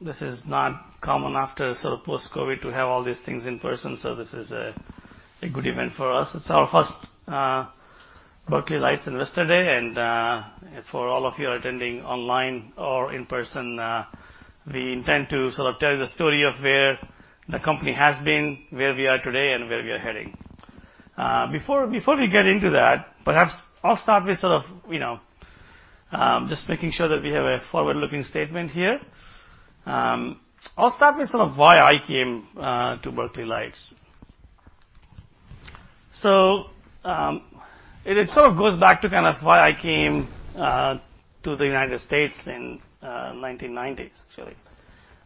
This is not common after sort of post-COVID to have all these things in person, so this is a good event for us. It's our first Berkeley Lights Investor Day, and for all of you attending online or in person, we intend to sort of tell you the story of where the company has been, where we are today, and where we are heading. Before we get into that, perhaps I'll start with sort of, you know, just making sure that we have a forward-looking statement here. I'll start with sort of why I came to Berkeley Lights. It sort of goes back to kind of why I came to the United States in 1990s, actually.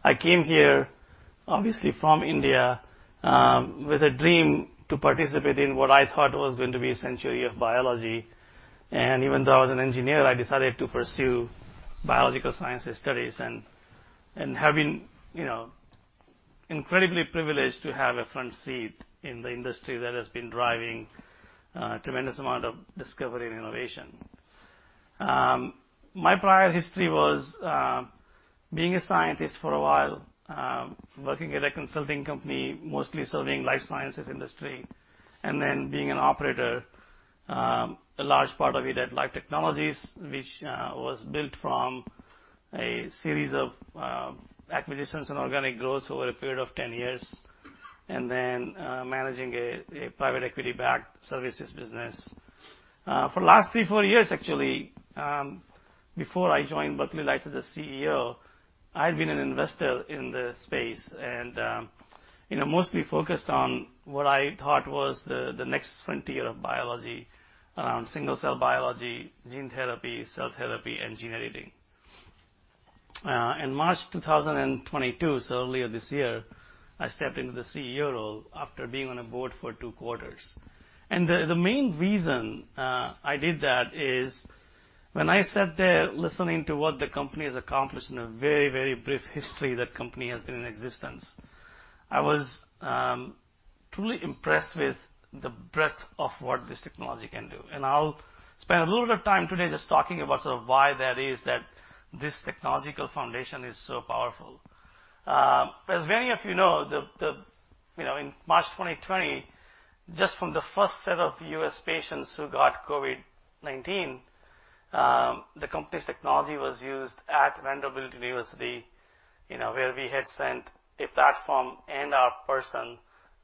I came here, obviously, from India, with a dream to participate in what I thought was going to be a century of biology. Even though I was an engineer, I decided to pursue biological sciences studies and have been, you know, incredibly privileged to have a front seat in the industry that has been driving a tremendous amount of discovery and innovation. My prior history was being a scientist for a while, working at a consulting company, mostly serving life sciences industry, and then being an operator, a large part of it at Life Technologies, which was built from a series of acquisitions and organic growth over a period of 10 years. Then managing a private equity-backed services business. For the last three, four years, actually, before I joined Berkeley Lights as the CEO, I'd been an investor in this space and, you know, mostly focused on what I thought was the next frontier of biology, single cell biology, gene therapy, cell therapy, and gene editing. In March 2022, so earlier this year, I stepped into the CEO role after being on a board for two quarters. The main reason I did that is when I sat there listening to what the company has accomplished in a very, very brief history the company has been in existence, I was truly impressed with the breadth of what this technology can do. I'll spend a little bit of time today just talking about sort of why that is that this technological foundation is so powerful. As many of you know, you know, in March 2020, just from the first set of U.S. patients who got COVID-19, the company's technology was used at Vanderbilt University, you know, where we had sent a platform and our person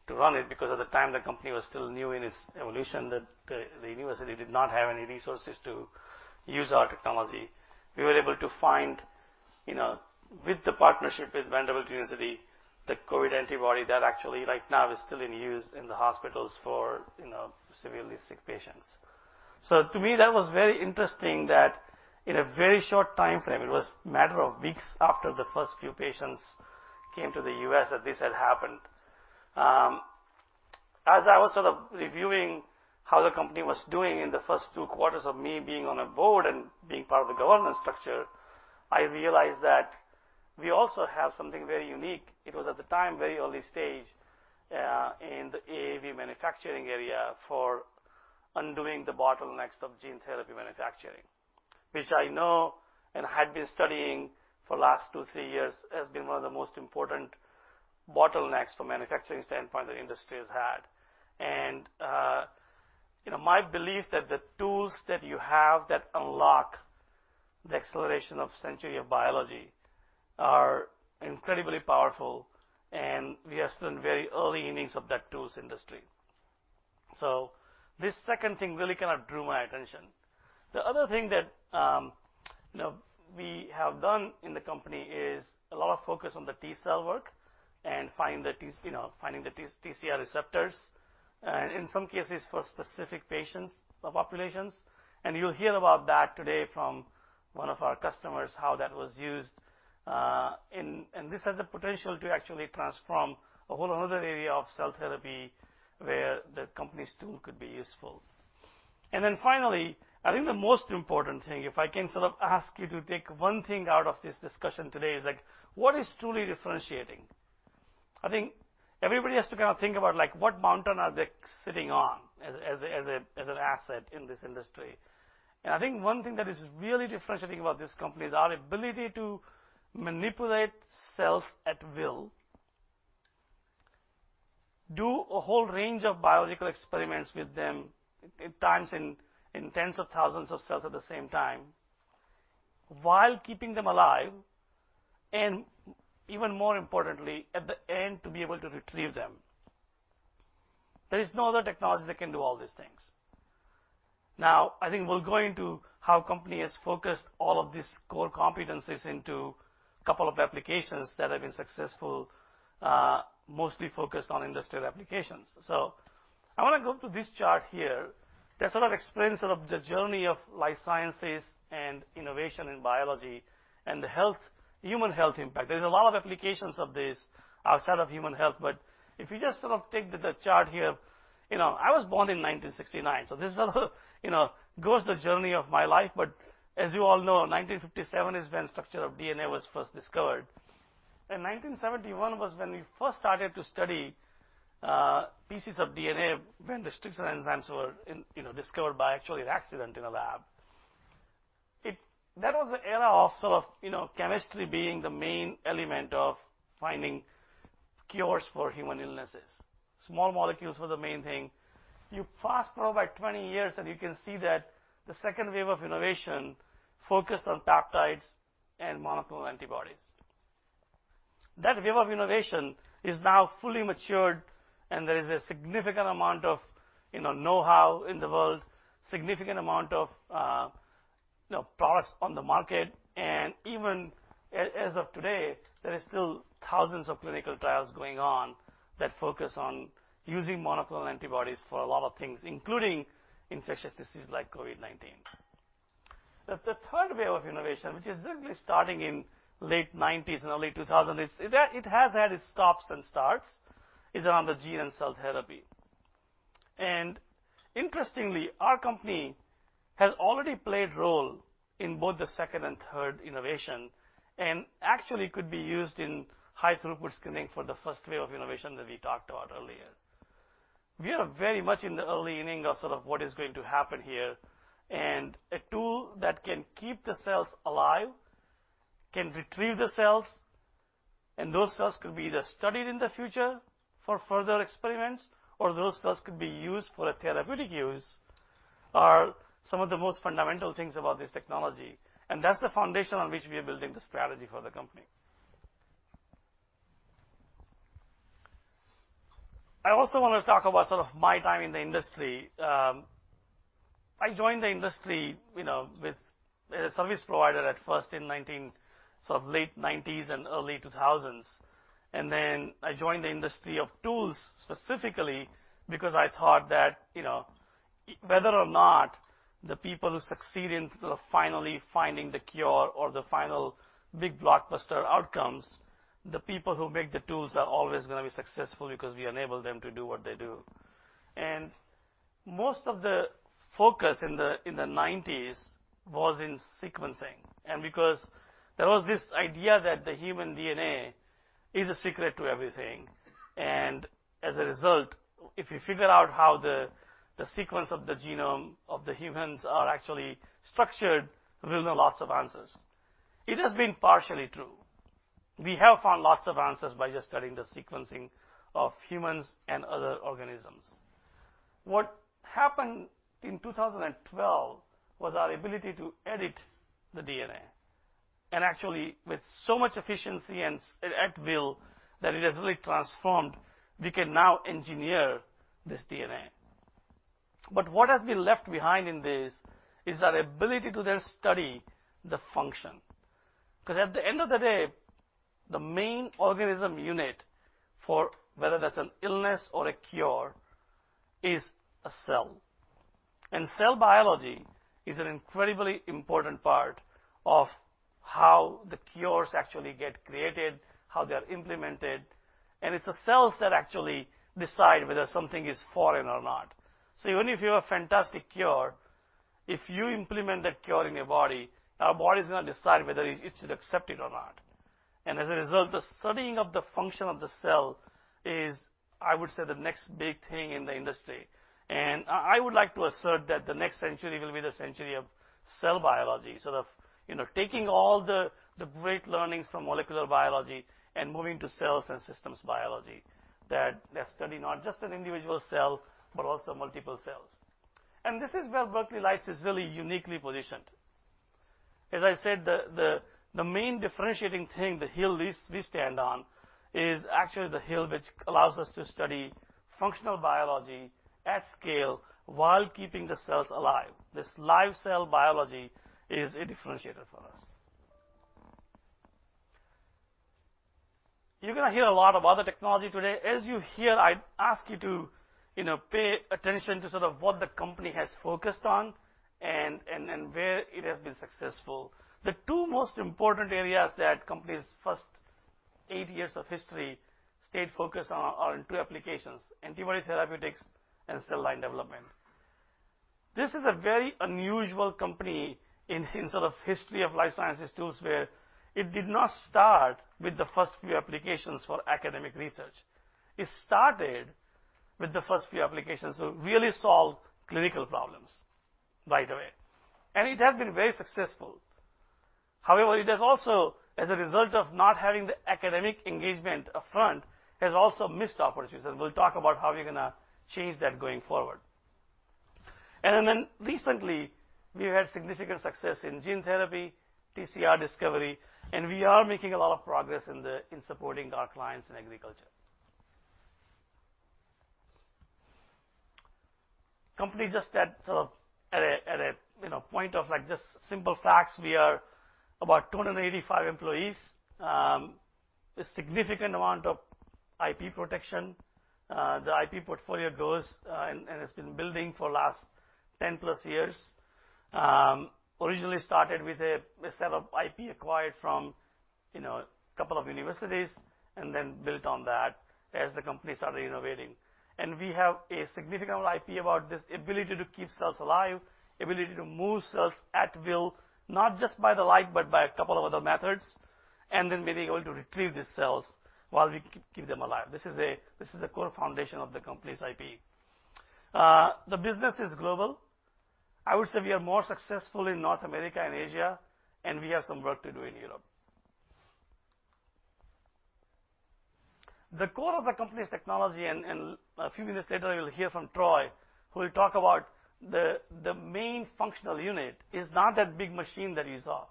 to run it because at the time the company was still new in its evolution that the university did not have any resources to use our technology. We were able to find, you know, with the partnership with Vanderbilt University, the COVID antibody that actually right now is still in use in the hospitals for, you know, severely sick patients. To me, that was very interesting that in a very short timeframe, it was a matter of weeks after the first few patients came to the U.S. that this had happened. As I was sort of reviewing how the company was doing in the first two quarters of me being on a board and being part of the governance structure, I realized that we also have something very unique. It was at the time, very early stage, in the AAV manufacturing area for undoing the bottlenecks of gene therapy manufacturing, which I know and had been studying for the last two, three years, has been one of the most important bottlenecks from a manufacturing standpoint the industry has had. You know, my belief that the tools that you have that unlock the acceleration of century of biology are incredibly powerful, and we are still in very early innings of that tools industry. This second thing really kind of drew my attention. The other thing that, you know, we have done in the company is a lot of focus on the T-cell work and finding the TCR receptors in some cases for specific patients or populations. You'll hear about that today from one of our customers, how that was used, and this has the potential to actually transform a whole another area of cell therapy where the company's tool could be useful. Then finally, I think the most important thing, if I can sort of ask you to take one thing out of this discussion today, is like, what is truly differentiating? I think everybody has to kind of think about, like, what mountain are they sitting on as an asset in this industry. I think one thing that is really differentiating about this company is our ability to manipulate cells at will, do a whole range of biological experiments with them at times in tens of thousands of cells at the same time, while keeping them alive, and even more importantly, at the end, to be able to retrieve them. There is no other technology that can do all these things. Now, I think we'll go into how the company has focused all of these core competencies into a couple of applications that have been successful, mostly focused on industrial applications. I wanna go to this chart here that sort of explains the journey of life sciences and innovation in biology and the human health impact. There's a lot of applications of this outside of human health, but if you just sort of take the chart here, you know, I was born in 1969, so this is, you know, goes the journey of my life. As you all know, 1957 is when structure of DNA was first discovered. In 1971 was when we first started to study pieces of DNA when restriction enzymes were, you know, discovered by actually an accident in a lab. That was the era of sort of, you know, chemistry being the main element of finding cures for human illnesses. Small molecules were the main thing. You fast-forward by 20 years, and you can see that the second wave of innovation focused on peptides and monoclonal antibodies. That wave of innovation is now fully matured, and there is a significant amount of, you know-how in the world, significant amount of, you know, products on the market, and even as of today, there are still thousands of clinical trials going on that focus on using monoclonal antibodies for a lot of things, including infectious diseases like COVID-19. The third wave of innovation, which is really starting in late 1990s and early 2000s, it has had its stops and starts, is around the gene and cell therapy. Interestingly, our company has already played role in both the second and third innovation, and actually could be used in high-throughput screening for the first wave of innovation that we talked about earlier. We are very much in the early inning of sort of what is going to happen here, and a tool that can keep the cells alive, can retrieve the cells, and those cells could be either studied in the future for further experiments, or those cells could be used for a therapeutic use, are some of the most fundamental things about this technology. That's the foundation on which we are building the strategy for the company. I also wanna talk about sort of my time in the industry. I joined the industry, you know, with a service provider at first in 1999 sort of late 1990s and early 2000s. Then I joined the industry of tools specifically because I thought that, you know, whether or not the people who succeed in sort of finally finding the cure or the final big blockbuster outcomes, the people who make the tools are always gonna be successful because we enable them to do what they do. Most of the focus in the, in the nineties was in sequencing. Because there was this idea that the human DNA is a secret to everything. As a result, if you figure out how the sequence of the genome of the humans are actually structured, we'll know lots of answers. It has been partially true. We have found lots of answers by just studying the sequencing of humans and other organisms. What happened in 2012 was our ability to edit the DNA, and actually with so much efficiency and at will, that it has really transformed, we can now engineer this DNA. What has been left behind in this is our ability to then study the function. 'Cause at the end of the day, the main organism unit for whether that's an illness or a cure is a cell. Cell biology is an incredibly important part of how the cures actually get created, how they are implemented, and it's the cells that actually decide whether something is foreign or not. Even if you have a fantastic cure, if you implement that cure in your body, our body is gonna decide whether it should accept it or not. As a result, the studying of the function of the cell is, I would say, the next big thing in the industry. I would like to assert that the next century will be the century of cell biology, sort of, you know, taking all the great learnings from molecular biology and moving to cells and systems biology that they study not just an individual cell, but also multiple cells. This is where Berkeley Lights is really uniquely positioned. As I said, the main differentiating thing, the hill that we stand on, is actually the hill which allows us to study functional biology at scale while keeping the cells alive. This live cell biology is a differentiator for us. You're gonna hear a lot of other technology today. As you hear, I ask you to, you know, pay attention to sort of what the company has focused on and where it has been successful. The two most important areas that company's first eight years of history stayed focused on are in two applications, antibody therapeutics and cell line development. This is a very unusual company in sort of history of life sciences tools, where it did not start with the first few applications for academic research. It started with the first few applications to really solve clinical problems, by the way. It has been very successful. However, it has also, as a result of not having the academic engagement upfront, missed opportunities, and we'll talk about how we're gonna change that going forward. Recently, we've had significant success in gene therapy, TCR discovery, and we are making a lot of progress in supporting our clients in agriculture. Company just at sort of a point of like just simple facts. We are about 285 employees. A significant amount of IP protection. The IP portfolio grows, and it's been building for last 10+ years. Originally started with a set of IP acquired from, you know, a couple of universities. Then built on that as the company started innovating. We have a significant IP about this ability to keep cells alive, ability to move cells at will, not just by the light, but by a couple of other methods, and then being able to retrieve these cells while we keep them alive. This is a core foundation of the company's IP. The business is global. I would say we are more successful in North America and Asia, and we have some work to do in Europe. The core of the company's technology, and a few minutes later, you'll hear from Troy, who will talk about the main functional unit is not that big machine that you saw.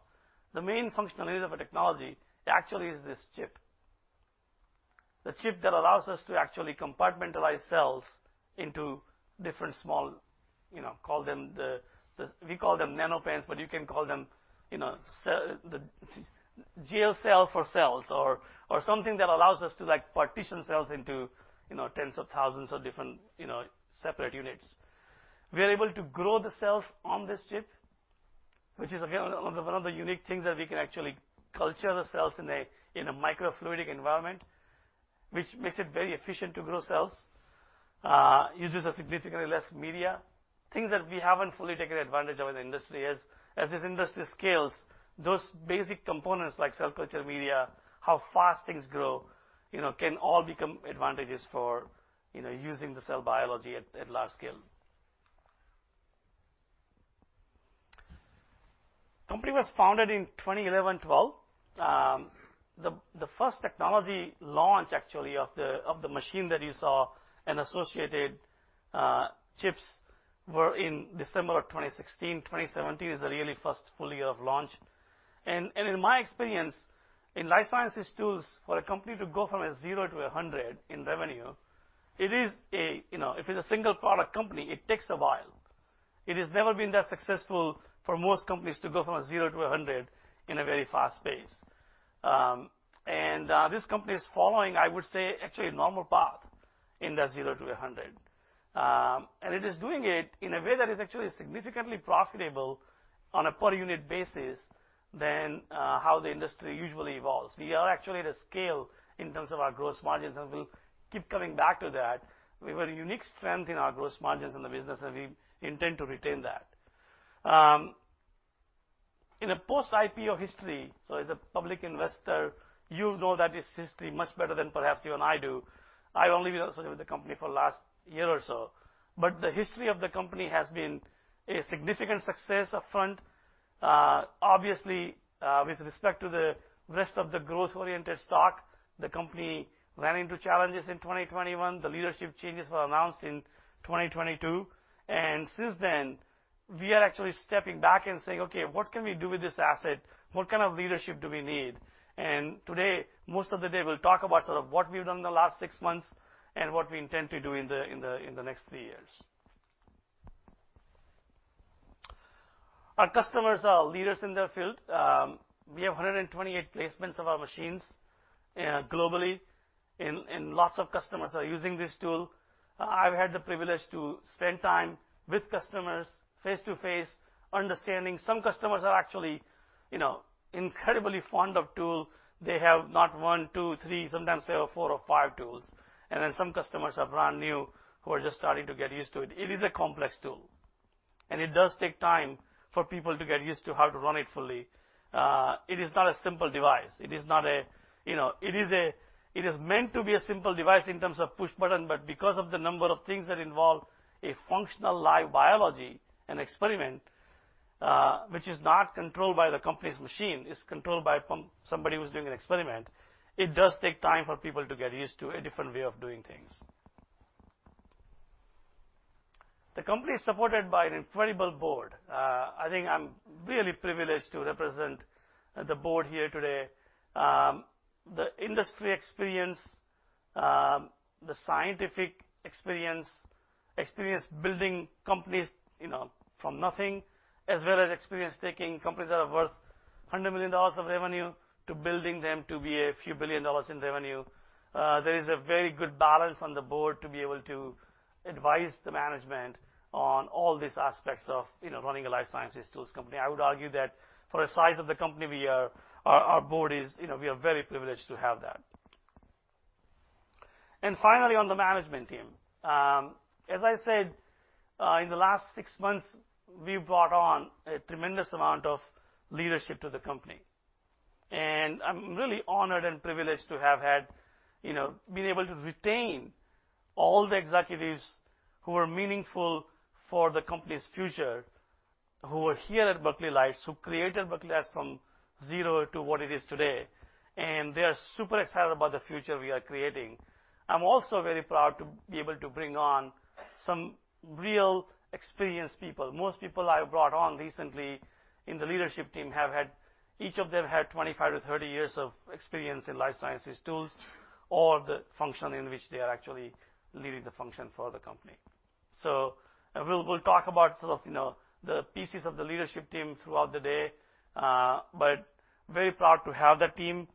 The main functional unit of a technology actually is this chip. The chip that allows us to actually compartmentalize cells into different small, you know, we call them NanoPen, but you can call them, you know, the jail cell for cells or something that allows us to like partition cells into, you know, tens of thousands of different, you know, separate units. We are able to grow the cells on this chip, which is again one of the unique things that we can actually culture the cells in a microfluidic environment, which makes it very efficient to grow cells, uses a significantly less media. Things that we haven't fully taken advantage of in the industry. As this industry scales, those basic components like cell culture media, how fast things grow, you know, can all become advantages for, you know, using the cell biology at large scale. Company was founded in 2011, 2012. The first technology launch actually of the machine that you saw and associated chips were in December of 2016. 2017 is the really first full year of launch. In my experience in life sciences tools, for a company to go from 0 to 100 in revenue, it is, you know, if it is a single product company, it takes a while. It has never been that successful for most companies to go from 0 to 100 in a very fast pace. This company is following, I would say, actually a normal path in that 0 to 100. It is doing it in a way that is actually significantly profitable on a per unit basis than how the industry usually evolves. We are actually at a scale in terms of our gross margins, and we'll keep coming back to that. We have a unique strength in our gross margins in the business, and we intend to retain that. In a post-IPO history, as a public investor, you know that its history much better than perhaps even I do. I've only been associated with the company for last year or so. The history of the company has been a significant success upfront. Obviously, with respect to the rest of the growth-oriented stock, the company ran into challenges in 2021. The leadership changes were announced in 2022. Since then, we are actually stepping back and saying, "Okay, what can we do with this asset? What kind of leadership do we need?" Today, most of the day, we'll talk about sort of what we've done in the last six months and what we intend to do in the next three years. Our customers are leaders in their field. We have 128 placements of our machines globally, and lots of customers are using this tool. I've had the privilege to spend time with customers face-to-face, understanding some customers are actually, you know, incredibly fond of tool. They have not one, two, three, sometimes they have four or five tools. Some customers are brand new who are just starting to get used to it. It is a complex tool, and it does take time for people to get used to how to run it fully. It is not a simple device. It is meant to be a simple device in terms of push button, but because of the number of things that involve a functional live biology and experiment, which is not controlled by the company's machine, it's controlled by somebody who's doing an experiment, it does take time for people to get used to a different way of doing things. The company is supported by an incredible board. I think I'm really privileged to represent the board here today. The industry experience, the scientific experience building companies, you know, from nothing, as well as experience taking companies that are worth $100 million of revenue to building them to be a few billion dollars in revenue. There is a very good balance on the board to be able to advise the management on all these aspects of, you know, running a life sciences tools company. I would argue that for the size of the company we are, our board is, you know, we are very privileged to have that. Finally, on the management team. As I said, in the last six months, we've brought on a tremendous amount of leadership to the company. I'm really honored and privileged to have had, you know, been able to retain all the executives who are meaningful for the company's future, who are here at Berkeley Lights, who created Berkeley Lights from zero to what it is today. They are super excited about the future we are creating. I'm also very proud to be able to bring on some real experienced people. Most people I brought on recently in the leadership team, each of them had 25 to 30 years of experience in life sciences tools or the function in which they are actually leading the function for the company. We'll talk about sort of, you know, the pieces of the leadership team throughout the day, but very proud to have that team.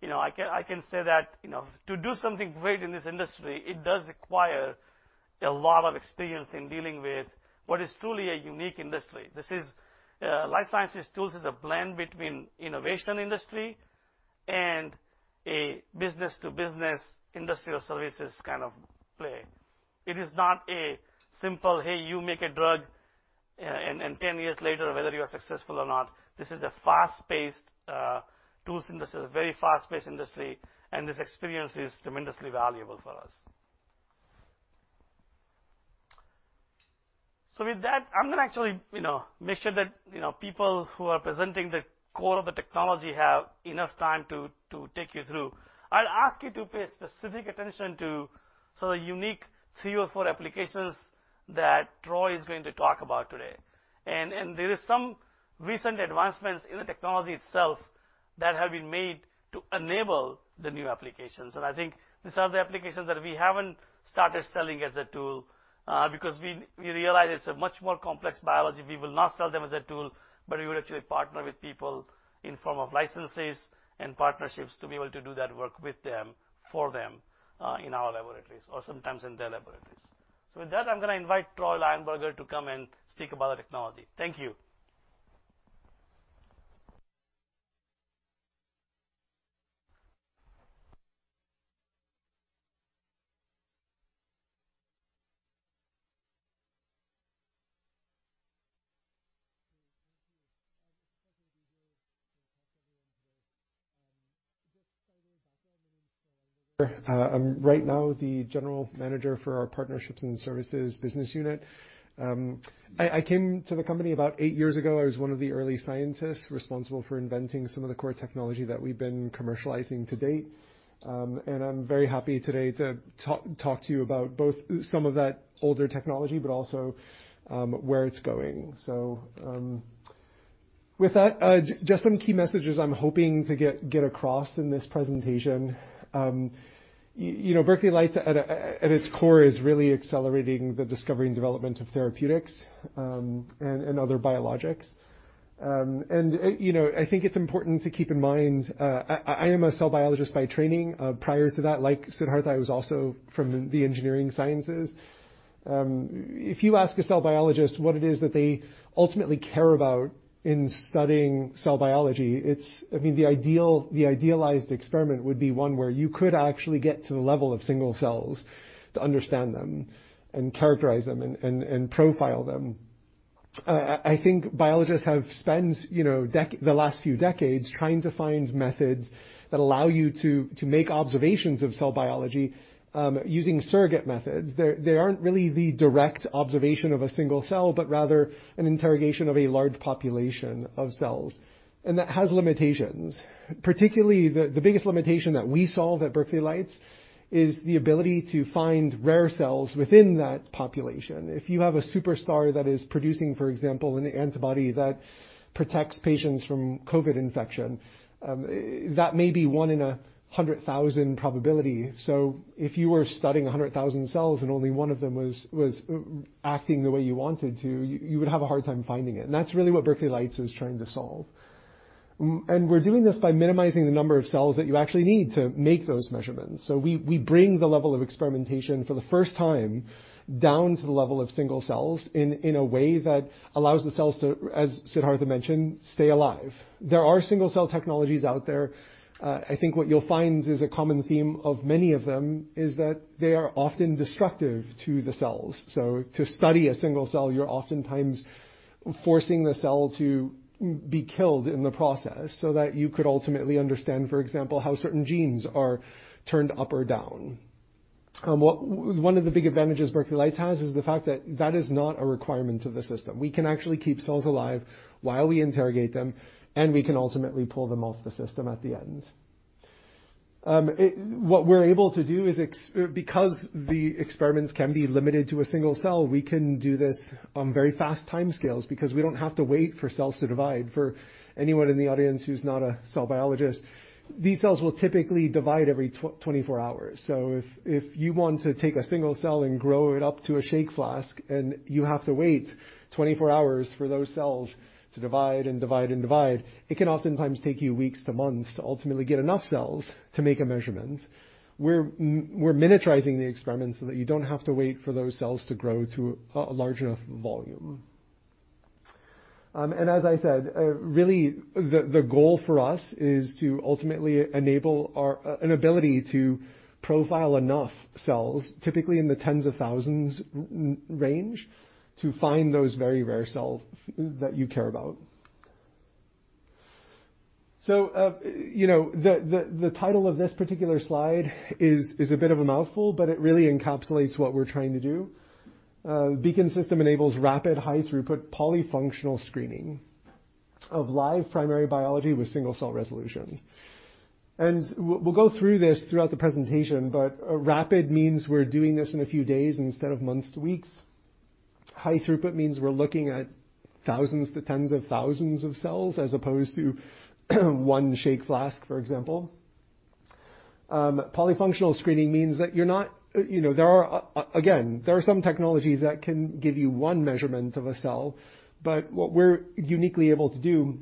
You know, I can say that, you know, to do something great in this industry, it does require a lot of experience in dealing with what is truly a unique industry. This is life sciences tools is a blend between innovation industry and a business-to-business industrial services kind of play. It is not a simple, "Hey, you make a drug," and 10 years later, whether you are successful or not. This is a fast-paced tools industry, a very fast-paced industry, and this experience is tremendously valuable for us. With that, I'm gonna actually, you know, make sure that, you know, people who are presenting the core of the technology have enough time to take you through. I'll ask you to pay specific attention to sort of unique three or four applications that Troy is going to talk about today. There is some recent advancements in the technology itself that have been made to enable the new applications. I think these are the applications that we haven't started selling as a tool, because we realize it's a much more complex biology. We will not sell them as a tool, but we would actually partner with people in form of licenses and partnerships to be able to do that work with them, for them, in our laboratories or sometimes in their laboratories. With that, I'm gonna invite Troy Lionberger to come and speak about our technology. Thank you. Right now I'm the General Manager for our Partnerships and Services business unit. I came to the company about eight years ago as one of the early scientists responsible for inventing some of the core technology that we've been commercializing to date. I'm very happy today to talk to you about both some of that older technology, but also, where it's going. With that, just some key messages I'm hoping to get across in this presentation. You know, Berkeley Lights at its core is really accelerating the discovery and development of therapeutics, and you know, I think it's important to keep in mind, I am a cell biologist by training. Prior to that, like Siddhartha, I was also from the engineering sciences. If you ask a cell biologist what it is that they ultimately care about in studying cell biology, it's, I mean, the idealized experiment would be one where you could actually get to the level of single cells to understand them and characterize them and profile them. I think biologists have spent, you know, the last few decades trying to find methods that allow you to make observations of cell biology, using surrogate methods. They aren't really the direct observation of a single cell, but rather an interrogation of a large population of cells. That has limitations. Particularly, the biggest limitation that we solve at Berkeley Lights is the ability to find rare cells within that population. If you have a superstar that is producing, for example, an antibody that protects patients from COVID infection, that may be one in 100,000 probability. If you were studying 100,000 cells and only one of them was acting the way you want it to, you would have a hard time finding it. That's really what Berkeley Lights is trying to solve. We're doing this by minimizing the number of cells that you actually need to make those measurements. We bring the level of experimentation for the first time down to the level of single cells in a way that allows the cells to, as Siddhartha mentioned, stay alive. There are single-cell technologies out there. I think what you'll find is a common theme of many of them is that they are often destructive to the cells. To study a single cell, you're oftentimes forcing the cell to be killed in the process so that you could ultimately understand, for example, how certain genes are turned up or down. One of the big advantages Berkeley Lights has is the fact that that is not a requirement of the system. We can actually keep cells alive while we interrogate them, and we can ultimately pull them off the system at the end. What we're able to do is because the experiments can be limited to a single cell, we can do this on very fast timescales because we don't have to wait for cells to divide. For anyone in the audience who's not a cell biologist, these cells will typically divide every 24 hours. If you want to take a single cell and grow it up to a shake flask, and you have to wait 24 hours for those cells to divide, it can oftentimes take you weeks to months to ultimately get enough cells to make a measurement. We're miniaturizing the experiment so that you don't have to wait for those cells to grow to a large enough volume. As I said, really the goal for us is to ultimately enable an ability to profile enough cells, typically in the tens of thousands range, to find those very rare cells that you care about. You know, the title of this particular slide is a bit of a mouthful, but it really encapsulates what we're trying to do. Beacon System enables rapid high-throughput polyfunctional screening of live primary biology with single-cell resolution. We'll go through this throughout the presentation, but rapid means we're doing this in a few days instead of months to weeks. High-throughput means we're looking at thousands to tens of thousands of cells as opposed to one shake flask, for example. Polyfunctional screening means that you're not, you know. There are again some technologies that can give you one measurement of a cell, but what we're uniquely able to do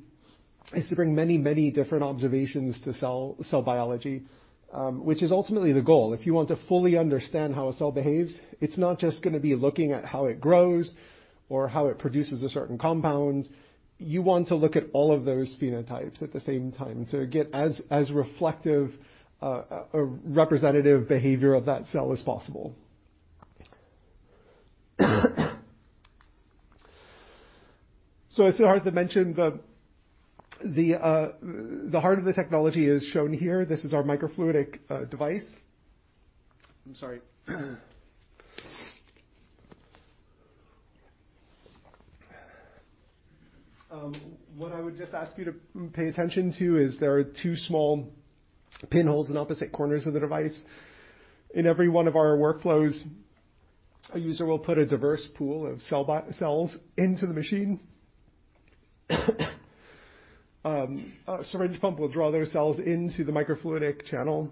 is to bring many, many different observations to cell biology, which is ultimately the goal. If you want to fully understand how a cell behaves, it's not just gonna be looking at how it grows or how it produces a certain compound. You want to look at all of those phenotypes at the same time to get as reflective, representative behavior of that cell as possible. As Siddhartha mentioned, the heart of the technology is shown here. This is our microfluidic device. I'm sorry. What I would just ask you to pay attention to is there are two small pinholes in opposite corners of the device. In every one of our workflows, a user will put a diverse pool of B cells into the machine. A syringe pump will draw those cells into the microfluidic channel,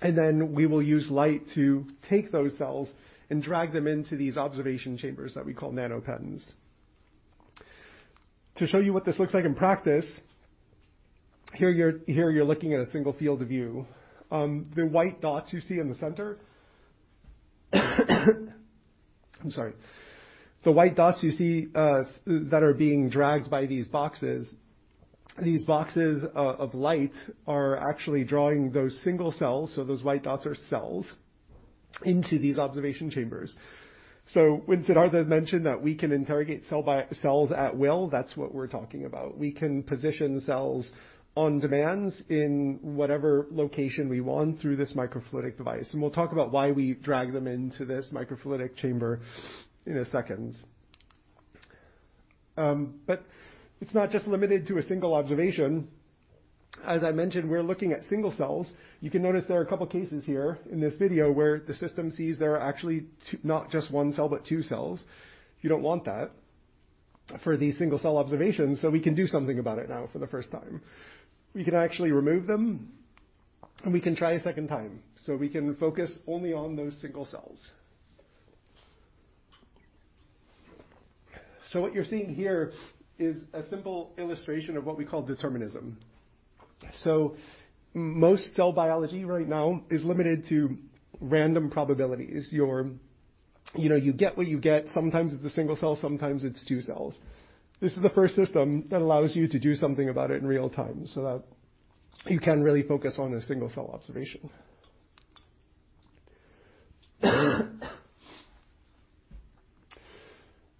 and then we will use light to take those cells and drag them into these observation chambers that we call NanoPens. To show you what this looks like in practice, here you're looking at a single field of view. The white dots you see in the center that are being dragged by these boxes of light are actually drawing those single cells, so those white dots are cells, into these observation chambers. When Siddhartha mentioned that we can interrogate cells at will, that's what we're talking about. We can position cells on demand in whatever location we want through this microfluidic device. We'll talk about why we drag them into this microfluidic chamber in a second. It's not just limited to a single observation. As I mentioned, we're looking at single cells. You can notice there are a couple cases here in this video where the system sees there are actually two, not just one cell, but two cells. You don't want that for these single-cell observations, so we can do something about it now for the first time. We can actually remove them, and we can try a second time. We can focus only on those single cells. What you're seeing here is a simple illustration of what we call determinism. Most cell biology right now is limited to random probabilities. You're, you know, you get what you get. Sometimes it's a single cell, sometimes it's two cells. This is the first system that allows you to do something about it in real time so that you can really focus on a single cell observation.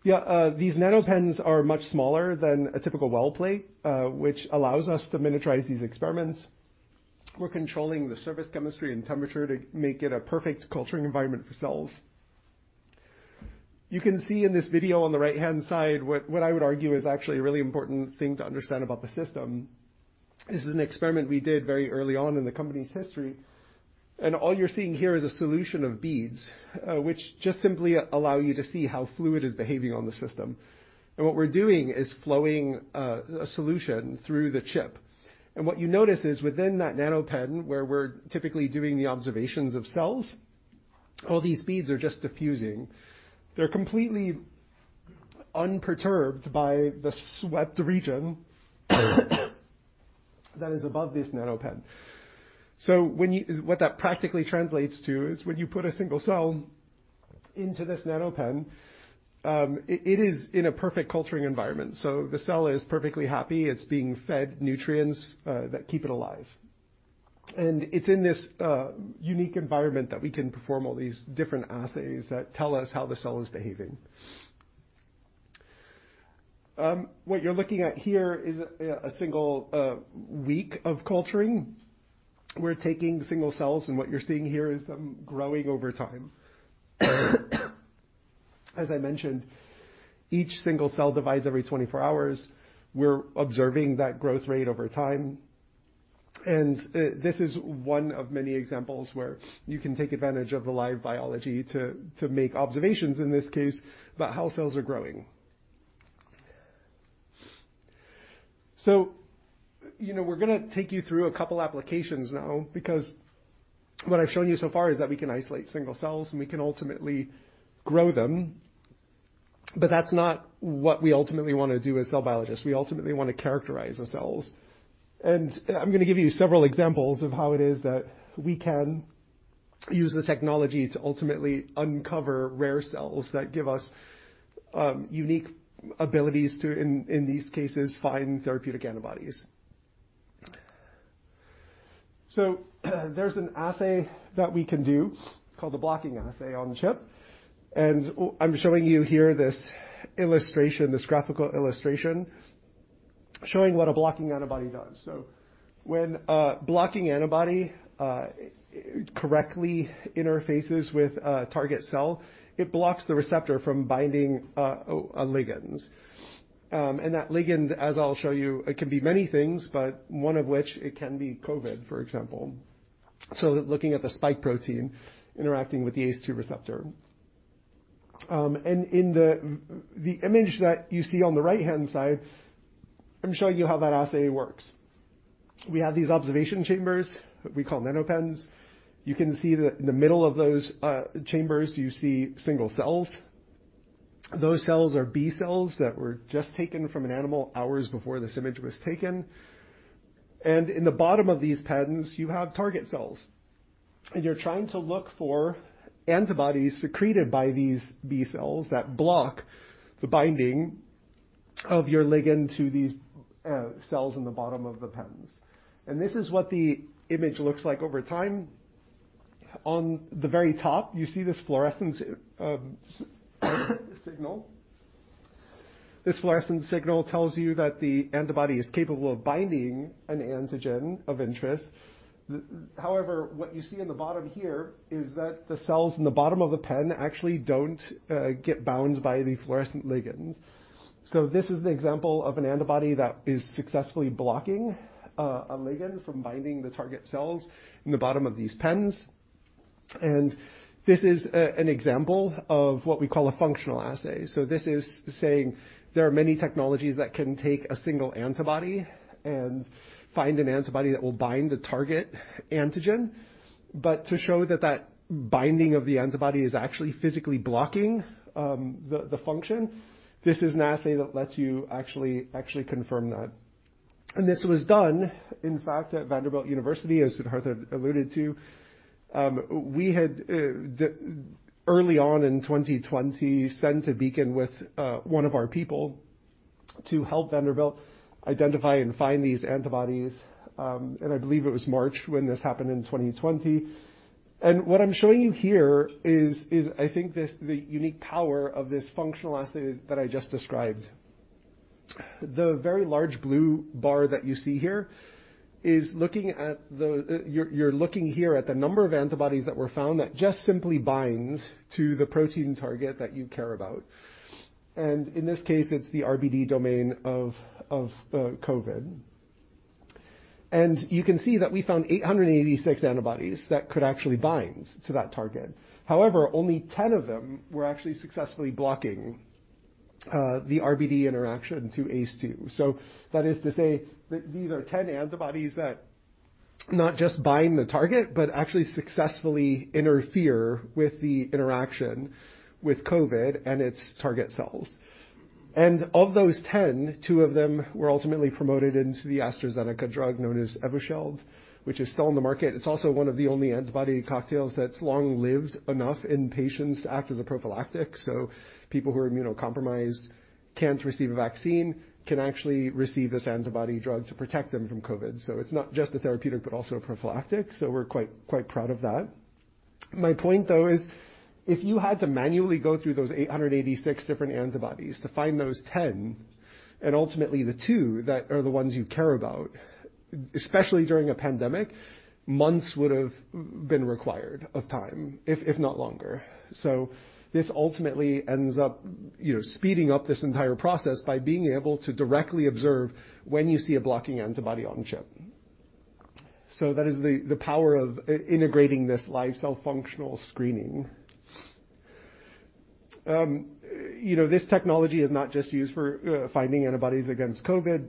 Yeah, these NanoPens are much smaller than a typical well plate, which allows us to miniaturize these experiments. We're controlling the surface chemistry and temperature to make it a perfect culturing environment for cells. You can see in this video on the right-hand side what I would argue is actually a really important thing to understand about the system. This is an experiment we did very early on in the company's history, and all you're seeing here is a solution of beads, which just simply allow you to see how fluid is behaving on the system. What we're doing is flowing a solution through the chip. What you notice is within that NanoPen where we're typically doing the observations of cells, all these beads are just diffusing. They're completely unperturbed by the swept region that is above this NanoPen. What that practically translates to is when you put a single cell into this NanoPen, it is in a perfect culturing environment, so the cell is perfectly happy. It's being fed nutrients that keep it alive. It's in this unique environment that we can perform all these different assays that tell us how the cell is behaving. What you're looking at here is a single week of culturing. We're taking single cells, and what you're seeing here is them growing over time. As I mentioned, each single cell divides every 24 hours. We're observing that growth rate over time. This is one of many examples where you can take advantage of the live biology to make observations, in this case, about how cells are growing. You know, we're gonna take you through a couple applications now because what I've shown you so far is that we can isolate single cells, and we can ultimately grow them. But that's not what we ultimately wanna do as cell biologists. We ultimately wanna characterize the cells. I'm gonna give you several examples of how it is that we can use the technology to ultimately uncover rare cells that give us unique abilities to, in these cases, find therapeutic antibodies. There's an assay that we can do called the blocking assay on the chip. I'm showing you here this illustration, this graphical illustration, showing what a blocking antibody does. When a blocking antibody correctly interfaces with a target cell, it blocks the receptor from binding ligands. That ligand, as I'll show you, it can be many things, but one of which it can be COVID, for example. Looking at the spike protein interacting with the ACE2 receptor. In the image that you see on the right-hand side, I'm showing you how that assay works. We have these observation chambers we call NanoPens. You can see that in the middle of those chambers, you see single cells. Those cells are B cells that were just taken from an animal hours before this image was taken. In the bottom of these pens you have target cells, and you're trying to look for antibodies secreted by these B cells that block the binding of your ligand to these cells in the bottom of the pens. This is what the image looks like over time. On the very top, you see this fluorescence signal. This fluorescent signal tells you that the antibody is capable of binding an antigen of interest. However, what you see in the bottom here is that the cells in the bottom of the pen actually don't get bound by the fluorescent ligands. This is an example of an antibody that is successfully blocking a ligand from binding the target cells in the bottom of these pens. This is an example of what we call a functional assay. This is saying there are many technologies that can take a single antibody and find an antibody that will bind a target antigen. But to show that binding of the antibody is actually physically blocking the function, this is an assay that lets you actually confirm that. This was done, in fact, at Vanderbilt University, as Siddhartha alluded to. We had early on in 2020 sent a Beacon with one of our people to help Vanderbilt identify and find these antibodies. I believe it was March when this happened in 2020. What I'm showing you here is I think this the unique power of this functional assay that I just described. The very large blue bar that you see here is looking at the. You're looking here at the number of antibodies that were found that just simply binds to the protein target that you care about. In this case, it's the RBD domain of COVID. You can see that we found 886 antibodies that could actually bind to that target. However, only 10 of them were actually successfully blocking the RBD interaction to ACE2. That is to say that these are 10 antibodies that not just bind the target, but actually successfully interfere with the interaction with COVID and its target cells. Of those 10, two of them were ultimately promoted into the AstraZeneca drug known as Evusheld, which is still on the market. It's also one of the only antibody cocktails that's long lived enough in patients to act as a prophylactic. People who are immunocompromised, can't receive a vaccine, can actually receive this antibody drug to protect them from COVID. It's not just a therapeutic, but also a prophylactic, so we're quite proud of that. My point though is if you had to manually go through those 886 different antibodies to find those 10 and ultimately the two that are the ones you care about, especially during a pandemic, months would've been required of time, if not longer. This ultimately ends up, you know, speeding up this entire process by being able to directly observe when you see a blocking antibody on chip. That is the power of integrating this live cell functional screening. You know, this technology is not just used for finding antibodies against COVID.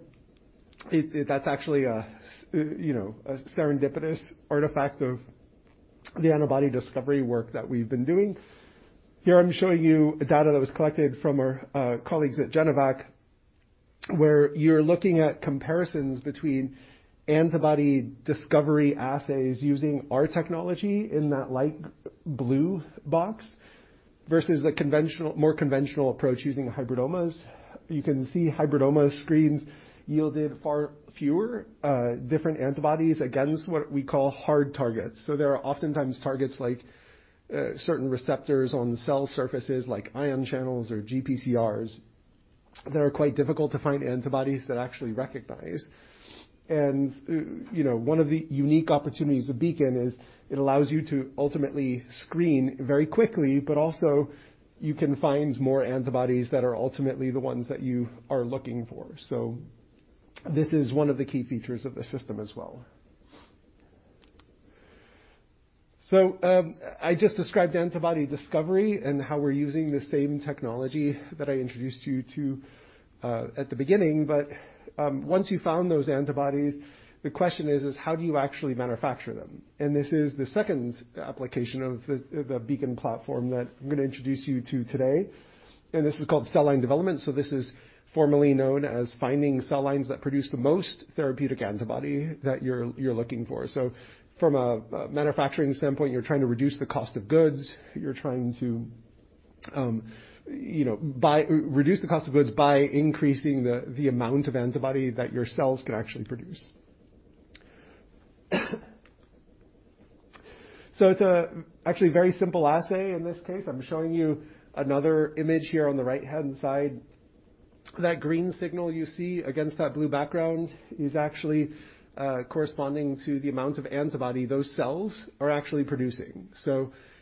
That's actually a serendipitous artifact of the antibody discovery work that we've been doing. Here I'm showing you data that was collected from our colleagues at Genovac, where you're looking at comparisons between antibody discovery assays using our technology in that light blue box versus the more conventional approach using hybridomas. You can see hybridoma screens yielded far fewer different antibodies against what we call hard targets. There are oftentimes targets like certain receptors on cell surfaces like ion channels or GPCRs that are quite difficult to find antibodies that actually recognize. You know, one of the unique opportunities of Beacon is it allows you to ultimately screen very quickly, but also you can find more antibodies that are ultimately the ones that you are looking for. This is one of the key features of the system as well. I just described antibody discovery and how we're using the same technology that I introduced you to at the beginning. Once you've found those antibodies, the question is how do you actually manufacture them? This is the second application of the Beacon platform that I'm gonna introduce you to today, and this is called cell line development. This is formally known as finding cell lines that produce the most therapeutic antibody that you're looking for. From a manufacturing standpoint, you're trying to reduce the cost of goods. You're trying to reduce the cost of goods by increasing the amount of antibody that your cells can actually produce. It's actually a very simple assay in this case. I'm showing you another image here on the right-hand side. That green signal you see against that blue background is actually corresponding to the amount of antibody those cells are actually producing.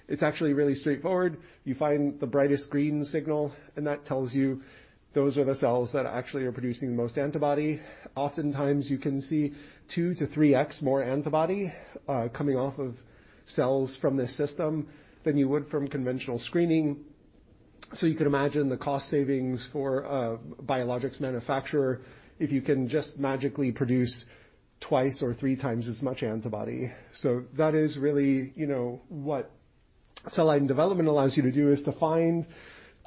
It's actually really straightforward. You find the brightest green signal, and that tells you those are the cells that actually are producing the most antibody. Oftentimes, you can see 2x-3x more antibody coming off of cells from this system than you would from conventional screening. You can imagine the cost savings for a biologics manufacturer if you can just magically produce twice or three times as much antibody. That is really, you know what cell line development allows you to do is to find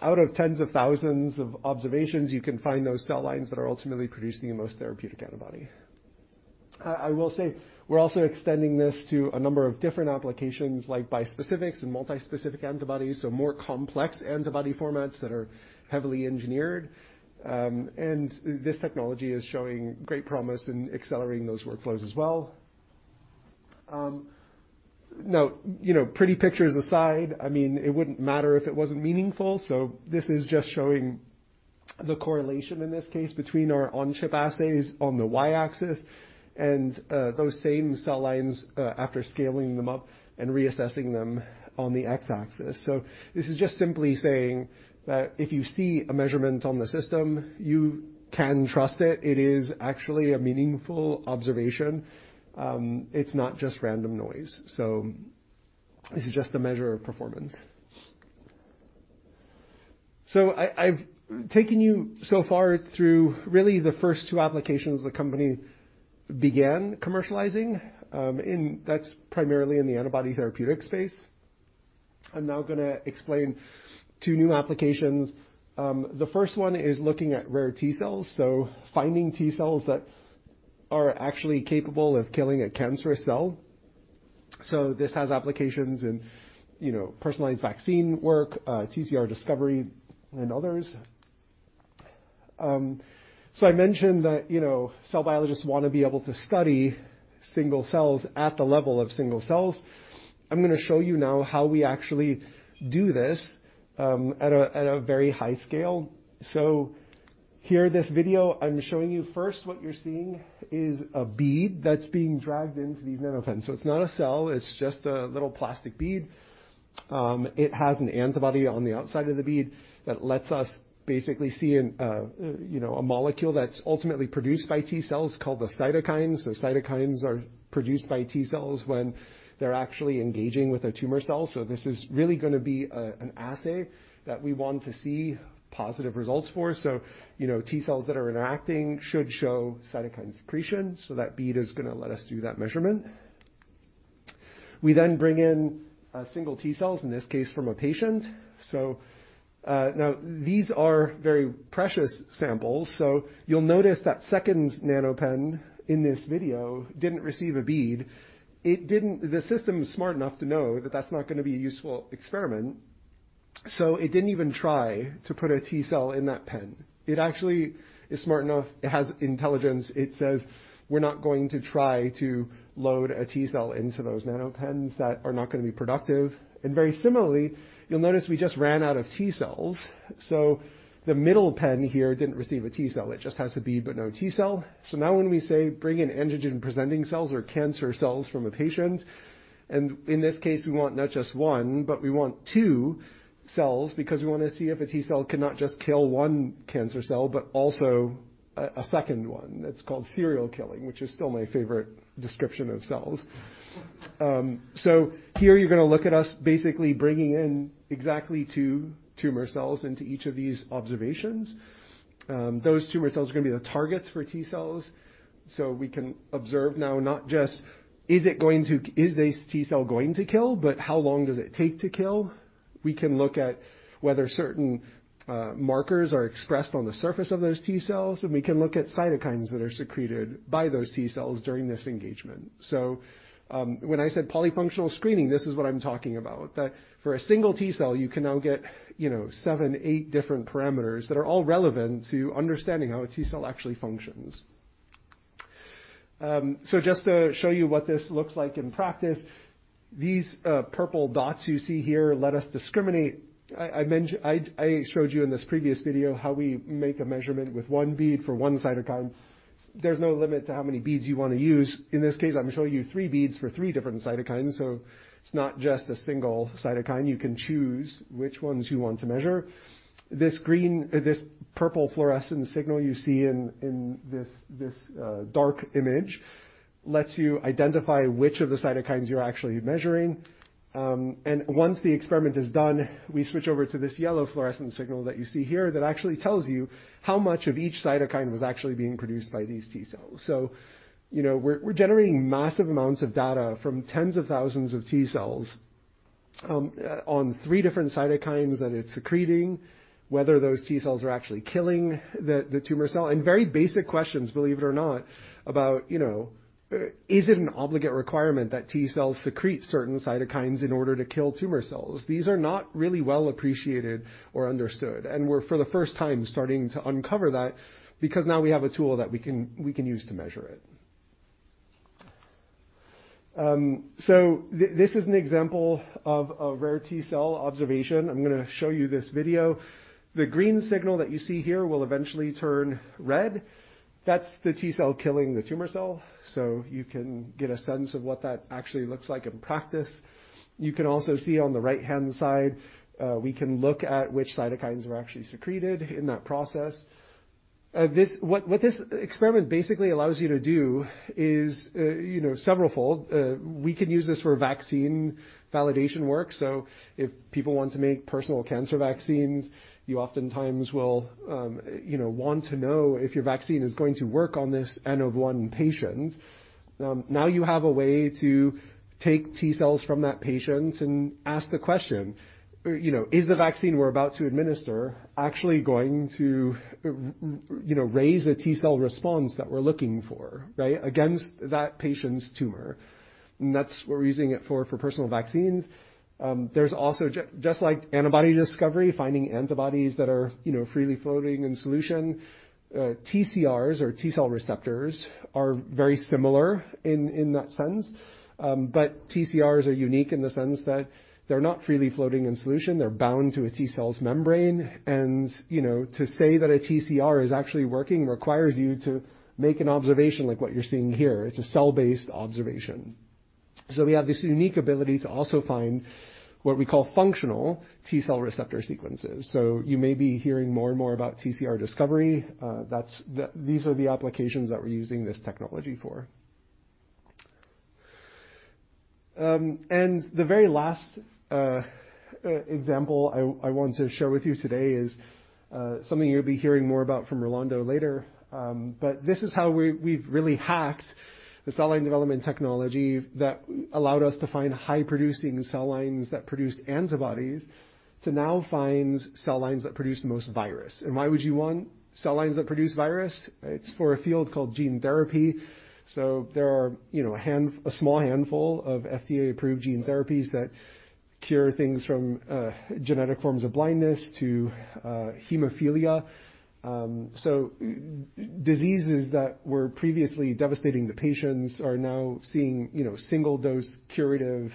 out of tens of thousands of observations, you can find those cell lines that are ultimately producing the most therapeutic antibody. I will say we're also extending this to a number of different applications like bispecifics and multi-specific antibodies, so more complex antibody formats that are heavily engineered. This technology is showing great promise in accelerating those workflows as well. Now, you know, pretty pictures aside, I mean, it wouldn't matter if it wasn't meaningful. This is just showing the correlation in this case between our on-chip assays on the y-axis and those same cell lines after scaling them up and reassessing them on the x-axis. This is just simply saying that if you see a measurement on the system, you can trust it. It is actually a meaningful observation. It's not just random noise. This is just a measure of performance. I've taken you so far through really the first two applications the company began commercializing, and that's primarily in the antibody therapeutic space. I'm now gonna explain two new applications. The first one is looking at rare T cells, so finding T cells that are actually capable of killing a cancerous cell. This has applications in, you know, personalized vaccine work, TCR discovery, and others. I mentioned that, you know, cell biologists wanna be able to study single cells at the level of single cells. I'm gonna show you now how we actually do this, at a very high scale. Here, this video I'm showing you first, what you're seeing is a bead that's being dragged into these NanoPens. It's not a cell, it's just a little plastic bead. It has an antibody on the outside of the bead that lets us basically see, you know, a molecule that's ultimately produced by T cells called the cytokines. Cytokines are produced by T cells when they're actually engaging with a tumor cell. This is really gonna be an assay that we want to see positive results for. You know, T cells that are interacting should show cytokine secretion. That bead is gonna let us do that measurement. We then bring in single T cells, in this case, from a patient. Now these are very precious samples, so you'll notice that second NanoPen in this video didn't receive a bead. It didn't. The system is smart enough to know that that's not gonna be a useful experiment, so it didn't even try to put a T cell in that NanoPen. It actually is smart enough. It has intelligence. It says, "We're not going to try to load a T cell into those NanoPens that are not gonna be productive." Very similarly, you'll notice we just ran out of T cells, so the middle pen here didn't receive a T cell. It just has a bead, but no T cell. Now when we say bring in antigen-presenting cells or cancer cells from a patient, and in this case, we want not just one, but we want two cells because we wanna see if a T cell cannot just kill one cancer cell but also a second one. That's called serial killing, which is still my favorite description of cells. Here you're gonna look at us basically bringing in exactly two tumor cells into each of these observations. Those tumor cells are gonna be the targets for T cells, so we can observe now not just is this T cell going to kill, but how long does it take to kill. We can look at whether certain markers are expressed on the surface of those T cells, and we can look at cytokines that are secreted by those T cells during this engagement. When I said polyfunctional screening, this is what I'm talking about. That for a single T cell, you can now get, you know, seven, eight different parameters that are all relevant to understanding how a T cell actually functions. Just to show you what this looks like in practice, these purple dots you see here let us discriminate. I showed you in this previous video how we make a measurement with one bead for one cytokine. There's no limit to how many beads you wanna use. In this case, I'm showing you three beads for three different cytokines, so it's not just a single cytokine. You can choose which ones you want to measure. This purple fluorescent signal you see in this dark image lets you identify which of the cytokines you're actually measuring. Once the experiment is done, we switch over to this yellow fluorescent signal that you see here that actually tells you how much of each cytokine was actually being produced by these T cells. You know, we're generating massive amounts of data from tens of thousands of T cells on three different cytokines that it's secreting, whether those T cells are actually killing the tumor cell. Very basic questions, believe it or not, about, you know, is it an obligate requirement that T cells secrete certain cytokines in order to kill tumor cells? These are not really well appreciated or understood, and we're for the first time starting to uncover that because now we have a tool that we can use to measure it. This is an example of a rare T cell observation. I'm gonna show you this video. The green signal that you see here will eventually turn red. That's the T cell killing the tumor cell, so you can get a sense of what that actually looks like in practice. You can also see on the right-hand side, we can look at which cytokines are actually secreted in that process. This experiment basically allows you to do, you know, severalfold. We can use this for vaccine validation work. If people want to make personal cancer vaccines, you oftentimes will, you know, want to know if your vaccine is going to work on this N of one patient. Now you have a way to take T cells from that patient and ask the question, you know, is the vaccine we're about to administer actually going to raise a T cell response that we're looking for, right? Against that patient's tumor. That's what we're using it for personal vaccines. There's also just like antibody discovery, finding antibodies that are, you know, freely floating in solution, TCRs or T cell receptors are very similar in that sense. But TCRs are unique in the sense that they're not freely floating in solution. They're bound to a T cell's membrane and, you know, to say that a TCR is actually working requires you to make an observation like what you're seeing here. It's a cell-based observation. So we have this unique ability to also find what we call functional T cell receptor sequences. So you may be hearing more and more about TCR discovery. That's these are the applications that we're using this technology for. The very last example I want to share with you today is something you'll be hearing more about from Rolando later. This is how we've really hacked the cell line development technology that allowed us to find high producing cell lines that produced antibodies to now find cell lines that produce the most virus. Why would you want cell lines that produce virus? It's for a field called gene therapy. There are, you know, a small handful of FDA-approved gene therapies that cure things from genetic forms of blindness to hemophilia. Diseases that were previously devastating to patients are now seeing, you know, single-dose curative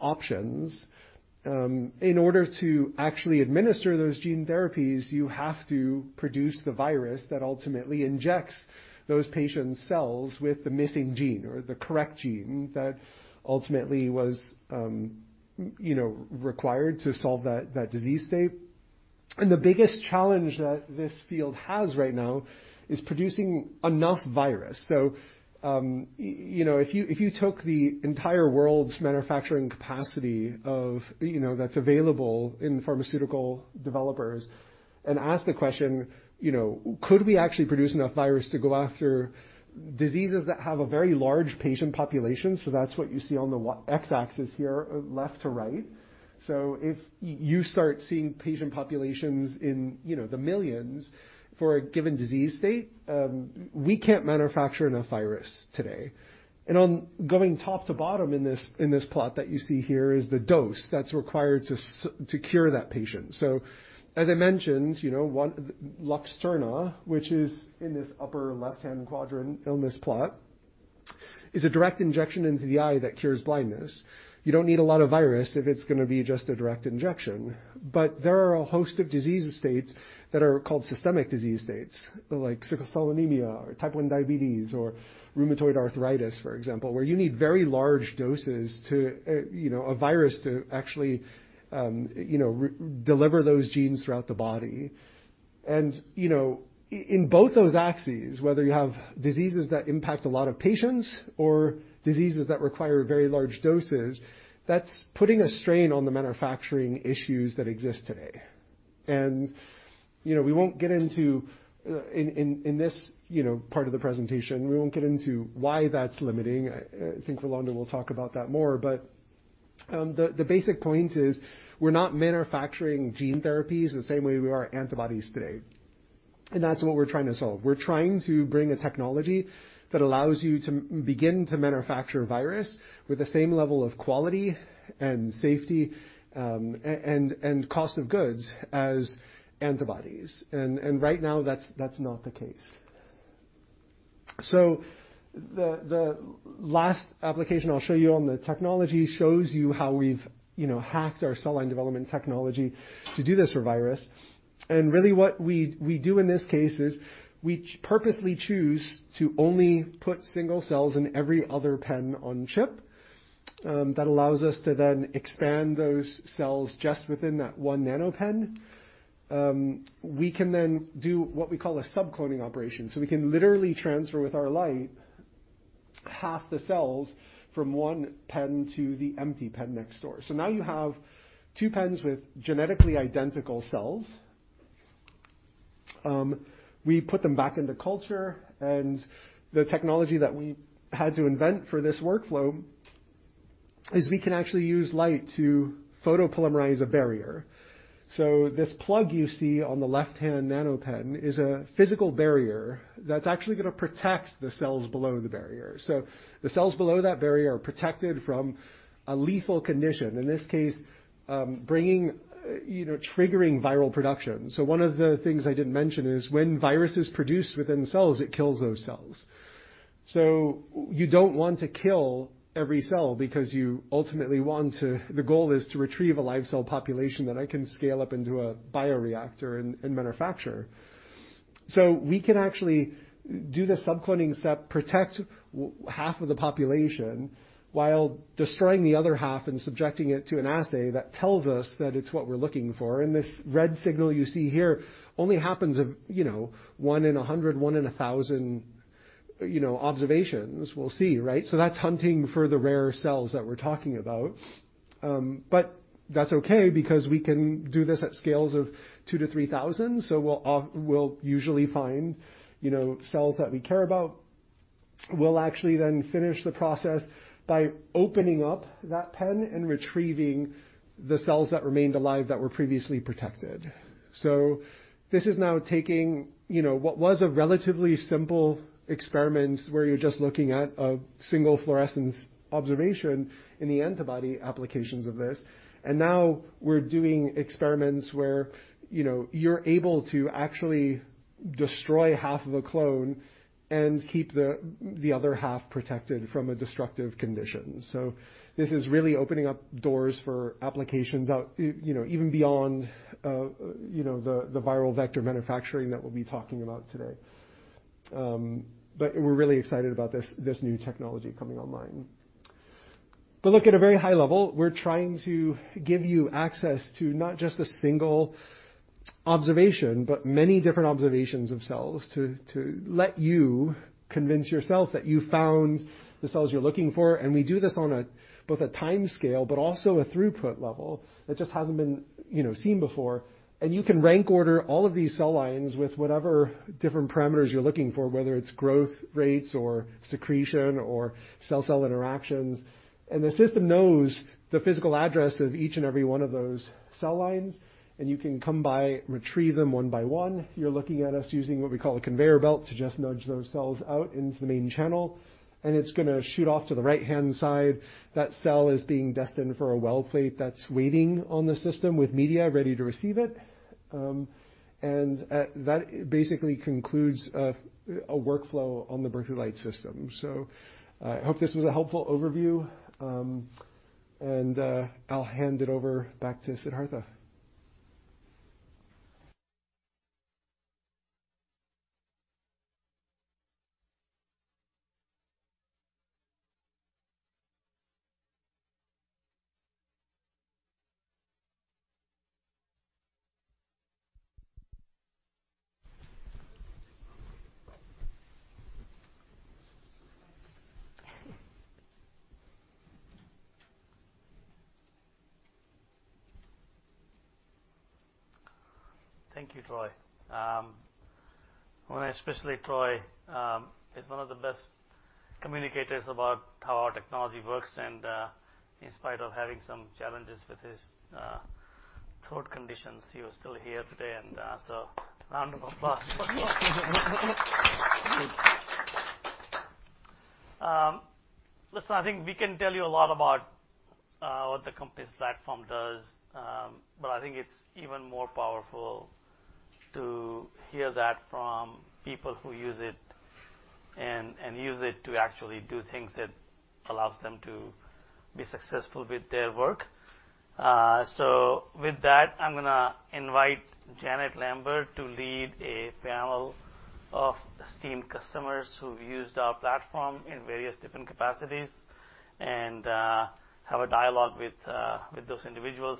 options. In order to actually administer those gene therapies, you have to produce the virus that ultimately injects those patients' cells with the missing gene or the correct gene that ultimately was, you know, required to solve that disease state. The biggest challenge that this field has right now is producing enough virus. You know, if you took the entire world's manufacturing capacity of, you know, that's available in pharmaceutical developers and ask the question, you know, could we actually produce enough virus to go after diseases that have a very large patient population? That's what you see on the x-axis here, left to right. If you start seeing patient populations in, you know, the millions for a given disease state, we can't manufacture enough virus today. On going top to bottom in this plot that you see here is the dose that's required to cure that patient. As I mentioned, you know, Luxturna, which is in this upper left-hand quadrant on this plot, is a direct injection into the eye that cures blindness. You don't need a lot of virus if it's gonna be just a direct injection. There are a host of disease states that are called systemic disease states, like sickle cell anemia or type 1 diabetes or rheumatoid arthritis, for example, where you need very large doses to you know a virus to actually you know re-deliver those genes throughout the body. You know, in both those axes, whether you have diseases that impact a lot of patients or diseases that require very large doses, that's putting a strain on the manufacturing issues that exist today. You know, we won't get into why that's limiting. I think Rolando will talk about that more. The basic point is we're not manufacturing gene therapies the same way we are antibodies today, and that's what we're trying to solve. We're trying to bring a technology that allows you to begin to manufacture virus with the same level of quality and safety, and cost of goods as antibodies. Right now, that's not the case. The last application I'll show you on the technology shows you how we've, you know, hacked our cell line development technology to do this for virus. Really what we do in this case is we purposely choose to only put single cells in every other pen on chip. That allows us to then expand those cells just within that one NanoPen. We can then do what we call a subcloning operation. We can literally transfer with our light half the cells from one NanoPen to the empty NanoPen next door. Now you have two NanoPens with genetically identical cells. We put them back into culture, and the technology that we had to invent for this workflow is we can actually use light to photopolymerize a barrier. This plug you see on the left-hand NanoPen is a physical barrier that's actually gonna protect the cells below the barrier. The cells below that barrier are protected from a lethal condition, in this case, triggering viral production. One of the things I didn't mention is when virus is produced within the cells, it kills those cells. You don't want to kill every cell because you ultimately want the goal is to retrieve a live cell population that I can scale up into a bioreactor and manufacture. We can actually do the subcloning step, protect half of the population while destroying the other half and subjecting it to an assay that tells us that it's what we're looking for. This red signal you see here only happens of, you know, one in 100, one in 1,000, you know, observations we'll see, right? That's hunting for the rare cells that we're talking about. But that's okay because we can do this at scales of 2,000 to 3,000. We'll usually find, you know, cells that we care about. We'll actually then finish the process by opening up that pen and retrieving the cells that remained alive that were previously protected. This is now taking, you know, what was a relatively simple experiment where you're just looking at a single fluorescence observation in the antibody applications of this. Now we're doing experiments where, you know, you're able to actually destroy half of a clone and keep the other half protected from a destructive condition. This is really opening up doors for applications out, you know, even beyond, you know, the viral vector manufacturing that we'll be talking about today. We're really excited about this new technology coming online. Look, at a very high level, we're trying to give you access to not just a single observation, but many different observations of cells to let you convince yourself that you found the cells you're looking for. We do this on both a timescale but also a throughput level that just hasn't been, you know, seen before. You can rank order all of these cell lines with whatever different parameters you're looking for, whether it's growth rates or secretion or cell-cell interactions. The system knows the physical address of each and every one of those cell lines, and you can come by, retrieve them one by one. You're looking at us using what we call a conveyor belt to just nudge those cells out into the main channel, and it's gonna shoot off to the right-hand side. That cell is being destined for a well plate that's waiting on the system with media ready to receive it. That basically concludes a workflow on the Berkeley Lights system. I hope this was a helpful overview. I'll hand it over back to Siddhartha. Thank you, Troy. Troy is one of the best communicators about how our technology works and, in spite of having some challenges with his throat conditions, he was still here today and, so round of applause. Listen, I think we can tell you a lot about what the company's platform does, but I think it's even more powerful to hear that from people who use it and use it to actually do things that allows them to be successful with their work. With that, I'm gonna invite Janet Lambert to lead a panel of esteemed customers who've used our platform in various different capacities and have a dialogue with those individuals.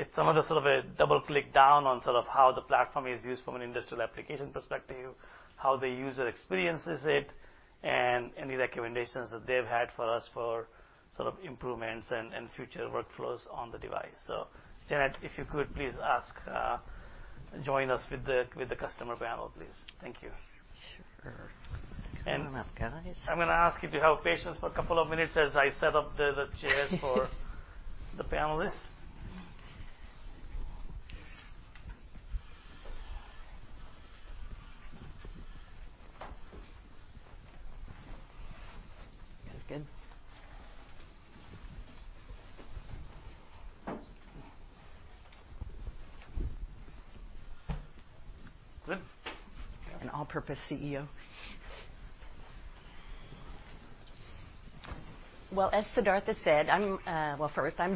It's some of the sort of a double click down on sort of how the platform is used from an industrial application perspective, how the user experiences it, and any recommendations that they've had for us for sort of improvements and future workflows on the device. Janet, if you could please join us with the customer panel, please. Thank you. Sure. I'm gonna ask you to have patience for a couple of minutes as I set up the chairs for the panelists. That's good. Good. An all-purpose CEO. As Siddhartha said, I'm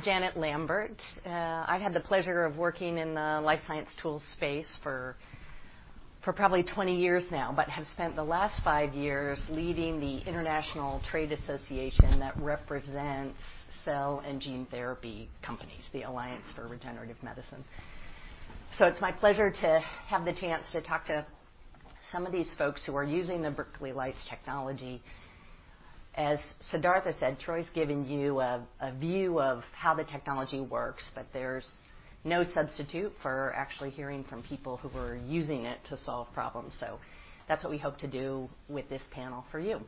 Janet Lambert. I've had the pleasure of working in the life science tools space for probably 20 years now, but have spent the last five years leading the International Trade Association that represents cell and gene therapy companies, the Alliance for Regenerative Medicine. It's my pleasure to have the chance to talk to some of these folks who are using the Berkeley Lights technology. As Siddhartha said, Troy's given you a view of how the technology works, but there's no substitute for actually hearing from people who are using it to solve problems. That's what we hope to do with this panel for you.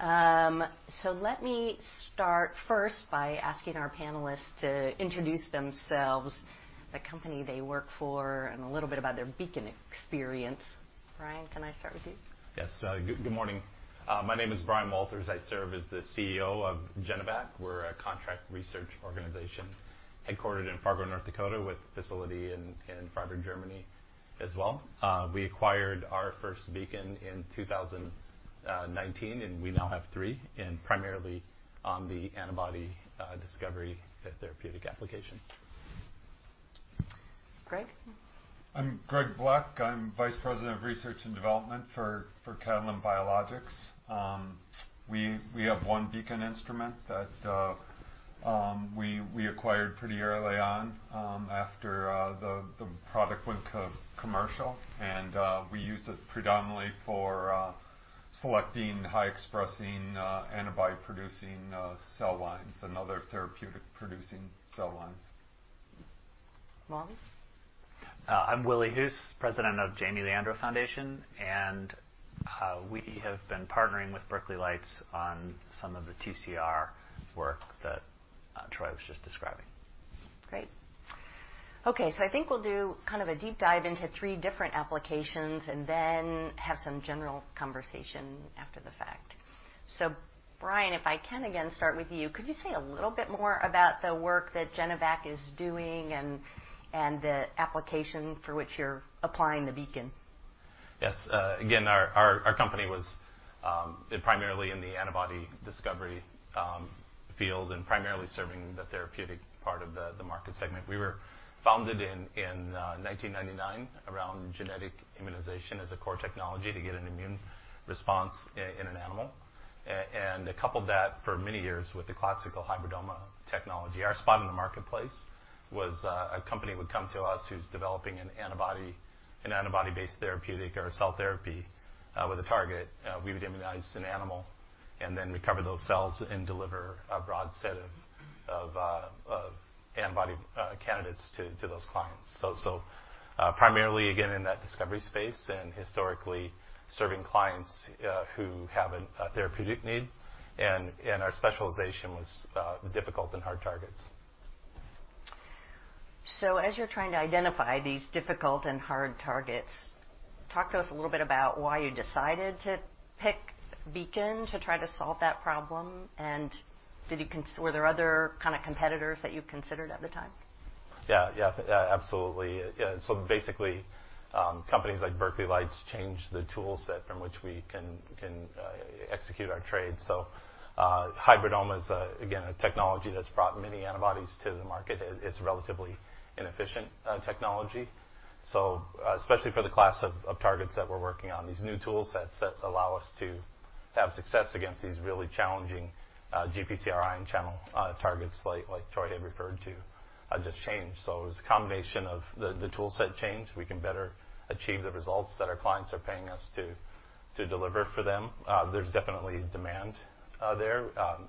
Let me start first by asking our panelists to introduce themselves, the company they work for, and a little bit about their Beacon experience. Brian, can I start with you? Yes. Good morning. My name is Brian Walters. I serve as the CEO of Genovac. We're a contract research organization headquartered in Fargo, North Dakota, with a facility in Freiburg, Germany as well. We acquired our first Beacon in 2019, and we now have three, and primarily on the antibody discovery therapeutic application. Greg? I'm Greg Bleck. I'm Vice President of Research and Development for Catalent Biologics. We have one Beacon instrument that we acquired pretty early on after the product went commercial. We use it predominantly for selecting high expressing antibody-producing cell lines and other therapeutic producing cell lines. Will? I'm Will Hoos, President of Jaime Leandro Foundation, and we have been partnering with Berkeley Lights on some of the TCR work that Troy was just describing. Great. Okay, so I think we'll do kind of a deep dive into three different applications and then have some general conversation after the fact. Brian, if I can again start with you, could you say a little bit more about the work that Genovac is doing and the application for which you're applying the Beacon? Yes. Again, our company was primarily in the antibody discovery field and primarily serving the therapeutic part of the market segment. We were founded in 1999 around genetic immunization as a core technology to get an immune response in an animal. Coupled that for many years with the classical hybridoma technology, our spot in the marketplace was a company would come to us who's developing an antibody-based therapeutic or a cell therapy with a target. We would immunize an animal and then recover those cells and deliver a broad set of antibody candidates to those clients. Primarily again in that discovery space and historically serving clients who have a therapeutic need, and our specialization was difficult and hard targets. As you're trying to identify these difficult and hard targets, talk to us a little bit about why you decided to pick Beacon to try to solve that problem, and were there other kinda competitors that you considered at the time? Yeah. Yeah, absolutely. Yeah, so basically, companies like Berkeley Lights change the toolset from which we can execute our trade. Hybridoma is again a technology that's brought many antibodies to the market. It's a relatively inefficient technology, so especially for the class of targets that we're working on, these new tools that allow us to have success against these really challenging GPCR ion channel targets like Troy had referred to just changed. It was a combination of the toolset change. We can better achieve the results that our clients are paying us to deliver for them. There's definitely demand there.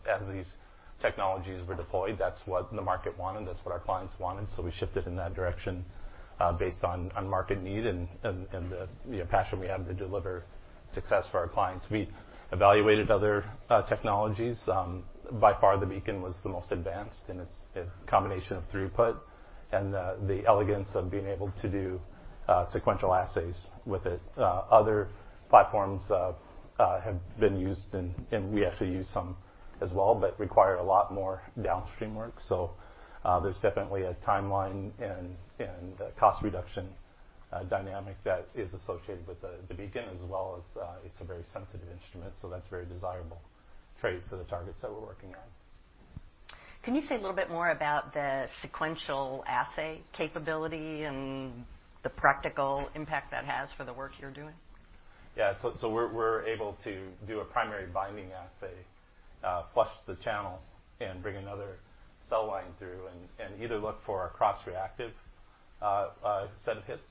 As these technologies were deployed, that's what the market wanted, that's what our clients wanted, so we shifted in that direction, based on market need and the, you know, passion we have to deliver success for our clients. We evaluated other technologies. By far, the Beacon was the most advanced in its combination of throughput and the elegance of being able to do sequential assays with it. Other platforms have been used, and we actually use some as well, but require a lot more downstream work. There's definitely a timeline and cost reduction dynamic that is associated with the Beacon as well as it's a very sensitive instrument, so that's a very desirable trait for the targets that we're working on. Can you say a little bit more about the sequential assay capability and the practical impact that has for the work you're doing? Yeah. We're able to do a primary binding assay, flush the channel and bring another cell line through and either look for a cross-reactive set of hits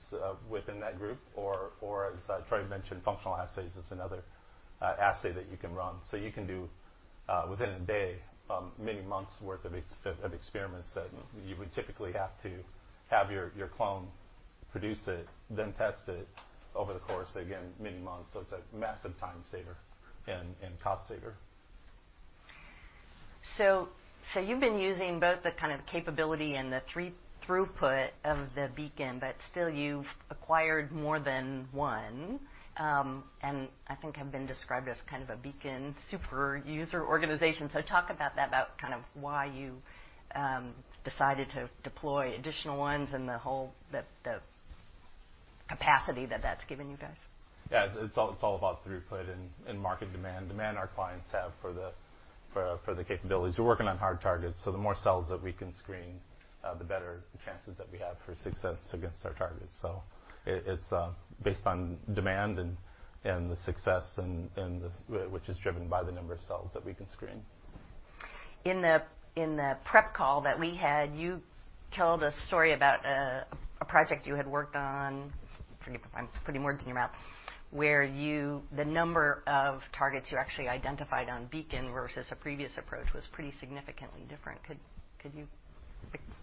within that group or, as Troy mentioned, functional assays is another assay that you can run. You can do within a day many months' worth of experiments that you would typically have to have your clone produce it, then test it over the course of, again, many months. It's a massive time saver and cost saver. You've been using both the kind of capability and the throughput of the Beacon, but still you've acquired more than one, and I think have been described as kind of a Beacon super user organization. Talk about that, about kind of why you decided to deploy additional ones and the whole capacity that that's given you guys. Yeah. It's all about throughput and market demand. Demand our clients have for the capabilities. We're working on hard targets, so the more cells that we can screen, the better the chances that we have for success against our targets. It's based on demand and the success, which is driven by the number of cells that we can screen. In the prep call that we had, you told a story about a project you had worked on, forgive if I'm putting words in your mouth. The number of targets you actually identified on Beacon versus a previous approach was pretty significantly different. Could you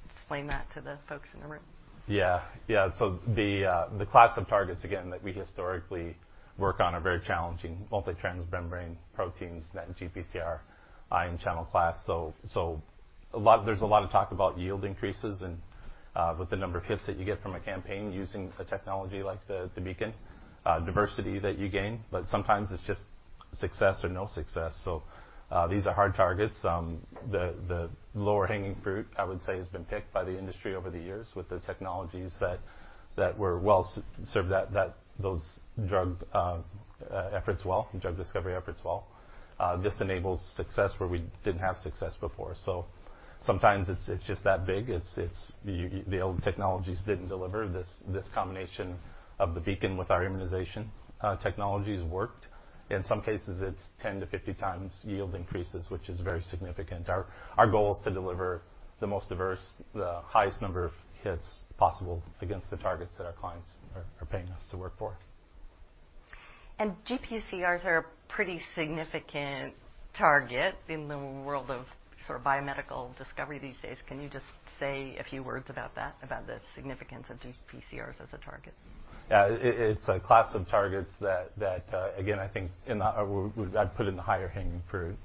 explain that to the folks in the room? The class of targets, again, that we historically work on are very challenging multi-transmembrane proteins, that GPCR ion channel class. There's a lot of talk about yield increases and with the number of hits that you get from a campaign using a technology like the Beacon, diversity that you gain, but sometimes it's just success or no success. These are hard targets. The lower hanging fruit, I would say, has been picked by the industry over the years with the technologies that have well served those drug discovery efforts. This enables success where we didn't have success before. Sometimes it's just that big. It's the old technologies didn't deliver. This combination of the Beacon with our immunization technologies worked. In some cases, it's 10-50 times yield increases, which is very significant. Our goal is to deliver the most diverse, the highest number of hits possible against the targets that our clients are paying us to work for. GPCRs are a pretty significant target in the world of sort of biomedical discovery these days. Can you just say a few words about that, about the significance of GPCRs as a target? It's a class of targets that, again, I think I'd put in the higher hanging fruit,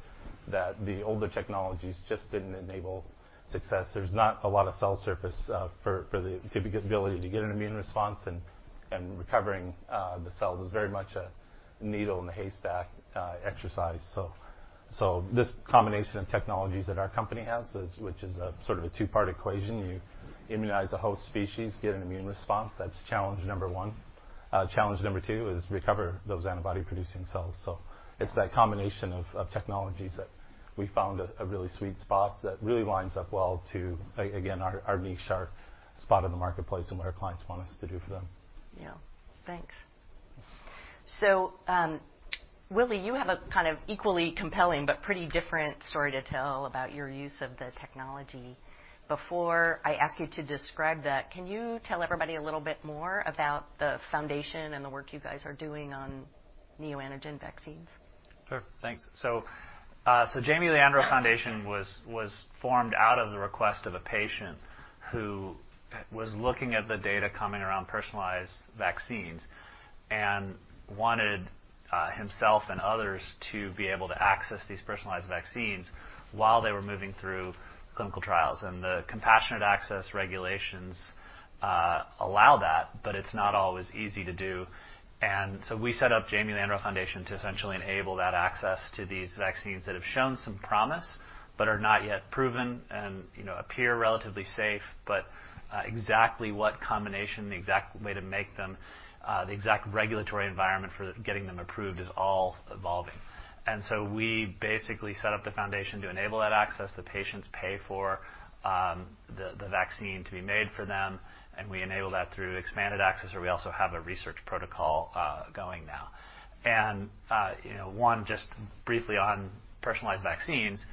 that the older technologies just didn't enable success. There's not a lot of cell surface for the ability to get an immune response and recovering the cells is very much a needle in the haystack exercise. This combination of technologies that our company has is which is a sort of a two-part equation. You immunize a host species, get an immune response, that's challenge number one. Challenge number two is recover those antibody producing cells. It's that combination of technologies that we found a really sweet spot that really lines up well to again, our niche, our spot in the marketplace, and what our clients want us to do for them. Yeah. Thanks. Willy, you have a kind of equally compelling but pretty different story to tell about your use of the technology. Before I ask you to describe that, can you tell everybody a little bit more about the foundation and the work you guys are doing on neoantigen vaccines? Sure. Thanks. Jaime Leandro Foundation was formed out of the request of a patient who was looking at the data coming around personalized vaccines and wanted himself and others to be able to access these personalized vaccines while they were moving through clinical trials. The compassionate access regulations allow that, but it's not always easy to do. We set up Jaime Leandro Foundation to essentially enable that access to these vaccines that have shown some promise but are not yet proven and, you know, appear relatively safe. Exactly what combination, the exact way to make them, the exact regulatory environment for getting them approved is all evolving. We basically set up the foundation to enable that access. The patients pay for the vaccine to be made for them, and we enable that through expanded access, or we also have a research protocol going now. You know, just briefly on personalized vaccines,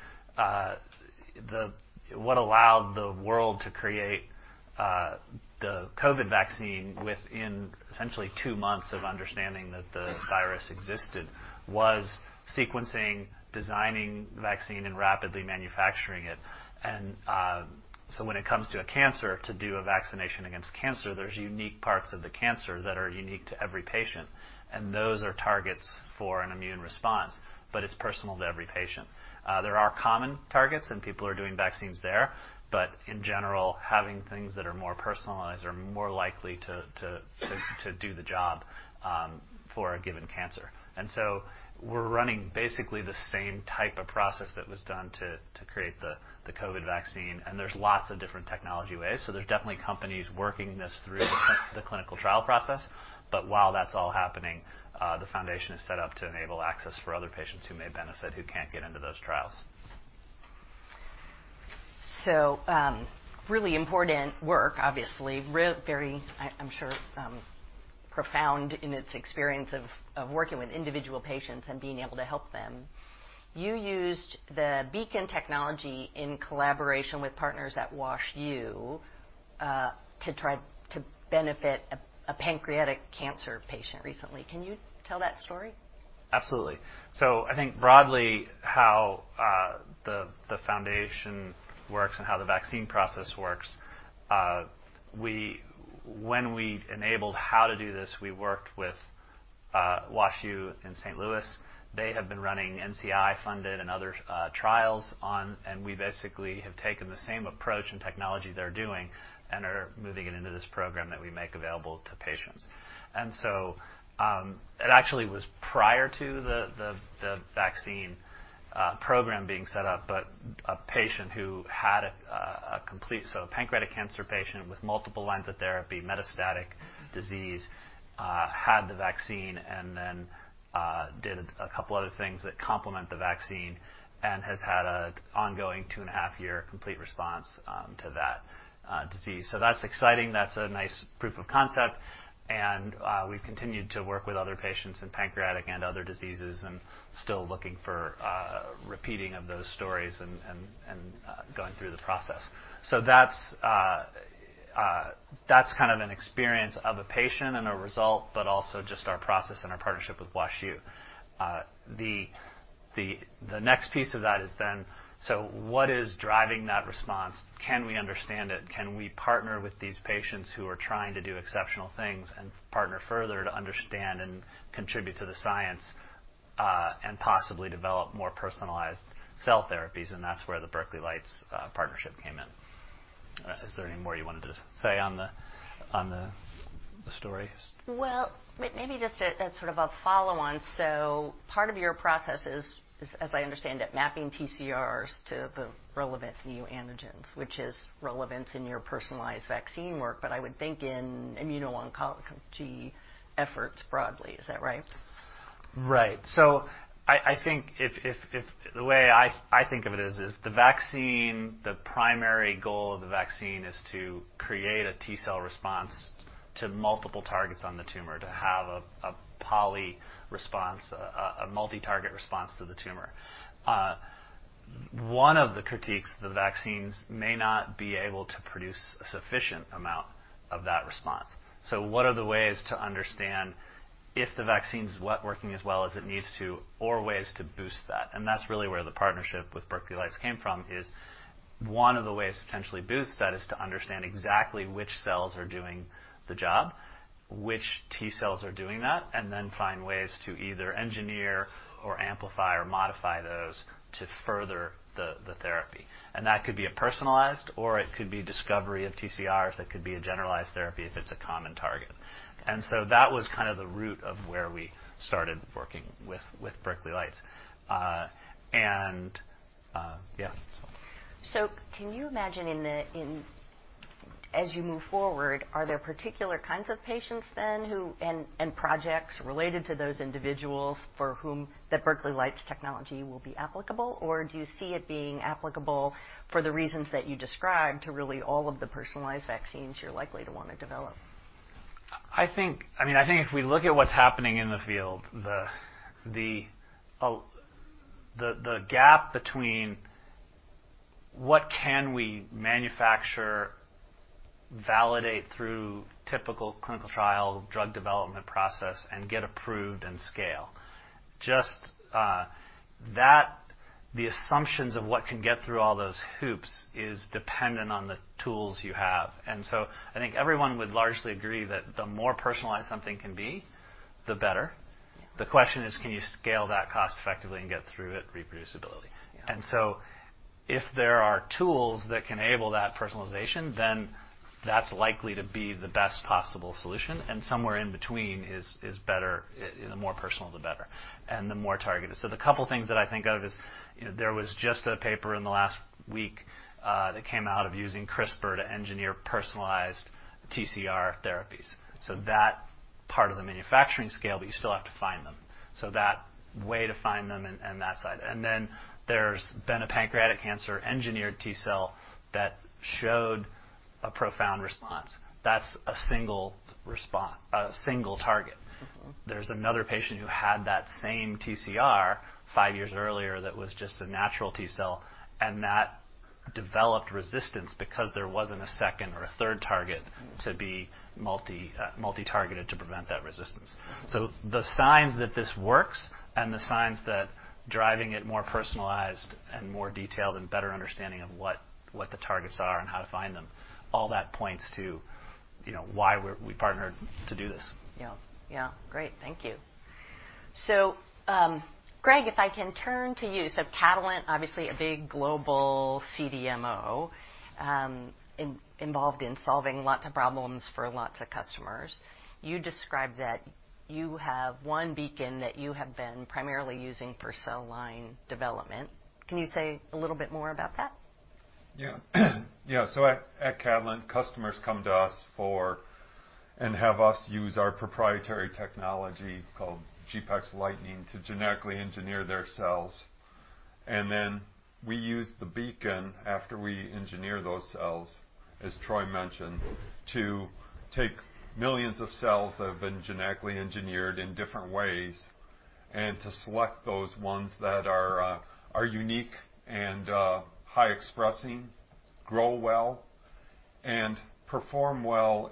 what allowed the world to create the COVID vaccine within essentially two months of understanding that the virus existed was sequencing, designing vaccine and rapidly manufacturing it. When it comes to a cancer, to do a vaccination against cancer, there's unique parts of the cancer that are unique to every patient, and those are targets for an immune response, but it's personal to every patient. There are common targets, and people are doing vaccines there. In general, having things that are more personalized are more likely to do the job for a given cancer. We're running basically the same type of process that was done to create the COVID vaccine, and there's lots of different technology ways. There's definitely companies working this through the clinical trial process. While that's all happening, the foundation is set up to enable access for other patients who may benefit, who can't get into those trials. Really important work, obviously. Very, I'm sure, profound in its experience of working with individual patients and being able to help them. You used the Beacon technology in collaboration with partners at WashU to try to benefit a pancreatic cancer patient recently. Can you tell that story? Absolutely. I think broadly how the foundation works and how the vaccine process works. When we enabled how to do this, we worked with WashU in St. Louis. They have been running NCI-funded and other trials on, and we basically have taken the same approach and technology they're doing and are moving it into this program that we make available to patients. It actually was prior to the vaccine program being set up, but a patient who had a complete. A pancreatic cancer patient with multiple lines of therapy, metastatic disease, had the vaccine and then did a couple other things that complement the vaccine and has had an ongoing two and a half year complete response to that disease. That's exciting. That's a nice proof of concept. We've continued to work with other patients in pancreatic and other diseases and still looking for repeating of those stories and going through the process. That's kind of an experience of a patient and a result, but also just our process and our partnership with WashU. The next piece of that is, so what is driving that response? Can we understand it? Can we partner with these patients who are trying to do exceptional things and partner further to understand and contribute to the science and possibly develop more personalized cell therapies? That's where the Berkeley Lights partnership came in. Is there any more you wanted to say on the on the- Well, maybe just a sort of follow-on. Part of your process is, as I understand it, mapping TCRs to the relevant neoantigens, which is relevant in your personalized vaccine work, but I would think in immuno-oncology efforts broadly. Is that right? Right. The way I think of it is the vaccine, the primary goal of the vaccine is to create a T-cell response to multiple targets on the tumor to have a poly response, a multi-target response to the tumor. One of the critiques, the vaccines may not be able to produce a sufficient amount of that response. What are the ways to understand if the vaccine's working as well as it needs to or ways to boost that? That's really where the partnership with Berkeley Lights came from, one of the ways to potentially boost that is to understand exactly which cells are doing the job, which T-cells are doing that, and then find ways to either engineer or amplify or modify those to further the therapy. That could be a personalized or it could be discovery of TCRs, that could be a generalized therapy if it's a common target. That was kind of the root of where we started working with Berkeley Lights. As you move forward, are there particular kinds of patients and projects related to those individuals for whom the Berkeley Lights technology will be applicable, or do you see it being applicable for the reasons that you described to really all of the personalized vaccines you're likely to wanna develop? I mean, I think if we look at what's happening in the field, the gap between what can we manufacture, validate through typical clinical trial drug development process and get approved and scale. The assumptions of what can get through all those hoops is dependent on the tools you have. I think everyone would largely agree that the more personalized something can be, the better. Yeah. The question is, can you scale that cost effectively and get throughput reproducibility? Yeah. If there are tools that can enable that personalization, then that's likely to be the best possible solution, and somewhere in between is better. The more personal the better and the more targeted. The couple of things that I think of is, you know, there was just a paper in the last week that came out of using CRISPR to engineer personalized TCR therapies. That part of the manufacturing scale, but you still have to find them. That way to find them and that side. Then there's been a pancreatic cancer engineered T-cell that showed a profound response. That's a single target. There's another patient who had that same TCR five years earlier that was just a natural T-cell, and that developed resistance because there wasn't a second or a third target. Mm. To be multi targeted to prevent that resistance. Mm-hmm. The signs that this works and the signs that driving it more personalized and more detailed and better understanding of what the targets are and how to find them, all that points to, you know, why we partnered to do this. Yeah. Great. Thank you. Greg, if I can turn to you. Catalent, obviously a big global CDMO, involved in solving lots of problems for lots of customers. You described that you have one Beacon that you have been primarily using for cell line development. Can you say a little bit more about that? Yeah. Yeah. At Catalent, customers come to us for and have us use our proprietary technology called GPEx Lightning to genetically engineer their cells. Then we use the Beacon after we engineer those cells, as Troy mentioned, to take millions of cells that have been genetically engineered in different ways and to select those ones that are unique and high expressing, grow well, and perform well.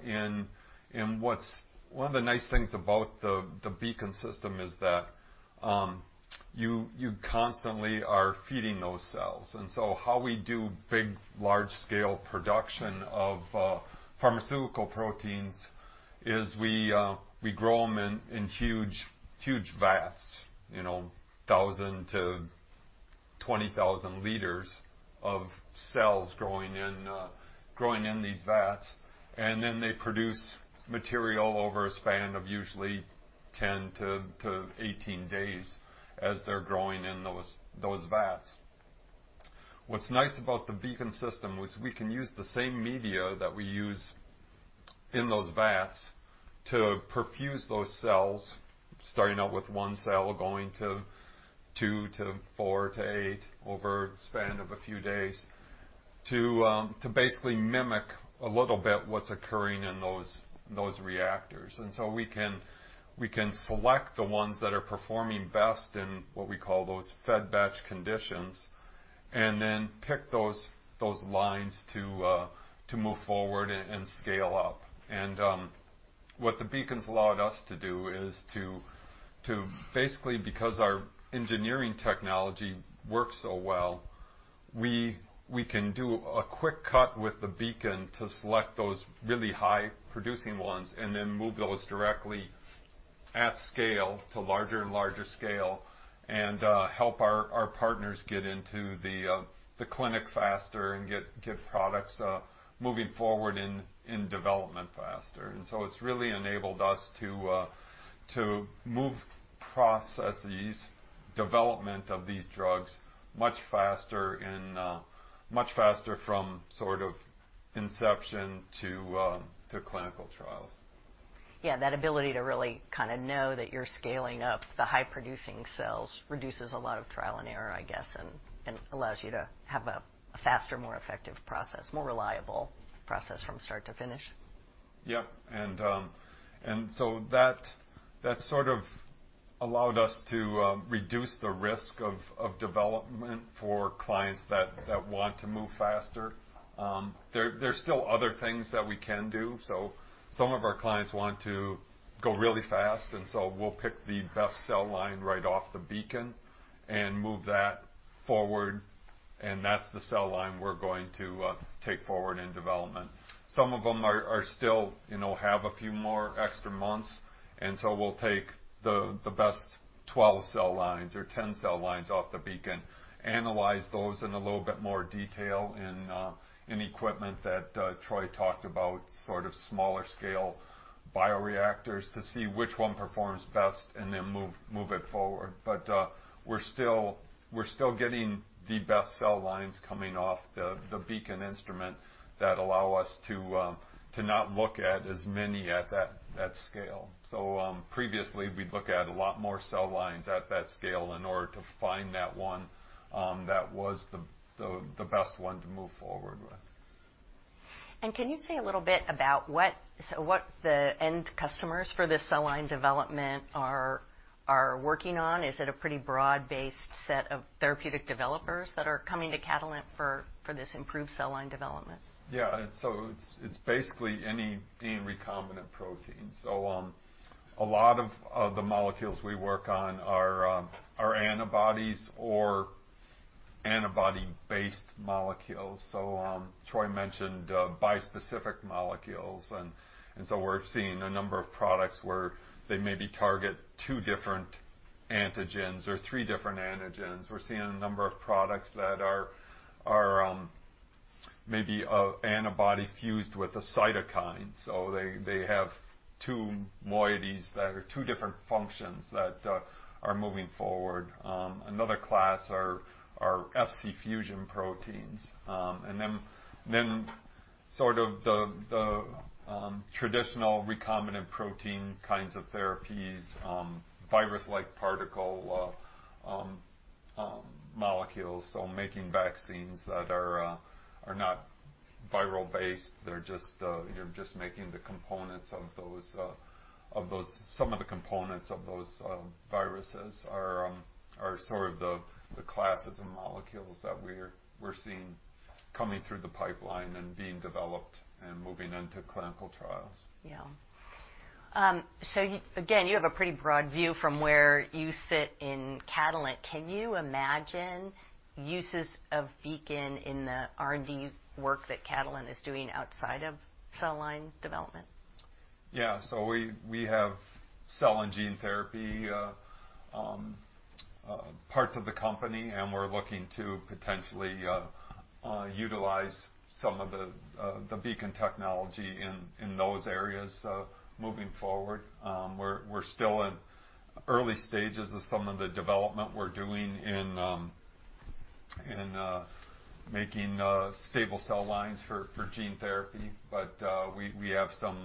One of the nice things about the Beacon system is that you constantly are feeding those cells. How we do big, large scale production of pharmaceutical proteins is we grow them in huge vats, you know, 1,000-20,000 L of cells growing in these vats. They produce material over a span of usually 10-18 days as they're growing in those vats. What's nice about the Beacon system was we can use the same media that we use in those vats to perfuse those cells, starting out with one cell going to one to four to eight over the span of a few days, to basically mimic a little bit what's occurring in those reactors. We can select the ones that are performing best in what we call those fed-batch conditions, and then pick those lines to move forward and scale up. What the Beacon's allowed us to do is to basically, because our engineering technology works so well, we can do a quick cut with the Beacon to select those really high producing ones and then move those directly at scale to larger and larger scale and help our partners get into the clinic faster and get products moving forward in development faster. It's really enabled us to move process development of these drugs much faster from sort of inception to clinical trials. Yeah, that ability to really kind of know that you're scaling up the high producing cells reduces a lot of trial and error, I guess, and allows you to have a faster, more effective process, more reliable process from start to finish. That sort of allowed us to reduce the risk of development for clients that want to move faster. There's still other things that we can do. Some of our clients want to go really fast, and so we'll pick the best cell line right off the Beacon and move that forward, and that's the cell line we're going to take forward in development. Some of them are still, you know, have a few more extra months, and so we'll take the best 12 cell lines or 10 cell lines off the Beacon, analyze those in a little bit more detail in equipment that Troy talked about, sort of smaller scale bioreactors to see which one performs best and then move it forward. We're still getting the best cell lines coming off the Beacon instrument that allow us to not look at as many at that scale. Previously, we'd look at a lot more cell lines at that scale in order to find that one that was the best one to move forward with. Can you say a little bit about what the end customers for this cell line development are working on? Is it a pretty broad-based set of therapeutic developers that are coming to Catalent for this improved cell line development? Yeah. It's basically any DNA recombinant protein. A lot of the molecules we work on are antibodies or antibody-based molecules. Troy mentioned bispecific molecules, and so we're seeing a number of products where they maybe target two different antigens or three different antigens. We're seeing a number of products that are maybe a antibody fused with a cytokine. They have two moieties that are two different functions that are moving forward. Another class are Fc fusion proteins. And then sort of the traditional recombinant protein kinds of therapies, virus-like particle molecules, so making vaccines that are not viral-based. You're just making some of the components of those viruses are sort of the classes and molecules that we're seeing coming through the pipeline and being developed and moving into clinical trials. Yeah. Again, you have a pretty broad view from where you sit in Catalent. Can you imagine uses of Beacon in the R&D work that Catalent is doing outside of cell line development? Yeah. We have cell and gene therapy parts of the company, and we're looking to potentially utilize some of the Beacon technology in those areas moving forward. We're still in early stages of some of the development we're doing in making stable cell lines for gene therapy. We have some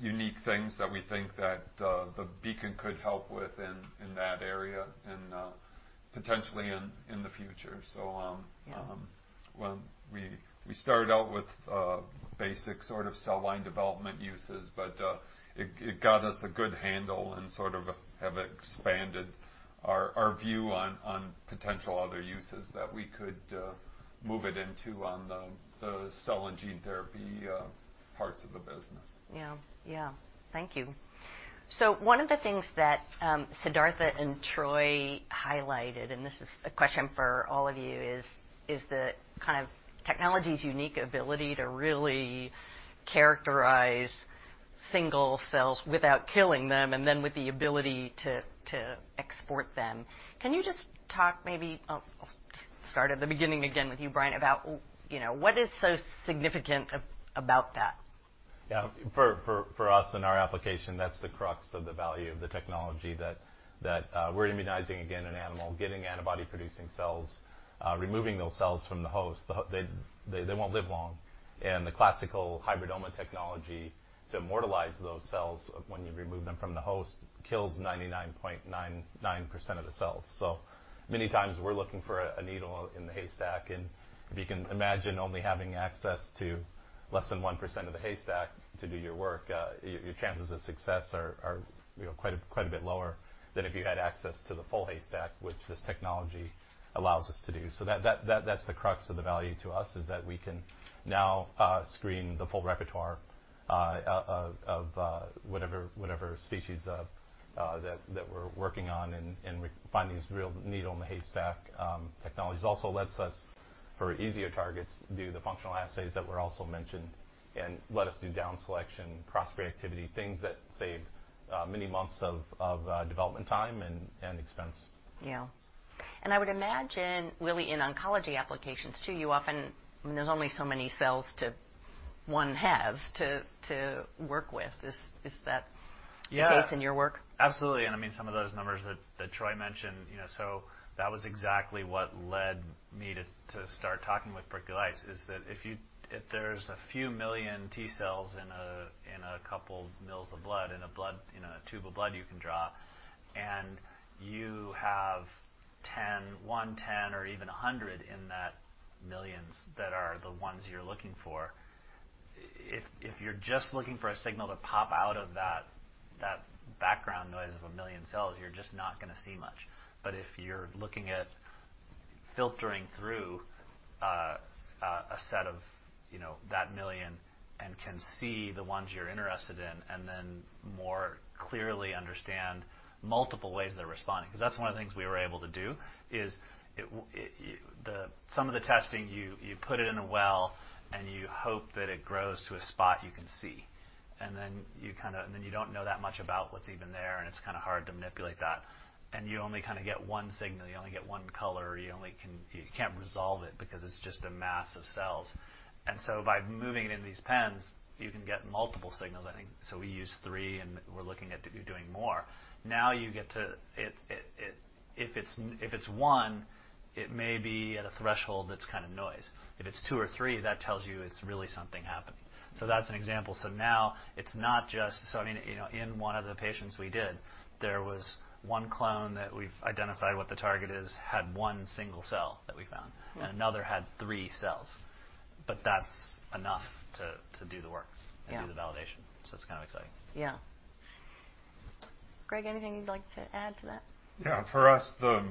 unique things that we think that the Beacon could help with in that area and potentially in the future. Yeah. Well, we started out with basic sort of cell line development uses, but it got us a good handle and sort of have expanded our view on potential other uses that we could move it into on the cell and gene therapy parts of the business. Yeah. Yeah. Thank you. One of the things that, Siddhartha and Troy highlighted, and this is a question for all of you, is the kind of technology's unique ability to really characterize single cells without killing them and then with the ability to export them. Can you just talk maybe. Oh, I'll start at the beginning again with you, Brian, about, you know, what is so significant about that? For us in our application, that's the crux of the value of the technology that we're immunizing an animal, getting antibody producing cells, removing those cells from the host. They won't live long. The classical hybridoma technology to immortalize those cells, when you remove them from the host, kills 99.99% of the cells. So many times we're looking for a needle in the haystack. If you can imagine only having access to less than 1% of the haystack to do your work, your chances of success are, you know, quite a bit lower than if you had access to the full haystack, which this technology allows us to do. That's the crux of the value to us, that we can now screen the full repertoire of whatever species that we're working on and we find these real needle in the haystack technologies. Also lets us, for easier targets, do the functional assays that were also mentioned and let us do down selection, cross-reactivity, things that save many months of development time and expense. Yeah. I would imagine really in oncology applicationTs too, you often, I mean, there's only so many cells one has to work with. Is that? Yeah. the case in your work? Absolutely. I mean, some of those numbers that Troy mentioned, you know, that was exactly what led me to start talking with Berkeley Lights, is that if there's a few million T cells in a couple mL of blood, you know, a tube of blood you can draw, and you have one in 10 or even 100 in that million that are the ones you're looking for, if you're just looking for a signal to pop out of that background noise of a million cells, you're just not gonna see much. If you're looking at filtering through a set of, you know, that million and can see the ones you're interested in and then more clearly understand multiple ways they're responding. 'Cause that's one of the things we were able to do is some of the testing, you put it in a well, and you hope that it grows to a spot you can see. Then you don't know that much about what's even there, and it's kinda hard to manipulate that. You only kinda get one signal. You only get one color, you can't resolve it because it's just a mass of cells. By moving it into these pens, you can get multiple signals, I think. We use three, and we're looking at doing more. If it's one, it may be at a threshold that's kind of noise. If it's two or three, that tells you it's really something happening. That's an example. Now it's not just. I mean, you know, in one of the patients we did, there was one clone that we've identified what the target is, had one single cell that we found. Hmm. Another had three cells. That's enough to do the work. Yeah. Do the validation. It's kind of exciting. Yeah. Greg, anything you'd like to add to that? Yeah. For us, the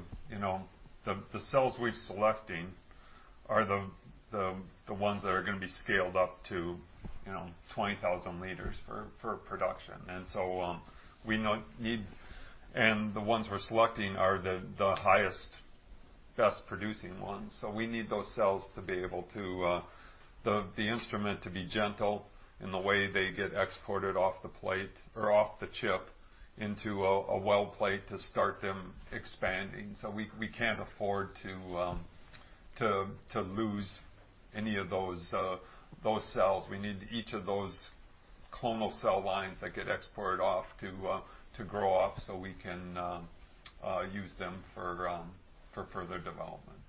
cells we're selecting are the ones that are gonna be scaled up to 20,000 liters for production. The ones we're selecting are the highest, best producing ones. We need the instrument to be gentle in the way they get exported off the plate or off the chip into a well plate to start them expanding. We can't afford to lose any of those cells. We need each of those clonal cell lines that get exported off to grow up, so we can use them for further development.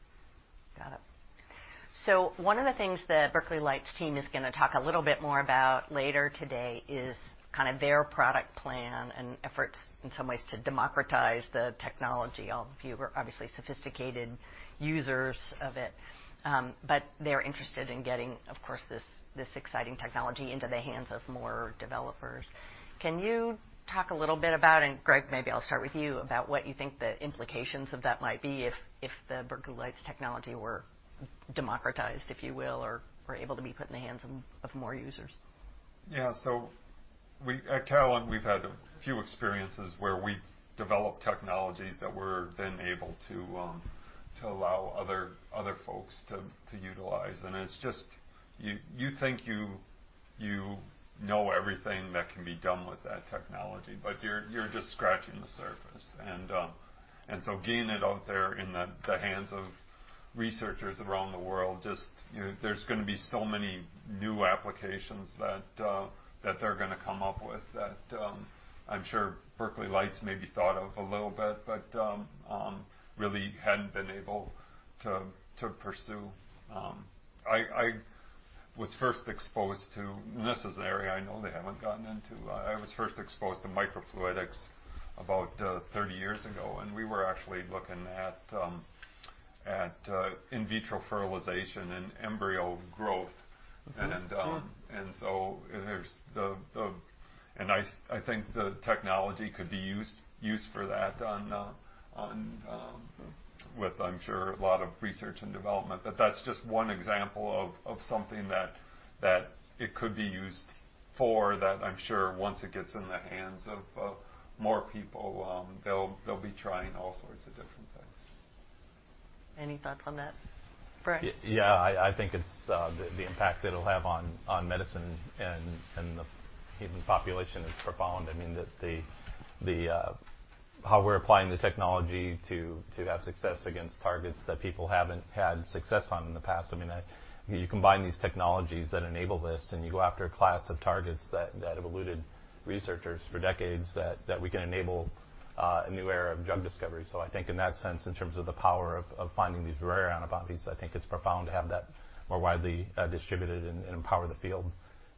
Got it. One of the things that Berkeley Lights team is gonna talk a little bit more about later today is kinda their product plan and efforts in some ways to democratize the technology. All of you are obviously sophisticated users of it. But they're interested in getting, of course, this exciting technology into the hands of more developers. Can you talk a little bit about, and Greg, maybe I'll start with you, about what you think the implications of that might be if the Berkeley Lights technology were democratized, if you will, or able to be put in the hands of more users? Yeah. We at Catalent, we've had a few experiences where we've developed technologies that we're then able to allow other folks to utilize. It's just, you think you know everything that can be done with that technology, but you're just scratching the surface. Getting it out there in the hands of researchers around the world just, you know, there's gonna be so many new applications that they're gonna come up with that, I'm sure Berkeley Lights maybe thought of a little bit, but really hadn't been able to pursue. I was first exposed to. This is an area I know they haven't gotten into. I was first exposed to microfluidics about 30 years ago, and we were actually looking at in vitro fertilization and embryo growth. Mm-hmm. I think the technology could be used for that on. With, I'm sure, a lot of research and development. That's just one example of something that it could be used for that I'm sure once it gets in the hands of more people, they'll be trying all sorts of different things. Any thoughts on that, Brian Walters? Yeah, I think it's the impact it'll have on medicine and the human population is profound. I mean, how we're applying the technology to have success against targets that people haven't had success on in the past. I mean, you combine these technologies that enable this, and you go after a class of targets that have eluded researchers for decades, that we can enable a new era of drug discovery. I think in that sense, in terms of the power of finding these rare antibodies, I think it's profound to have that more widely distributed and empower the field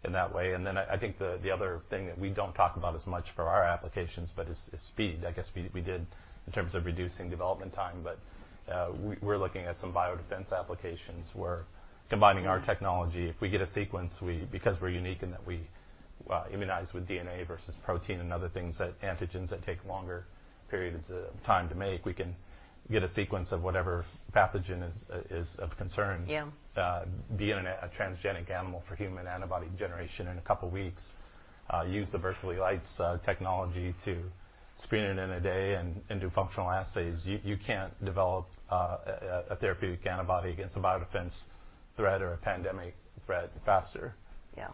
in that way. I think the other thing that we don't talk about as much for our applications, but is speed. I guess we did in terms of reducing development time, but we're looking at some biodefense applications. We're combining our technology. If we get a sequence, because we're unique in that we immunize with DNA versus protein and other things, antigens that take longer periods of time to make, we can get a sequence of whatever pathogen is of concern. Yeah. Be in a transgenic animal for human antibody generation in a couple weeks, use the Berkeley Lights technology to screen it in a day and do functional assays. You can't develop a therapeutic antibody against a biodefense threat or a pandemic threat faster. Yeah.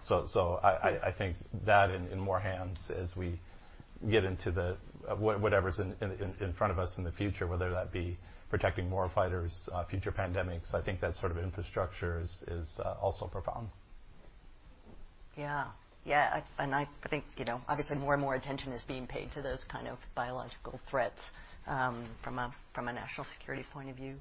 I think that in more hands as we get into the whatever's in front of us in the future, whether that be protecting war fighters, future pandemics, I think that sort of infrastructure is also profound. Yeah. Yeah, I think, you know, obviously more and more attention is being paid to those kind of biological threats, from a national security point of view.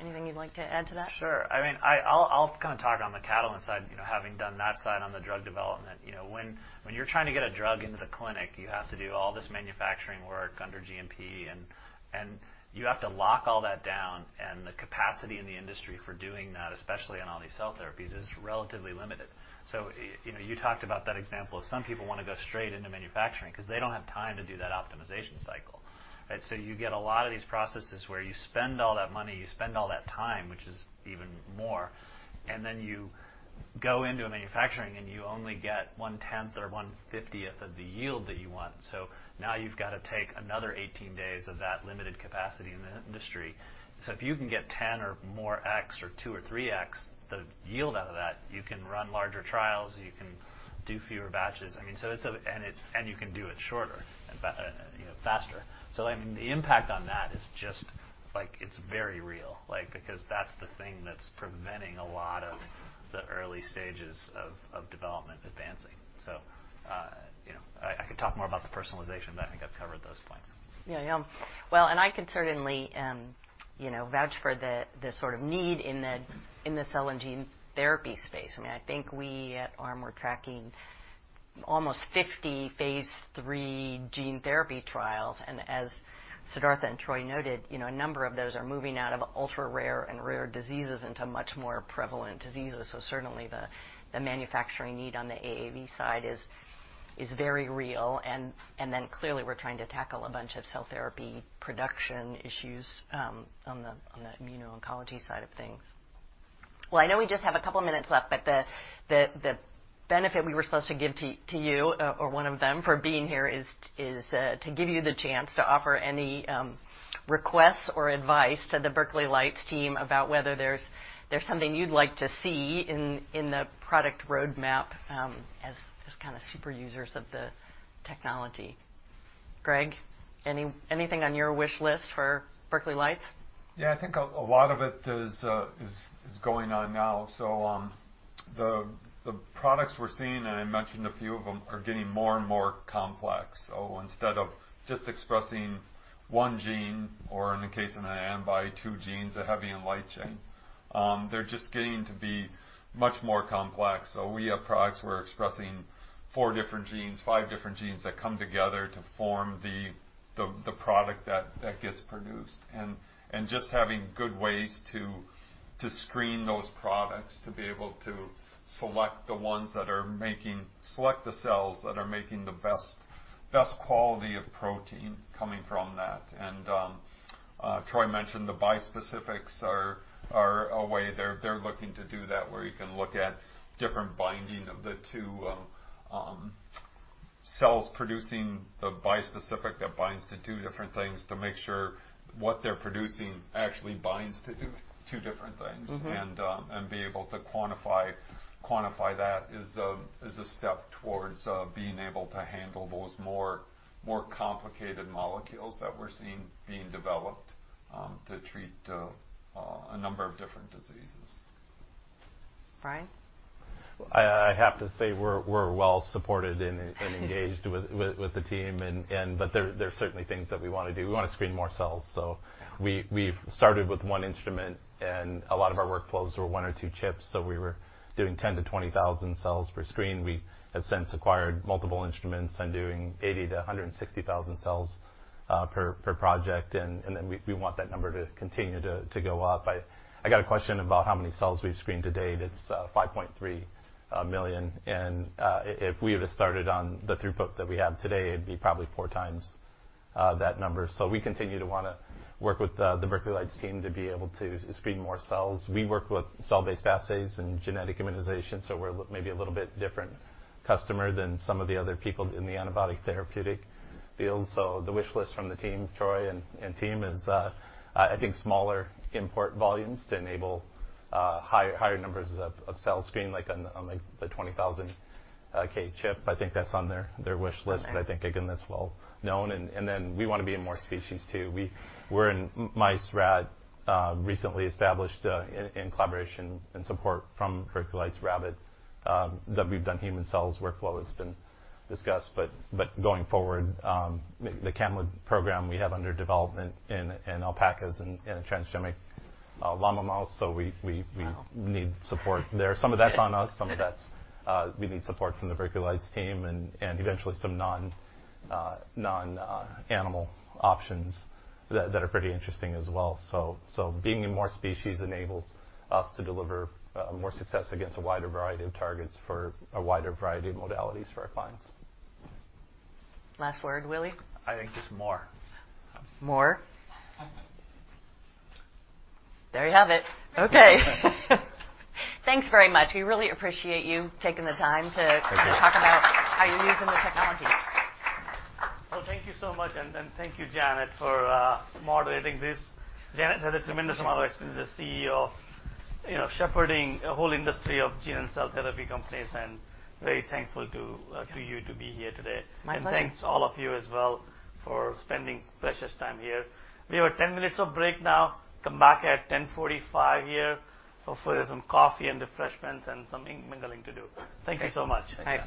Anything you'd like to add to that? Sure. I mean, I'll kind of talk on the Catalent side, you know, having done that side on the drug development. You know, when you're trying to get a drug into the clinic, you have to do all this manufacturing work under GMP, and you have to lock all that down, and the capacity in the industry for doing that, especially on all these cell therapies, is relatively limited. You know, you talked about that example of some people wanna go straight into manufacturing 'cause they don't have time to do that optimization cycle, right? So you get a lot of these processes where you spend all that money, you spend all that time, which is even more, and then you go into a manufacturing and you only get one-tenth or one-fiftieth of the yield that you want. Now you've gotta take another 18 days of that limited capacity in the industry. If you can get 10x or more x or 2x or 3x, the yield out of that, you can run larger trials, you can do fewer batches. I mean, it's a... And it and you can do it shorter and faster. You know, faster. I mean, the impact on that is just, like, it's very real. Like, because that's the thing that's preventing a lot of the early stages of development advancing. You know, I could talk more about the personalization, but I think I've covered those points. Yeah. Well, I can certainly, you know, vouch for the sort of need in the cell and gene therapy space. I mean, I think we at ARM are tracking almost 50 phase 3 gene therapy trials, and as Siddhartha and Troy noted, you know, a number of those are moving out of ultra rare and rare diseases into much more prevalent diseases. Certainly the manufacturing need on the AAV side is very real and then clearly we're trying to tackle a bunch of cell therapy production issues on the immuno-oncology side of things. Well, I know we just have a couple minutes left, but the benefit we were supposed to give to you, or one of them for being here is to give you the chance to offer any requests or advice to the Berkeley Lights team about whether there's something you'd like to see in the product roadmap, as kinda super users of the technology. Greg, anything on your wish list for Berkeley Lights? Yeah. I think a lot of it is going on now. The products we're seeing, and I mentioned a few of them, are getting more and more complex. Instead of just expressing one gene, or in the case of the antibody, two genes, a heavy and light chain, they're just getting to be much more complex. We have products, we're expressing four different genes, five different genes that come together to form the product that gets produced. Just having good ways to screen those products, to be able to select the cells that are making the best quality of protein coming from that. Troy mentioned the bispecifics are a way they're looking to do that, where you can look at different binding of the two cells producing the bispecific that binds to two different things to make sure what they're producing actually binds to two different things. Mm-hmm. Be able to quantify that is a step towards being able to handle those more complicated molecules that we're seeing being developed to treat a number of different diseases. Brian? I have to say we're well supported and engaged with the team. There are certainly things that we wanna do. We wanna screen more cells, so we've started with one instrument and a lot of our workflows were one or two chips, so we were doing 10-20,000 cells per screen. We have since acquired multiple instruments and doing 80-160,000 cells per project and then we want that number to continue to go up. I got a question about how many cells we've screened to date. It's 5.3 million. If we have started on the throughput that we have today, it'd be probably four times that number. We continue to wanna work with the Berkeley Lights team to be able to screen more cells. We work with cell-based assays and genetic immunization, so we're maybe a little bit different customer than some of the other people in the antibody therapeutic field. The wish list from the team, Troy and team, is I think smaller input volumes to enable higher numbers of cell screen, like on the 20,000 K chip. I think that's on their wish list. Okay. I think again, that's well-known. Then we wanna be in more species too. We're in mice, rat, recently established in collaboration and support from Berkeley Lights rabbit, that we've done human cells workflow that's been discussed. Going forward, the camelid program we have under development in alpacas and in a transgenic llama mouse, so we Wow. We need support there. Some of that's on us, some of that's we need support from the Berkeley Lights team and eventually some non-animal options that are pretty interesting as well. Being in more species enables us to deliver more success against a wider variety of targets for a wider variety of modalities for our clients. Last word, Willy? I think just more. More? There you have it. Okay. Thanks very much. We really appreciate you taking the time to. Thank you. Talk about how you're using the technology. Well, thank you so much, and thank you, Janet, for moderating this. Janet has a tremendous amount of experience as CEO, you know, shepherding a whole industry of gene and cell therapy companies, and very thankful to you to be here today. My pleasure. Thanks all of you as well for spending precious time here. We have 10 minutes of break now. Come back at 10:45 A.M here. Hopefully, there's some coffee and refreshments and some mingling to do. Thank you so much. Thanks.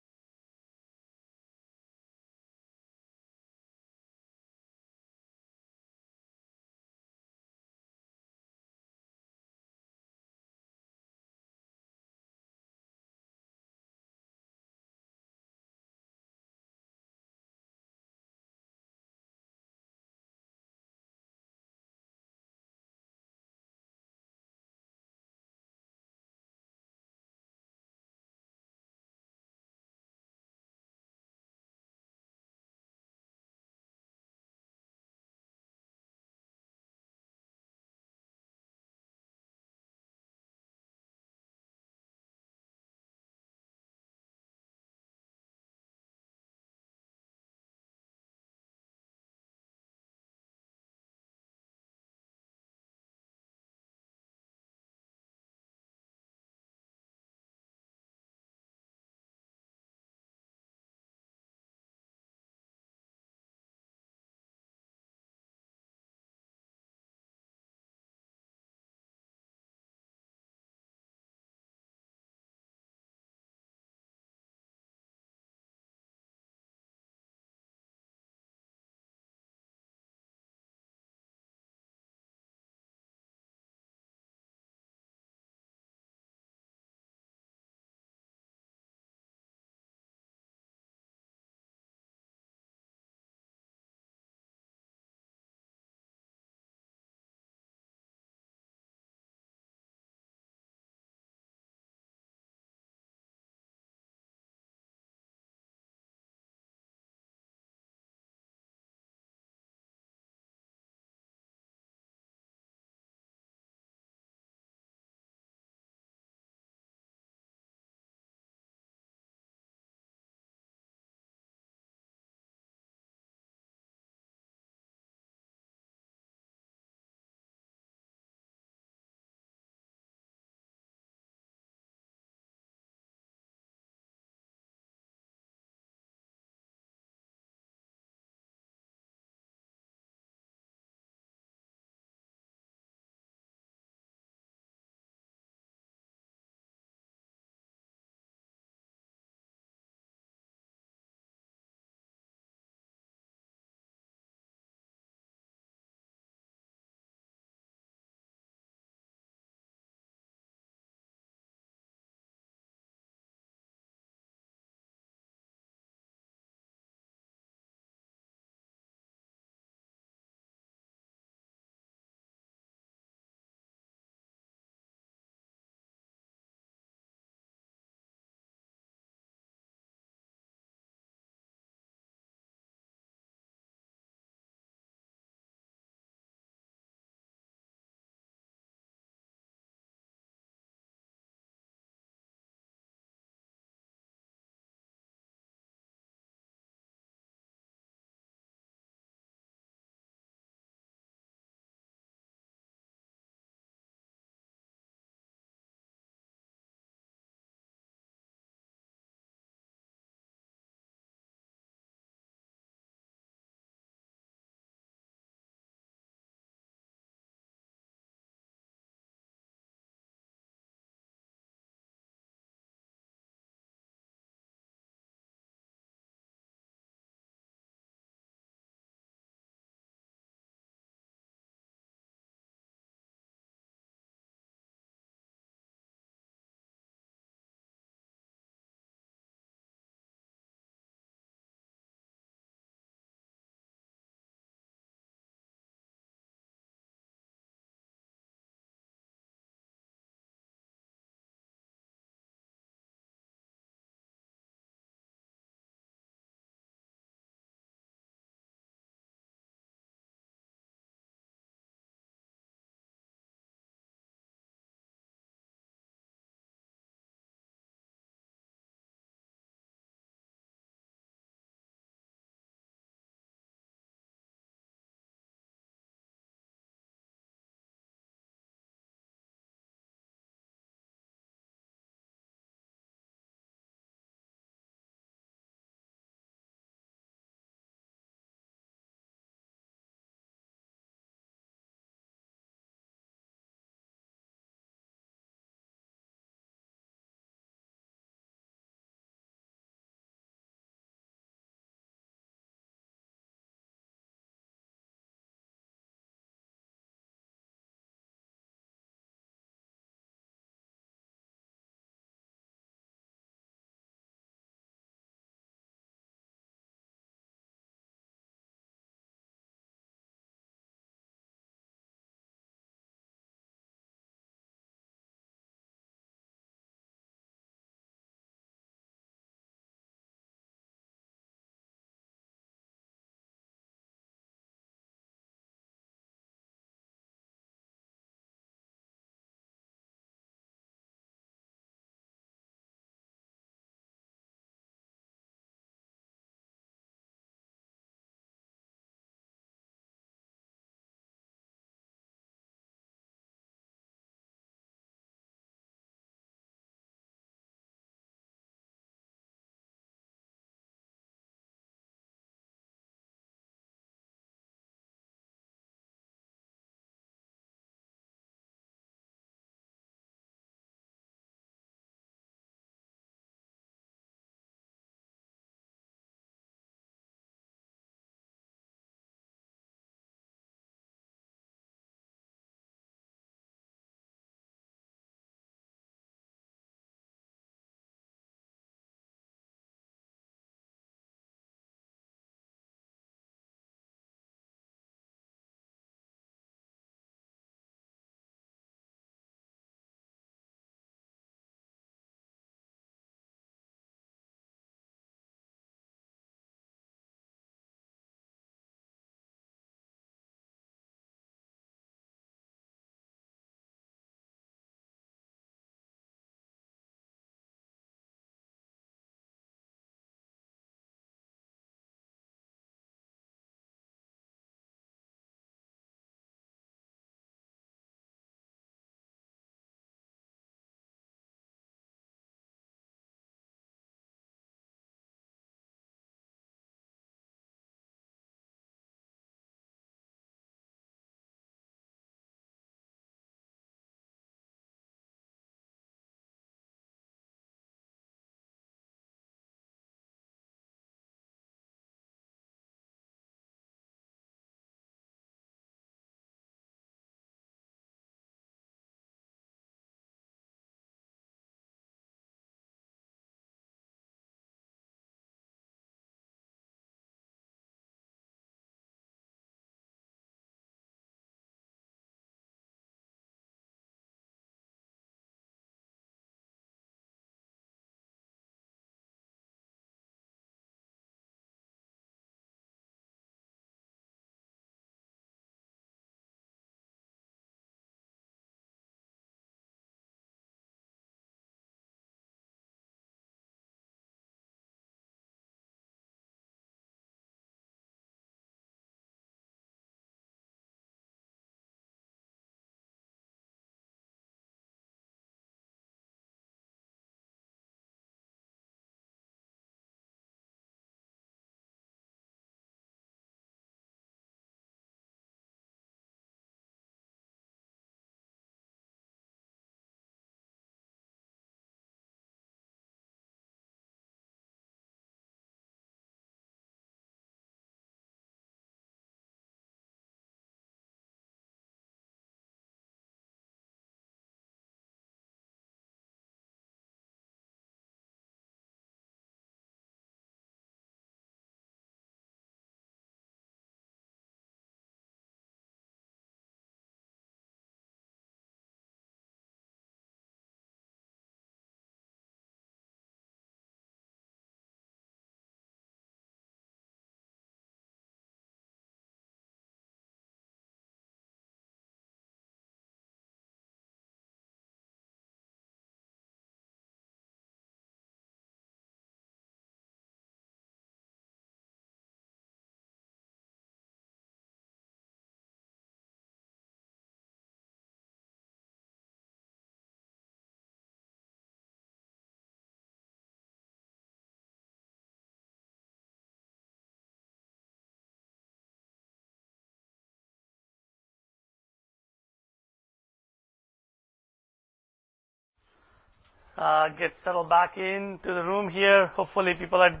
Get settled back into the room here. Hopefully, people had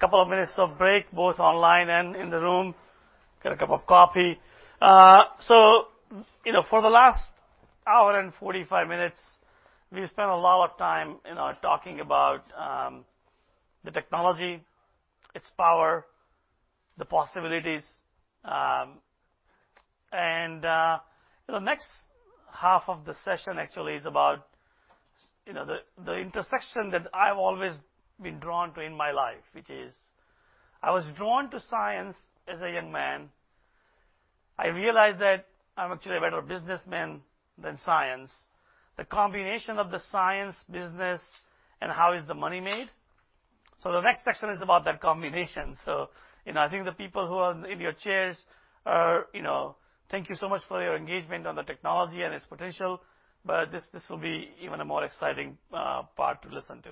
couple of minutes of break, both online and in the room. Get a cup of coffee. You know, for the last 1 hour and 45 minutes, we've spent a lot of time, you know, talking about the technology, its power, the possibilities. The next half of the session actually is about, you know, the intersection that I've always been drawn to in my life, which is I was drawn to science as a young man. I realized that I'm actually a better businessman than science. The combination of the science, business, and how is the money made. The next section is about that combination. You know, I think the people who are in your chairs are, you know, thank you so much for your engagement on the technology and its potential, but this will be even a more exciting part to listen to.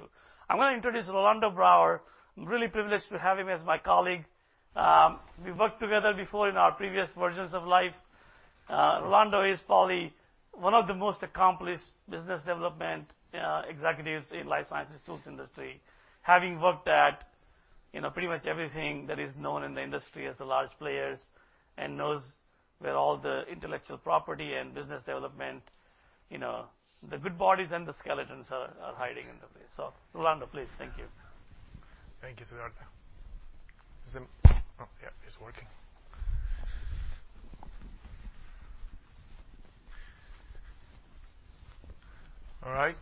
I'm gonna introduce Rolando Brawer. I'm really privileged to have him as my colleague. We've worked together before in our previous versions of Life. Rolando is probably one of the most accomplished business development executives in life sciences tools industry, having worked at, you know, pretty much everything that is known in the industry as the large players, and knows where all the intellectual property and business development, you know, the good bodies and the skeletons are hiding in the place. Rolando, please. Thank you. Thank you, Siddhartha. Oh, yeah, it's working. All right.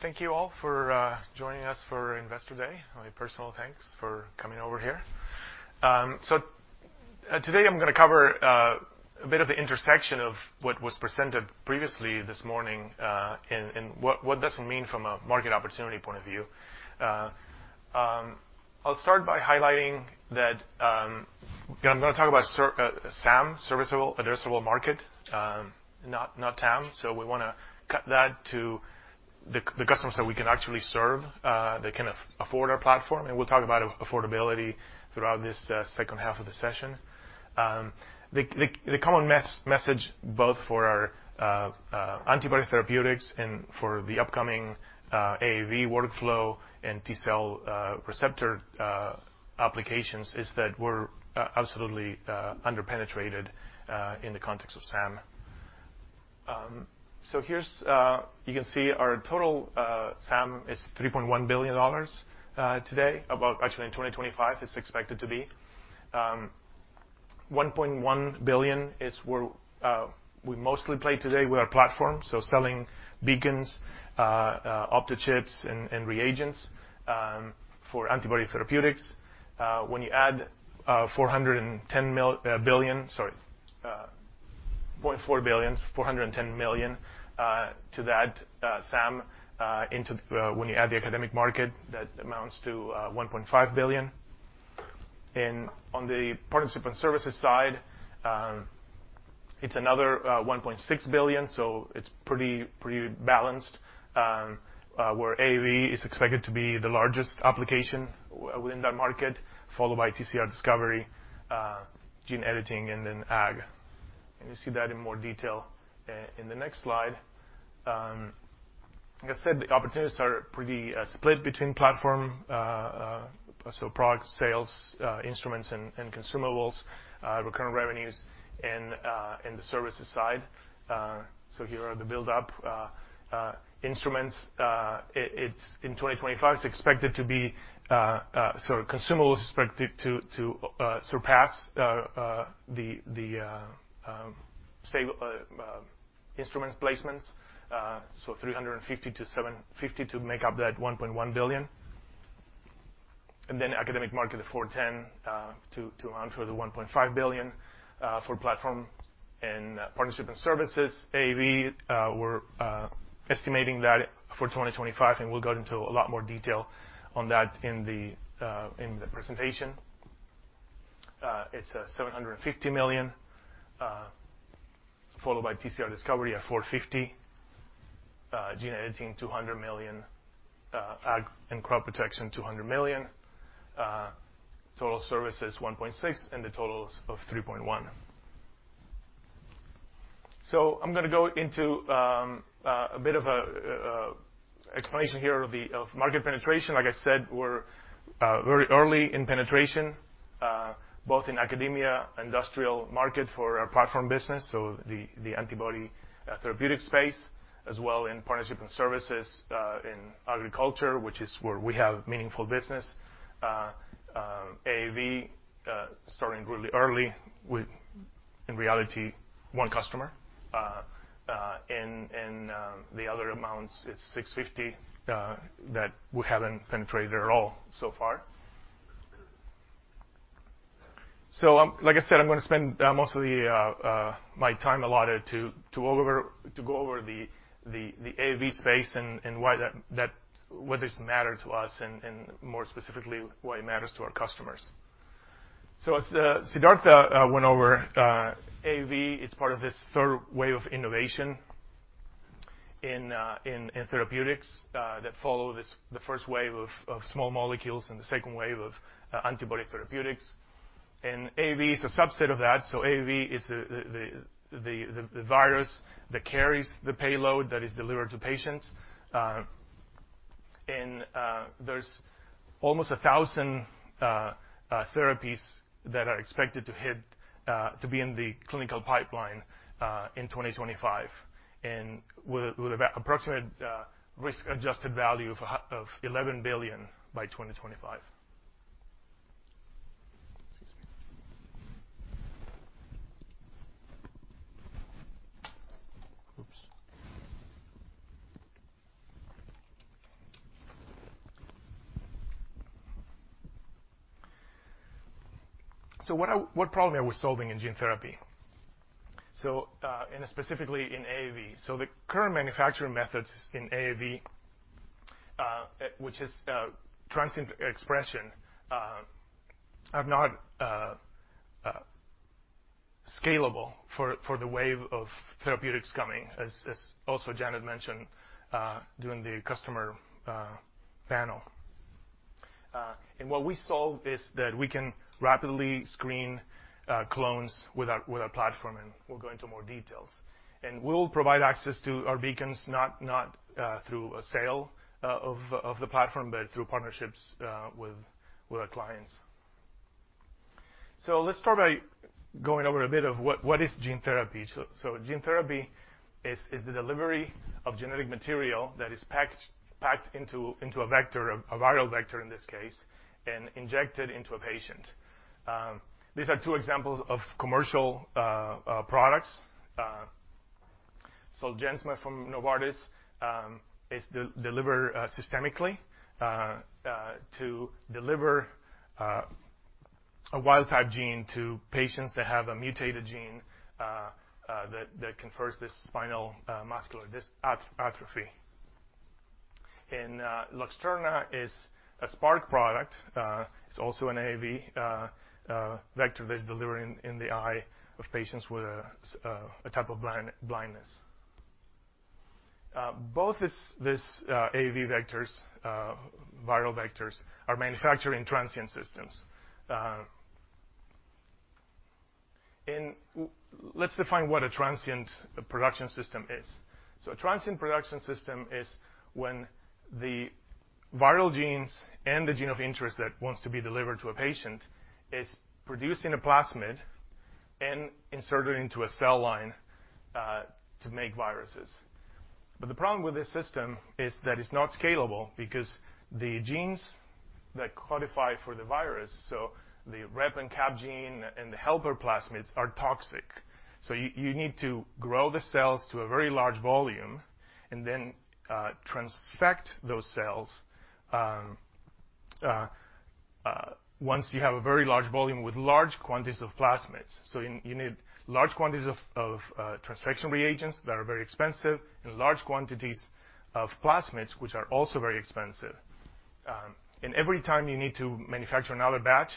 Thank you all for joining us for Investor Day. My personal thanks for coming over here. So today I'm gonna cover a bit of the intersection of what was presented previously this morning, and what does it mean from a market opportunity point of view. I'll start by highlighting that, you know, I'm gonna talk about SAM, Serviceable Addressable Market, not TAM. We wanna cut that to the customers that we can actually serve, that can afford our platform, and we'll talk about affordability throughout this second half of the session. The common message both for our antibody therapeutics and for the upcoming AAV workflow and T-cell receptor applications is that we're absolutely under-penetrated in the context of SAM. Here's, you can see our total SAM is $3.1 billion today. About actually in 2025 it's expected to be. $1.1 billion is where we mostly play today with our platform, so selling Beacons, Opto Chips and reagents for antibody therapeutics. When you add $410 million, sorry, $0.4 billion, $410 million to that SAM, when you add the academic market, that amounts to $1.5 billion. On the partnership and services side, it's another $1.6 billion, so it's pretty balanced, where AAV is expected to be the largest application within that market, followed by TCR discovery, gene editing, and then ag. You'll see that in more detail in the next slide. Like I said, the opportunities are pretty split between platform, so product sales, instruments and consumables, recurring revenues and the services side. Here are the build up. Instruments, it's in 2025, it's expected to be, so consumables is expected to surpass the instruments placements, so $350 million-$750 million to make up that $1.1 billion. Academic market of 410 to round for the $1.5 billion for platform and partnership and services. AAV, we're estimating that for 2025, and we'll go into a lot more detail on that in the presentation. It's $750 million, followed by TCR discovery at 450, gene editing $200 million, ag and crop protection $200 million, total services $1.6 billion, and the total of $3.1 billion. I'm gonna go into a bit of a explanation here of market penetration. Like I said, we're very early in penetration both in academia, industrial market for our platform business, so the antibody therapeutic space, as well in partnership and services in agriculture, which is where we have meaningful business. AAV starting really early with, in reality, one customer. The other amounts is $650 that we haven't penetrated at all so far. Like I said, I'm gonna spend most of my time allotted to go over the AAV space and why this matter to us and, more specifically, why it matters to our customers. As Siddhartha went over, AAV is part of this third wave of innovation in therapeutics that follow the first wave of small molecules and the second wave of antibody therapeutics. AAV is a subset of that. AAV is the virus that carries the payload that is delivered to patients. There's almost 1,000 therapies that are expected to be in the clinical pipeline in 2025 and with an approximate risk-adjusted value of $11 billion by 2025. What problem are we solving in gene therapy and specifically in AAV. The current manufacturing methods in AAV, which is transient expression, are not scalable for the wave of therapeutics coming, as also Janet mentioned during the customer panel. What we solve is that we can rapidly screen clones with our platform, and we'll go into more details. We'll provide access to our beacons not through a sale of the platform, but through partnerships with our clients. Let's start by going over a bit of what is gene therapy. Gene therapy is the delivery of genetic material that is packed into a vector, a viral vector in this case, and injected into a patient. These are two examples of commercial products. ZOLGENSMA from Novartis is delivered systemically to deliver a wild type gene to patients that have a mutated gene that confers this spinal muscular atrophy. Luxturna is a Spark product, it's also an AAV vector that's delivered in the eye of patients with a type of blindness. Both these AAV vectors, viral vectors are manufactured in transient systems. Let's define what a transient production system is. A transient production system is when the viral genes and the gene of interest that wants to be delivered to a patient is produced in a plasmid and inserted into a cell line to make viruses. The problem with this system is that it's not scalable because the genes that code for the virus, so the Rep and Cap gene and the helper plasmids are toxic. You need to grow the cells to a very large volume and then transfect those cells once you have a very large volume with large quantities of plasmids. You need large quantities of transfection reagents that are very expensive, and large quantities of plasmids, which are also very expensive. Every time you need to manufacture another batch,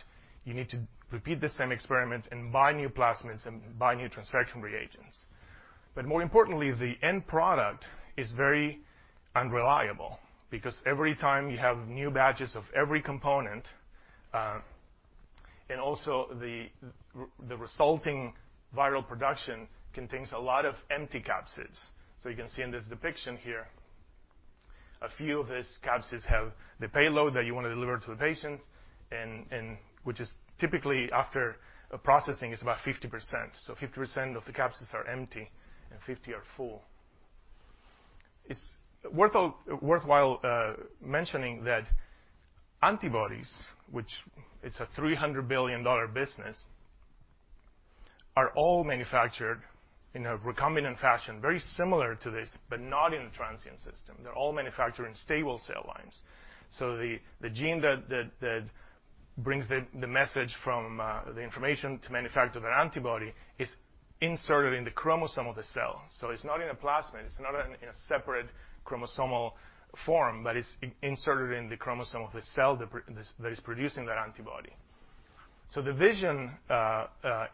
you need to repeat the same experiment and buy new plasmids and buy new transfection reagents. More importantly, the end product is very unreliable because every time you have new batches of every component, and also the resulting viral production contains a lot of empty capsids. You can see in this depiction here, a few of these capsids have the payload that you wanna deliver to the patient and which is typically after a processing is about 50%. 50% of the capsids are empty and 50 are full. It's worthwhile mentioning that antibodies, which it's a $300 billion business, are all manufactured in a recombinant fashion, very similar to this, but not in a transient system. They're all manufactured in stable cell lines. The gene that brings the message from the information to manufacture that antibody is inserted in the chromosome of the cell. It's not in a plasmid, it's not in a separate chromosomal form, but it's inserted in the chromosome of the cell that is producing that antibody. The vision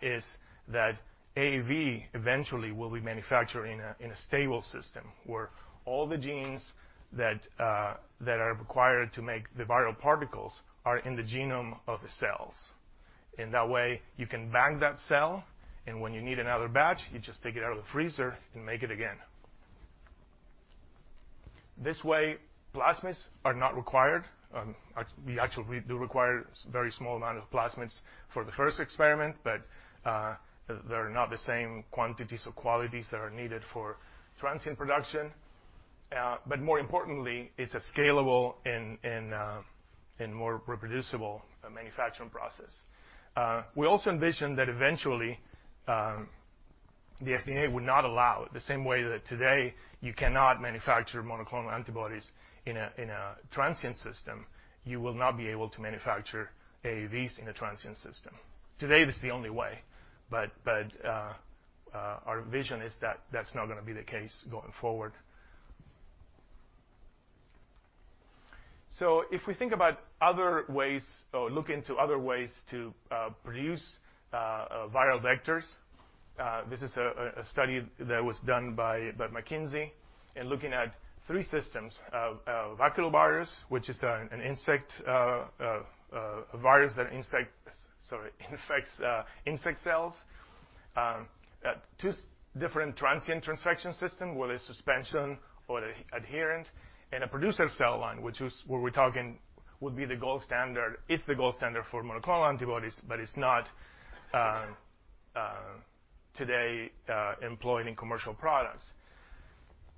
is that AAV eventually will be manufactured in a stable system where all the genes that are required to make the viral particles are in the genome of the cells. That way you can bank that cell, and when you need another batch, you just take it out of the freezer and make it again. This way, plasmids are not required. We actually do require very small amount of plasmids for the first experiment, but they're not the same quantities or qualities that are needed for transient production. More importantly, it's a scalable and more reproducible manufacturing process. We also envision that eventually, the FDA would not allow, the same way that today you cannot manufacture monoclonal antibodies in a transient system, you will not be able to manufacture AAVs in a transient system. Today, this is the only way, but our vision is that that's not gonna be the case going forward. If we think about other ways or look into other ways to produce viral vectors, this is a study that was done by McKinsey & Company looking at three systems of Baculovirus, which is an insect virus that infects insect cells, two different transient transfection systems with a suspension or an adherent, and a producer cell line, which is where we're talking would be the gold standard. It's the gold standard for monoclonal antibodies, but it's not today employed in commercial products.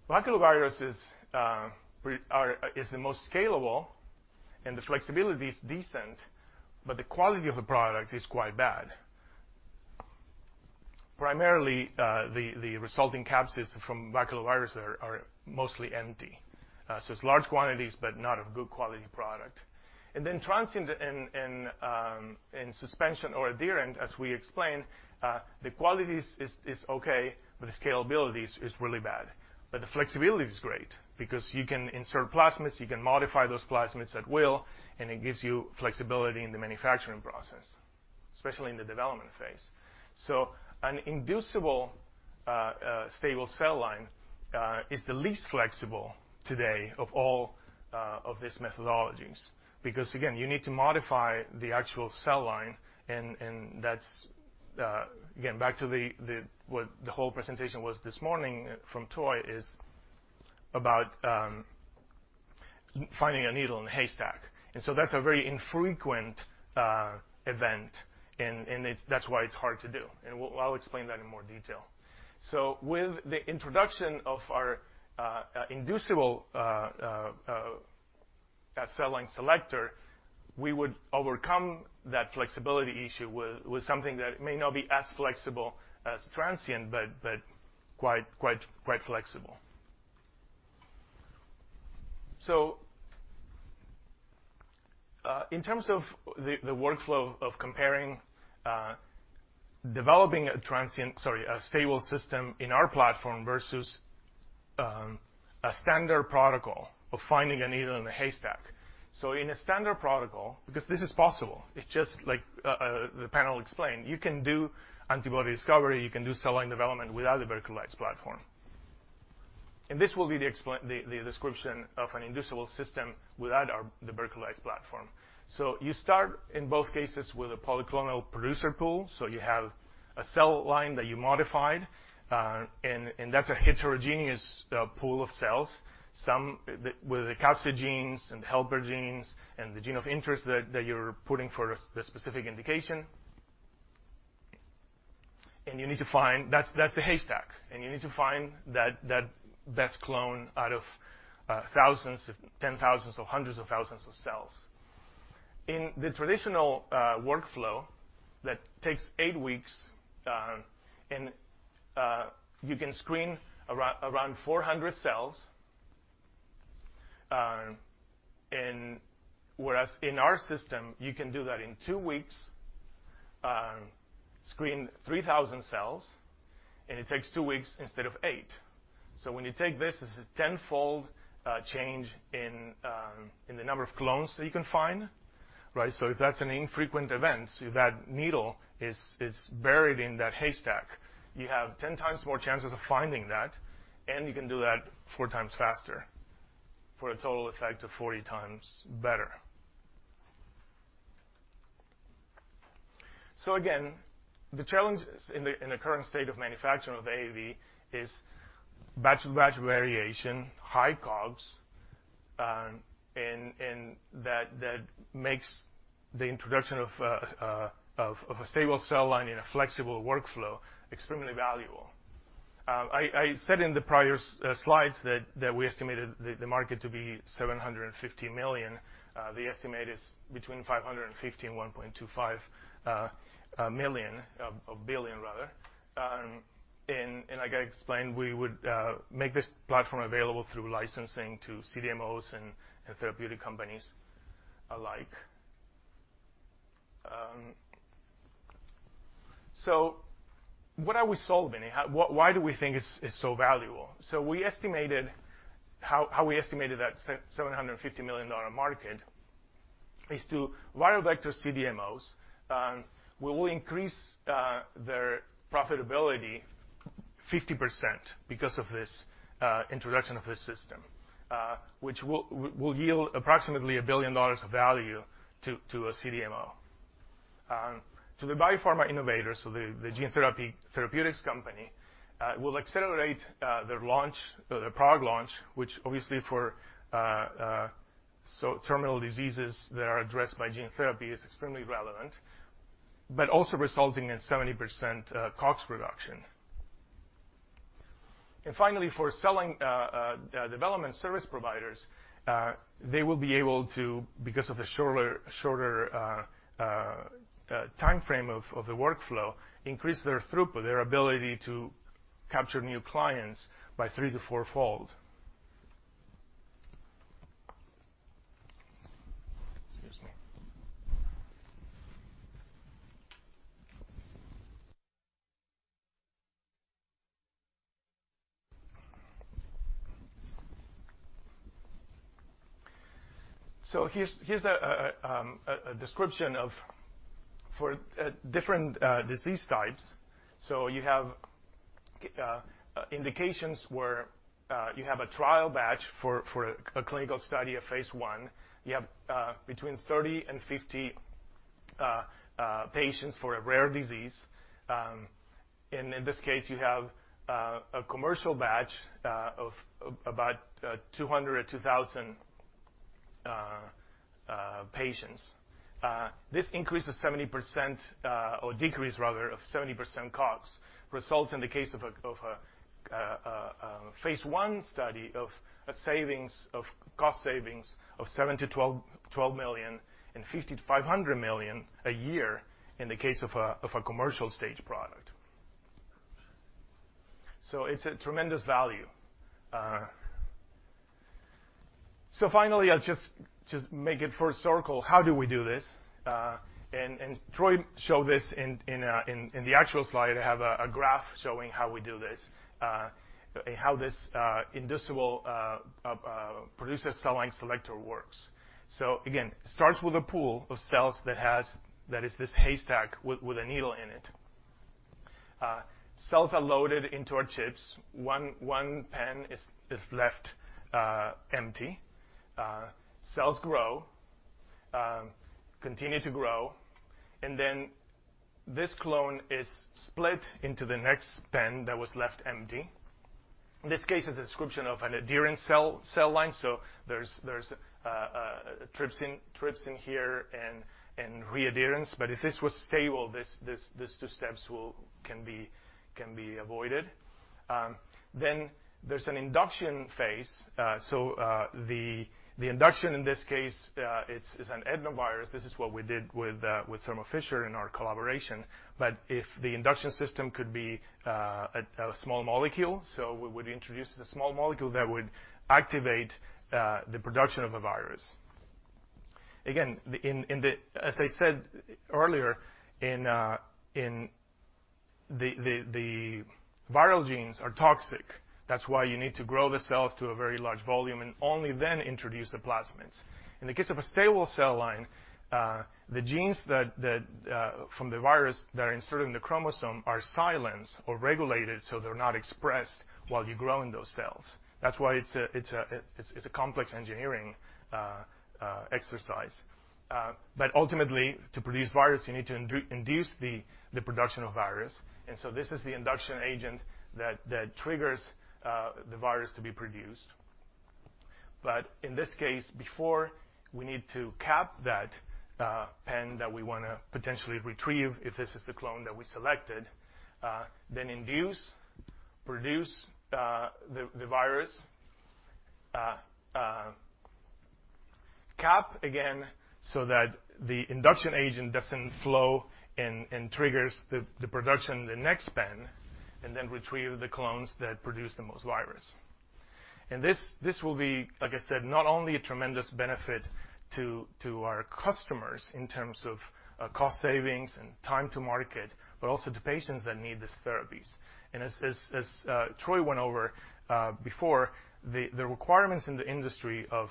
Baculovirus is the most scalable, and the flexibility is decent, but the quality of the product is quite bad. Primarily, the resulting capsids from baculovirus are mostly empty. It's large quantities, but not a good quality product. Transient and suspension or adherent, as we explained, the quality is okay, but the scalability is really bad. The flexibility is great because you can insert plasmids, you can modify those plasmids at will, and it gives you flexibility in the manufacturing process, especially in the development phase. An inducible stable cell line is the least flexible today of all of these methodologies because again, you need to modify the actual cell line and that's again back to what the whole presentation was this morning from Troy is about finding a needle in the haystack. That's a very infrequent event, and that's why it's hard to do. I'll explain that in more detail. With the introduction of our inducible cell line selector, we would overcome that flexibility issue with something that may not be as flexible as transient, but quite flexible. In terms of the workflow of comparing developing a stable system in our platform versus a standard protocol of finding a needle in a haystack. In a standard protocol, because this is possible, it's just like the panel explained, you can do antibody discovery, you can do cell line development without the Berkeley Lights' platform. This will be the description of an inducible system without the Berkeley Lights' platform. You start in both cases with a polyclonal producer pool. You have a cell line that you modified and that's a heterogeneous pool of cells, some with the capsid genes and helper genes and the gene of interest that you're putting for a specific indication. You need to find. That's the haystack, and you need to find that best clone out of thousands, tens of thousands or hundreds of thousands of cells. In the traditional workflow that takes eight weeks, and you can screen around 400 cells, and whereas in our system, you can do that in two weeks, screen 3,000 cells, and it takes two weeks instead of eight. When you take this as a tenfold change in the number of clones that you can find, right? If that's an infrequent event, if that needle is buried in that haystack, you have 10 times more chances of finding that, and you can do that four times faster for a total effect of 40 times better. Again, the challenges in the current state of manufacturing of AAV is batch-to-batch variation, high COGS, and that makes the introduction of a stable cell line in a flexible workflow extremely valuable. I said in the prior slides that we estimated the market to be $750 million. The estimate is between $550 million and $1.25 billion. Like I explained, we would make this platform available through licensing to CDMOs and therapeutic companies alike. What are we solving? Why do we think it's so valuable? We estimated... How we estimated that $750 million market for viral vector CDMOs, we will increase their profitability 50% because of this introduction of this system, which will yield approximately $1 billion of value to a CDMO. To the biopharma innovators, the gene therapy therapeutics company will accelerate their launch, their product launch, which obviously for such terminal diseases that are addressed by gene therapy is extremely relevant, but also resulting in 70% COGS reduction. Finally, for cell line development service providers, they will be able to, because of the shorter timeframe of the workflow, increase their throughput, their ability to capture new clients by three to four fold. Excuse me. Here's a description for different disease types. You have indications where you have a trial batch for a clinical study of phase I. You have between 30 and 50 patients for a rare disease. In this case, you have a commercial batch of about 200 to 2,000 patients. This increase of 70% or decrease rather of 70% COGS results in the case of a phase I study of cost savings of $7 million-$12 million and $50 million-$500 million a year in the case of a commercial stage product. It's a tremendous value. Finally, I'll just make it full circle. How do we do this? Troy showed this in the actual slide. I have a graph showing how we do this. How this inducible producer cell line selector works. It starts with a pool of cells that has that is this haystack with a needle in it. Cells are loaded into our chips. One pen is left empty. Cells grow, continue to grow, and then this clone is split into the next pen that was left empty. This case is a description of an adherent cell line, so there's trypsin here and readherence, but if this was stable, these two steps can be avoided. There's an induction phase. The induction in this case, it's an adenovirus. This is what we did with Thermo Fisher Scientific in our collaboration. If the induction system could be a small molecule. We would introduce the small molecule that would activate the production of a virus. Again, as I said earlier, the viral genes are toxic. That's why you need to grow the cells to a very large volume and only then introduce the plasmids. In the case of a stable cell line, the genes from the virus that are inserted in the chromosome are silenced or regulated, so they're not expressed while you're growing those cells. That's why it's a complex engineering exercise. Ultimately, to produce virus, you need to induce the production of virus. This is the induction agent that triggers the virus to be produced. In this case, before we need to cap that pen that we wanna potentially retrieve, if this is the clone that we selected, then induce, produce the virus, cap again so that the induction agent doesn't flow and triggers the production in the next pen, and then retrieve the clones that produce the most virus. This will be, like I said, not only a tremendous benefit to our customers in terms of cost savings and time to market, but also to patients that need these therapies. As Troy went over before, the requirements in the industry of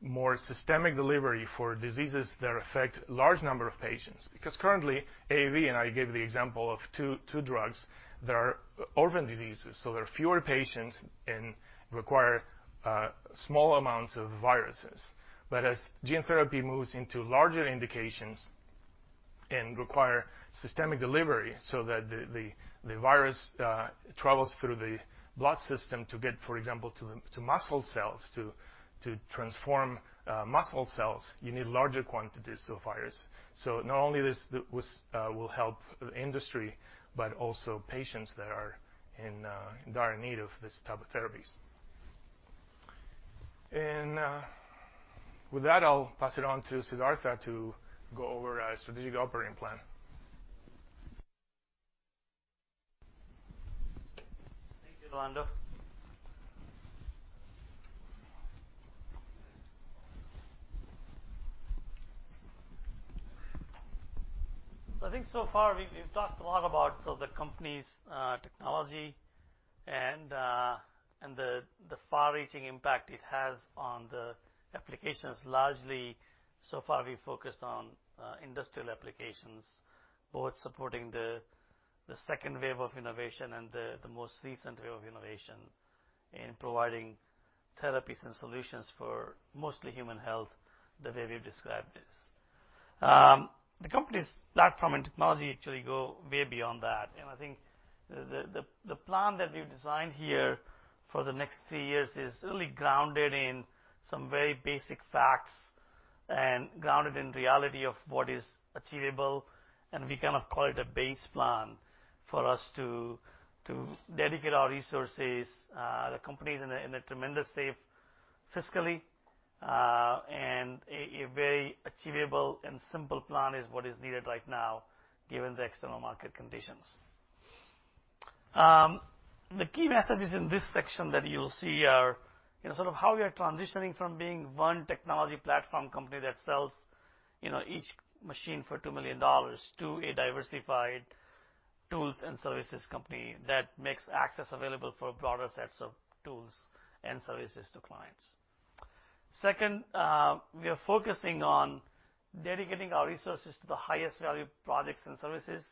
more systemic delivery for diseases that affect large number of patients. Because currently, AAV, and I gave the example of two drugs that are orphan diseases, so there are fewer patients and require small amounts of viruses. As gene therapy moves into larger indications and require systemic delivery so that the virus travels through the blood system to get, for example, to muscle cells to transform muscle cells, you need larger quantities of virus. Not only this will help the industry, but also patients that are in dire need of this type of therapies. With that, I'll pass it on to Siddhartha to go over our strategic operating plan. Thank you, Rolando. I think so far we've talked a lot about sort of the company's technology and the far-reaching impact it has on the applications. Largely, so far we've focused on industrial applications, both supporting the second wave of innovation and the most recent wave of innovation in providing therapies and solutions for mostly human health, the way we've described this. The company's platform and technology actually go way beyond that. I think the plan that we've designed here for the next three years is really grounded in some very basic facts and grounded in reality of what is achievable. We kind of call it a base plan for us to dedicate our resources. The company's in a tremendous state fiscally, and a very achievable and simple plan is what is needed right now given the external market conditions. The key messages in this section that you'll see are, you know, sort of how we are transitioning from being one technology platform company that sells, you know, each machine for $2 million to a diversified tools and services company that makes access available for broader sets of tools and services to clients. Second, we are focusing on dedicating our resources to the highest value projects and services.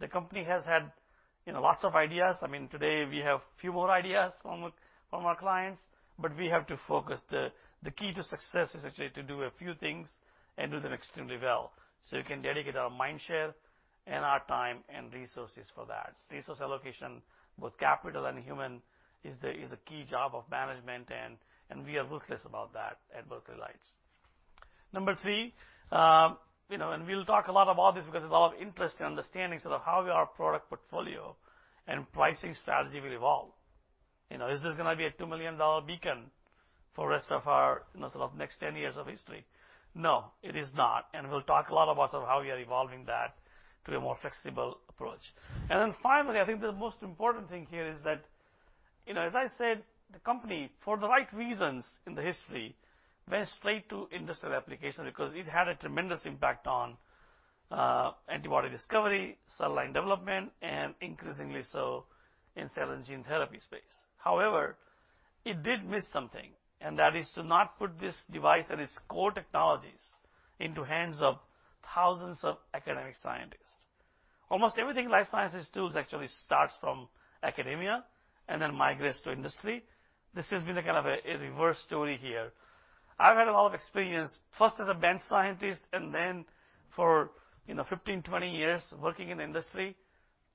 The company has had, you know, lots of ideas. I mean, today we have few more ideas from our clients, but we have to focus. The key to success is actually to do a few things and do them extremely well, so we can dedicate our mind share and our time and resources for that. Resource allocation, both capital and human, is a key job of management, and we are ruthless about that at Berkeley Lights. Number three, you know, we'll talk a lot about this because there's a lot of interest in understanding sort of how our product portfolio and pricing strategy will evolve. You know, is this gonna be a $2 million Beacon for the rest of our, you know, sort of next 10 years of history? No, it is not. We'll talk a lot about sort of how we are evolving that to a more flexible approach. Then finally, I think the most important thing here is that, you know, as I said, the company, for the right reasons in the history, went straight to industrial application because it had a tremendous impact on antibody discovery, cell line development, and increasingly so in cell and gene therapy space. However, it did miss something, and that is to not put this device and its core technologies into hands of thousands of academic scientists. Almost everything life sciences tools actually starts from academia and then migrates to industry. This has been a kind of a reverse story here. I've had a lot of experience, first as a bench scientist and then for, you know, 15, 20 years working in industry,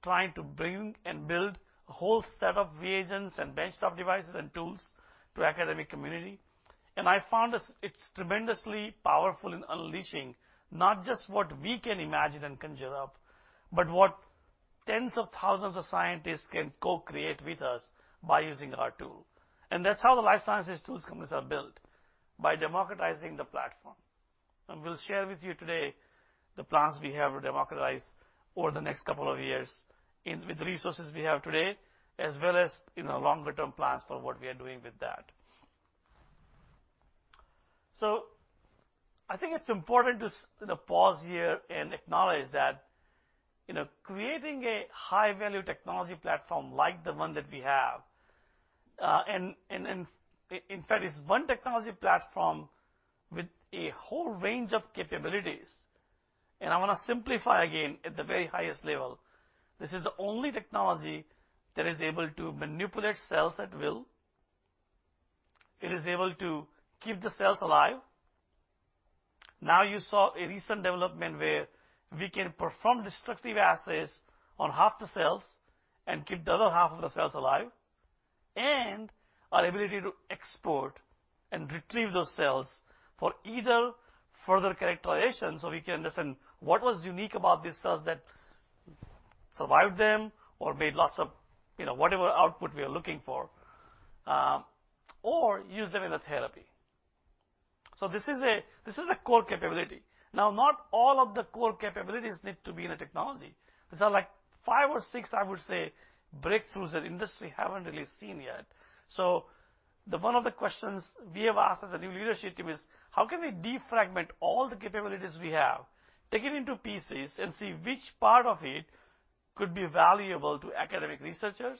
trying to bring and build a whole set of reagents and bench top devices and tools to academic community. I found this. It's tremendously powerful in unleashing not just what we can imagine and conjure up, but what tens of thousands of scientists can co-create with us by using our tool. That's how the life sciences tools companies are built, by democratizing the platform. We'll share with you today the plans we have to democratize over the next couple of years with the resources we have today, as well as, you know, longer term plans for what we are doing with that. I think it's important to you know, pause here and acknowledge that, you know, creating a high-value technology platform like the one that we have, and, in fact, it's one technology platform with a whole range of capabilities. I wanna simplify again at the very highest level. This is the only technology that is able to manipulate cells at will. It is able to keep the cells alive. Now you saw a recent development where we can perform destructive assays on half the cells and keep the other half of the cells alive, and our ability to export and retrieve those cells for either further characterization, so we can understand what was unique about these cells that survived them or made lots of, you know, whatever output we are looking for, or use them in a therapy. This is a core capability. Now, not all of the core capabilities need to be in a technology. These are like five or six, I would say, breakthroughs that industry haven't really seen yet. One of the questions we have asked as a new leadership team is: how can we defragment all the capabilities we have, take it into pieces, and see which part of it could be valuable to academic researchers,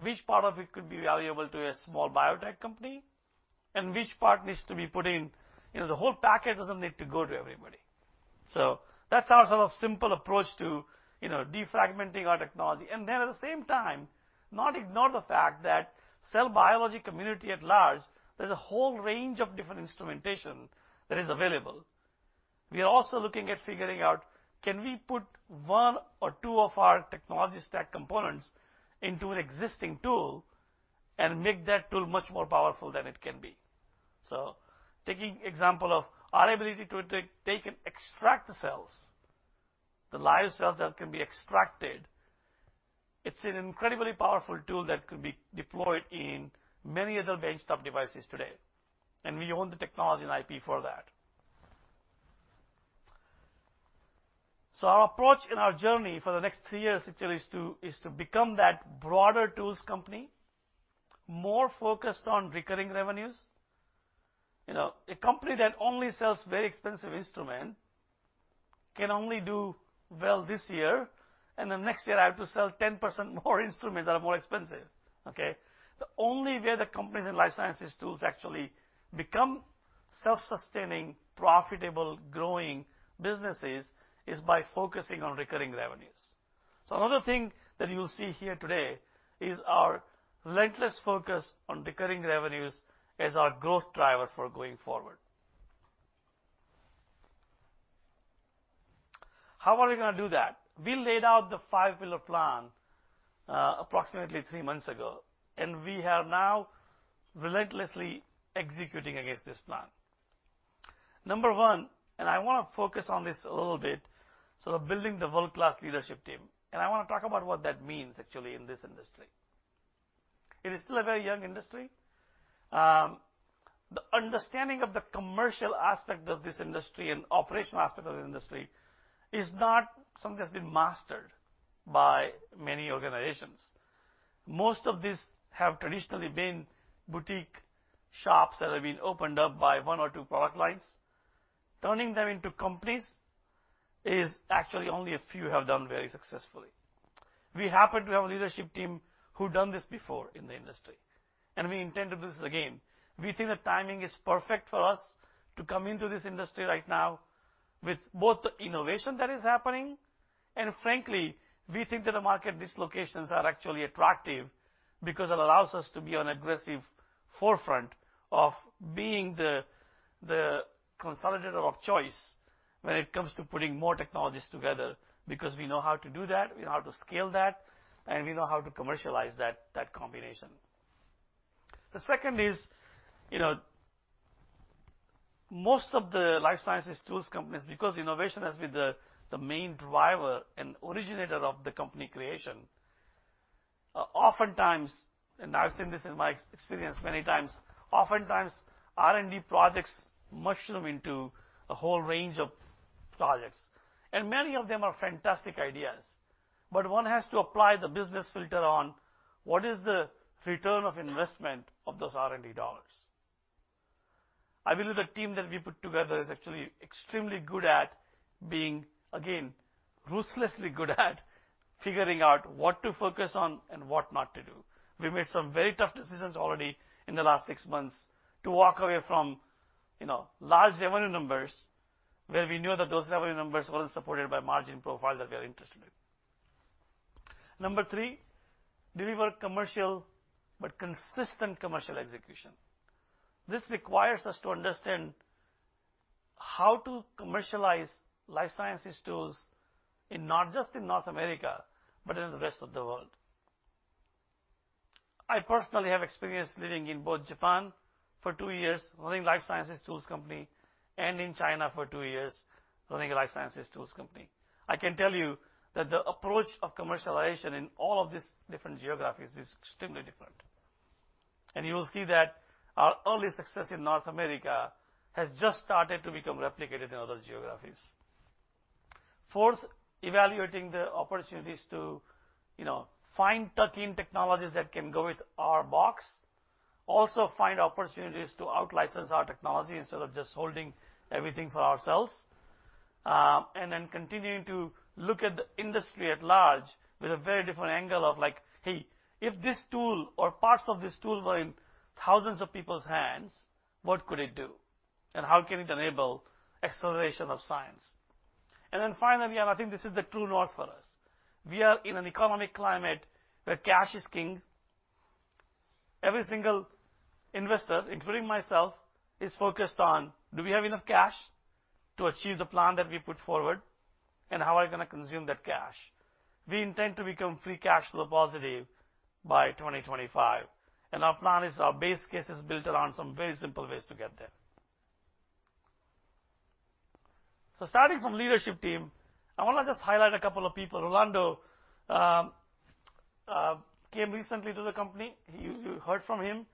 which part of it could be valuable to a small biotech company, and which part needs to be put in. You know, the whole package doesn't need to go to everybody. That's our sort of simple approach to, you know, defragmenting our technology. Then at the same time, not ignore the fact that cell biology community at large, there's a whole range of different instrumentation that is available. We are also looking at figuring out, can we put one or two of our technology stack components into an existing tool and make that tool much more powerful than it can be? Taking example of our ability to take and extract the cells, the live cells that can be extracted, it's an incredibly powerful tool that could be deployed in many other bench top devices today, and we own the technology and IP for that. Our approach and our journey for the next three years actually is to become that broader tools company, more focused on recurring revenues. You know, a company that only sells very expensive instrument can only do well this year, and then next year, I have to sell 10% more instruments that are more expensive, okay? The only way the companies in life sciences tools actually become self-sustaining, profitable, growing businesses is by focusing on recurring revenues. Another thing that you'll see here today is our relentless focus on recurring revenues as our growth driver for going forward. How are we gonna do that? We laid out the five pillar plan, approximately three months ago, and we are now relentlessly executing against this plan. Number 1, and I wanna focus on this a little bit, so we're building the world-class leadership team, and I wanna talk about what that means actually in this industry. It is still a very young industry. The understanding of the commercial aspect of this industry and operational aspect of the industry is not something that's been mastered by many organizations. Most of these have traditionally been boutique shops that have been opened up by one or two product lines. Turning them into companies is actually only a few have done very successfully. We happen to have a leadership team who've done this before in the industry, and we intend to do this again. We think the timing is perfect for us to come into this industry right now with both the innovation that is happening, and frankly, we think that the market dislocations are actually attractive because it allows us to be on aggressive forefront of being the consolidator of choice when it comes to putting more technologies together, because we know how to do that, we know how to scale that, and we know how to commercialize that combination. The second is, you know, most of the life sciences tools companies, because innovation has been the main driver and originator of the company creation, oftentimes, and I've seen this in my experience many times. Oftentimes, R&D projects mushroom into a whole range of projects, and many of them are fantastic ideas. One has to apply the business filter on what is the return on investment of those R&D dollars. I believe the team that we put together is actually extremely good at being, again, ruthlessly good at figuring out what to focus on and what not to do. We made some very tough decisions already in the last six months to walk away from, you know, large revenue numbers where we knew that those revenue numbers weren't supported by margin profile that we are interested in. Number three, deliver commercial but consistent commercial execution. This requires us to understand how to commercialize life sciences tools not just in North America, but in the rest of the world. I personally have experience living in both Japan for two years, running life sciences tools company and in China for two years, running a life sciences tools company. I can tell you that the approach of commercialization in all of these different geographies is extremely different. You will see that our early success in North America has just started to become replicated in other geographies. Fourth, evaluating the opportunities to, you know, find tuck-in technologies that can go with our box. Also find opportunities to out-license our technology instead of just holding everything for ourselves. Continuing to look at the industry at large with a very different angle of like, "Hey, if this tool or parts of this tool were in thousands of people's hands, what could it do? And how can it enable acceleration of science?" Finally, and I think this is the true north for us. We are in an economic climate where cash is king. Every single investor, including myself, is focused on, do we have enough cash to achieve the plan that we put forward, and how are we gonna consume that cash? We intend to become free cash flow positive by 2025, and our plan is our base case is built around some very simple ways to get there. Starting from leadership team, I wanna just highlight a couple of people. Rolando came recently to the company. You heard from him.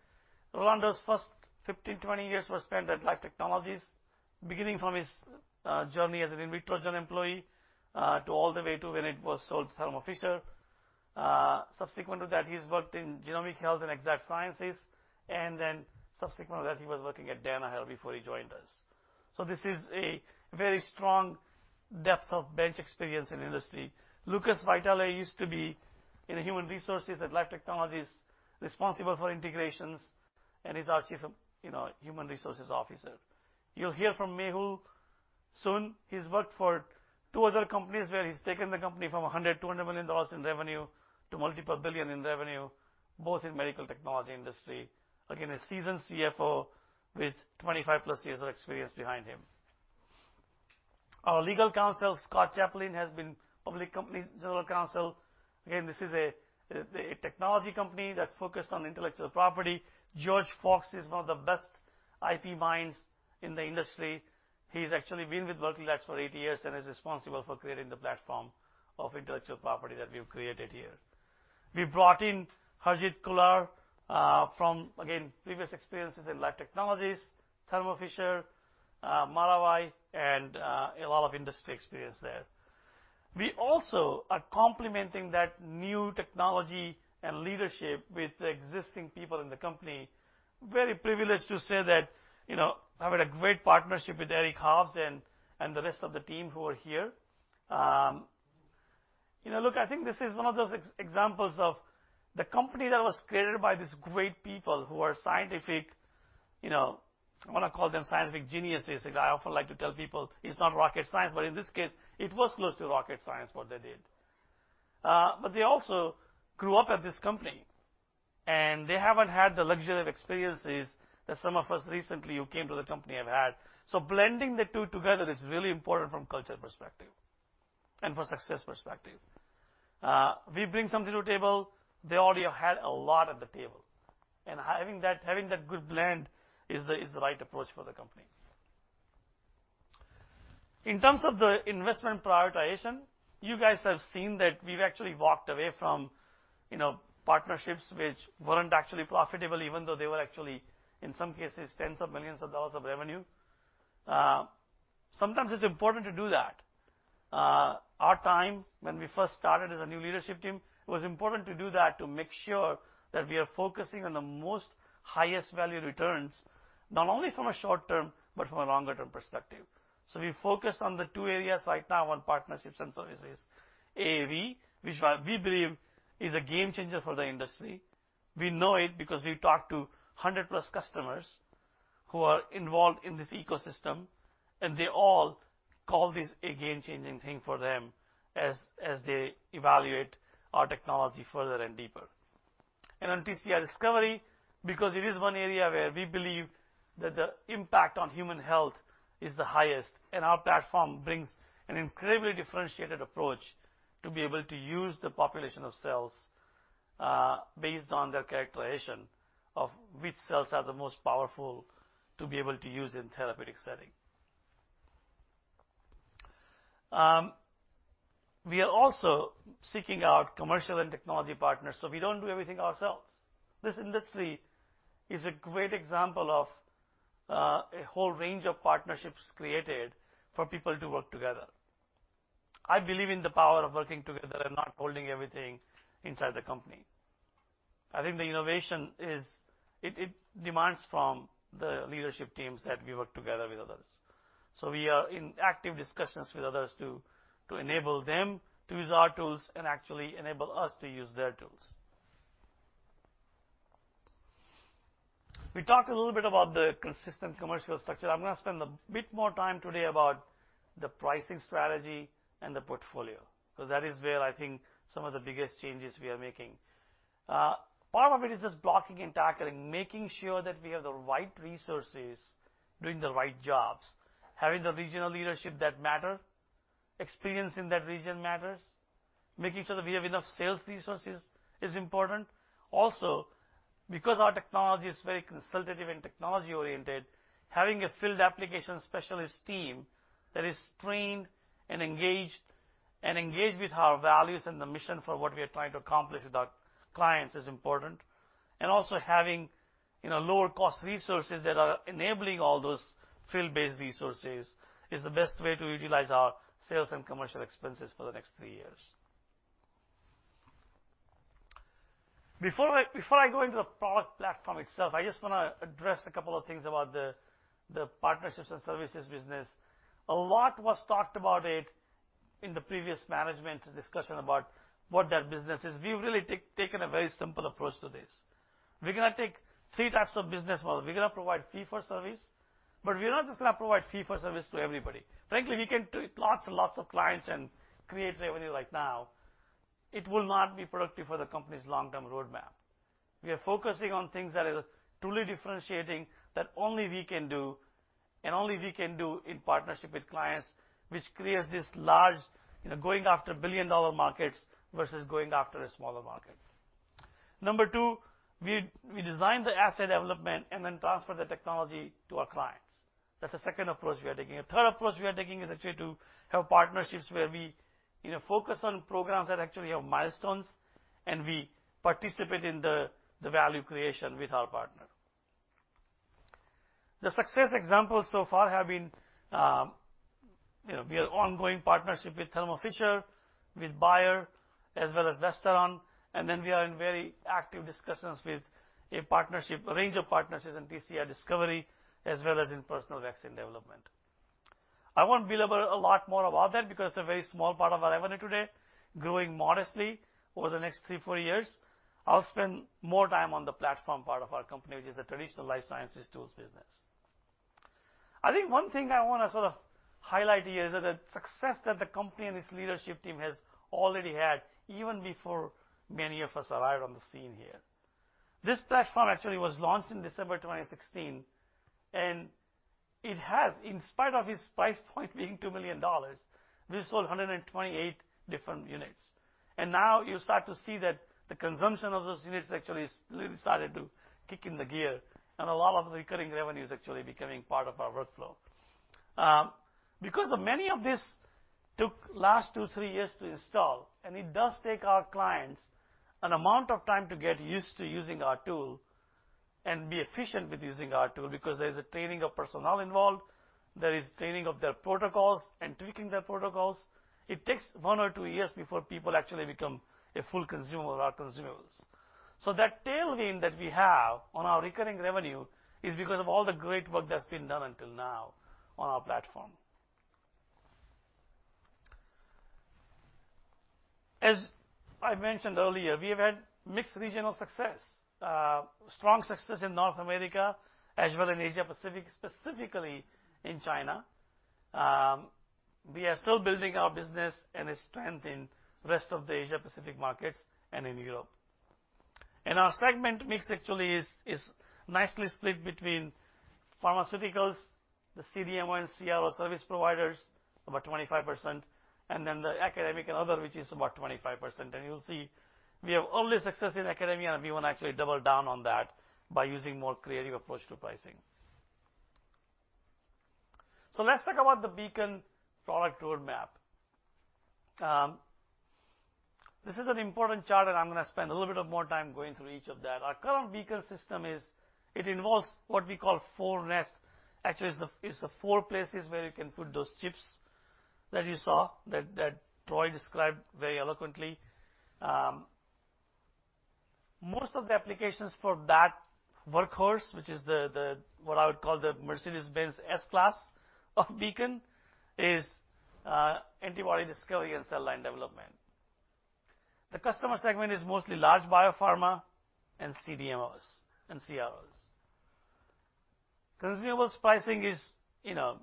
Rolando's first 15, 20 years were spent at Life Technologies, beginning from his journey as an Invitrogen employee to all the way to when it was sold to Thermo Fisher. Subsequent to that, he's worked in Genomic Health and Exact Sciences, and then subsequent to that, he was working at Danaher before he joined us. This is a very strong depth of bench experience in industry. Lucas Vitale used to be in human resources at Life Technologies, responsible for integrations, and he's our chief of, you know, human resources officer. You'll hear from Mehul soon. He's worked for two other companies where he's taken the company from $100 million-$200 million in revenue to multiple billion in revenue, both in medical technology industry. Again, a seasoned CFO with 25+ years of experience behind him. Our legal counsel, Scott Chaplin, has been public company general counsel. Again, this is a technology company that's focused on intellectual property. George Fox is one of the best IP minds in the industry. He's actually been with Berkeley Lights for eight years and is responsible for creating the platform of intellectual property that we've created here. We brought in Harjit Kular from again, previous experiences in Life Technologies, Thermo Fisher, Millipore and a lot of industry experience there. We also are complementing that new technology and leadership with the existing people in the company. Very privileged to say that, you know, I've had a great partnership with Eric Hobbs and the rest of the team who are here. You know, look, I think this is one of those examples of the company that was created by these great people who are scientific, you know, I wanna call them scientific geniuses. I often like to tell people it's not rocket science, but in this case, it was close to rocket science, what they did. But they also grew up at this company, and they haven't had the luxury of experiences that some of us recently who came to the company have had. Blending the two together is really important from culture perspective and from success perspective. We bring something to the table. They already have had a lot at the table. Having that good blend is the right approach for the company. In terms of the investment prioritization, you guys have seen that we've actually walked away from, you know, partnerships which weren't actually profitable, even though they were actually, in some cases, tens of millions of dollars of revenue. Sometimes it's important to do that. Our time when we first started as a new leadership team, it was important to do that to make sure that we are focusing on the most highest value returns, not only from a short term, but from a longer term perspective. We focused on the two areas right now on partnerships and services. AAV, which, we believe is a game changer for the industry. We know it because we've talked to 100+ customers who are involved in this ecosystem, and they all call this a game-changing thing for them as they evaluate our technology further and deeper. On TCR discovery, because it is one area where we believe that the impact on human health is the highest, and our platform brings an incredibly differentiated approach to be able to use the population of cells based on their characterization of which cells are the most powerful to be able to use in therapeutic setting. We are also seeking out commercial and technology partners, so we don't do everything ourselves. This industry is a great example of a whole range of partnerships created for people to work together. I believe in the power of working together and not holding everything inside the company. I think the innovation is it demands from the leadership teams that we work together with others. We are in active discussions with others to enable them to use our tools and actually enable us to use their tools. We talked a little bit about the consistent commercial structure. I'm gonna spend a bit more time today about the pricing strategy and the portfolio, 'cause that is where I think some of the biggest changes we are making. Part of it is just blocking and tackling, making sure that we have the right resources doing the right jobs, having the regional leadership that matter. Experience in that region matters. Making sure that we have enough sales resources is important. Also, because our technology is very consultative and technology-oriented, having a field application specialist team that is trained and engaged, and engaged with our values and the mission for what we are trying to accomplish with our clients is important. Also having, you know, lower cost resources that are enabling all those field-based resources is the best way to utilize our sales and commercial expenses for the next three years. Before I go into the product platform itself, I just wanna address a couple of things about the partnerships and services business. A lot was talked about it in the previous management discussion about what that business is. We've really taken a very simple approach to this. We're gonna take three types of business model. We're gonna provide fee for service, but we're not just gonna provide fee for service to everybody. Frankly, we can do it lots and lots of clients and create revenue like now. It will not be productive for the company's long-term roadmap. We are focusing on things that are truly differentiating that only we can do, and only we can do in partnership with clients, which creates this large, you know, going after billion-dollar markets versus going after a smaller market. Number two, we design the asset development and then transfer the technology to our clients. That's the second approach we are taking. A third approach we are taking is actually to have partnerships where we, you know, focus on programs that actually have milestones, and we participate in the value creation with our partner. The success examples so far have been, we have ongoing partnership with Thermo Fisher, with Bayer, as well as Visterra, and then we are in very active discussions with a range of partnerships in TCR discovery, as well as in personalized vaccine development. I won't belabor a lot more about that because they're a very small part of our revenue today, growing modestly over the next three, four years. I'll spend more time on the platform part of our company, which is the traditional life sciences tools business. I think one thing I wanna sort of highlight here is that the success that the company and its leadership team has already had, even before many of us arrived on the scene here. This platform actually was launched in December 2016, and it has, in spite of its price point being $2 million, we sold 128 different units. Now you start to see that the consumption of those units actually has really started to kick in gear, and a lot of the recurring revenue is actually becoming part of our workflow. Because many of these took last two, three years to install, and it does take our clients an amount of time to get used to using our tool and be efficient with using our tool because there's a training of personnel involved, there is training of their protocols and tweaking their protocols. It takes one or two years before people actually become a full consumer of our consumables. That tailwind that we have on our recurring revenue is because of all the great work that's been done until now on our platform. As I mentioned earlier, we have had mixed regional success. Strong success in North America as well in Asia-Pacific, specifically in China. We are still building our business and its strength in rest of the Asia-Pacific markets and in Europe. Our segment mix actually is nicely split between pharmaceuticals, the CDMO and CRO service providers, about 25%, and then the academic and other, which is about 25%. You'll see we have early success in academia, and we wanna actually double down on that by using more creative approach to pricing. Let's talk about the Beacon product roadmap. This is an important chart, and I'm gonna spend a little bit more time going through each of that. Our current Beacon system is. It involves what we call four nests. Actually, it's the four places where you can put those chips that you saw that Troy described very eloquently. Most of the applications for that workhorse, which is what I would call the Mercedes-Benz S-Class of Beacon, is antibody discovery and cell line development. The customer segment is mostly large biopharma and CDMOs and CROs. Consumables pricing is, you know,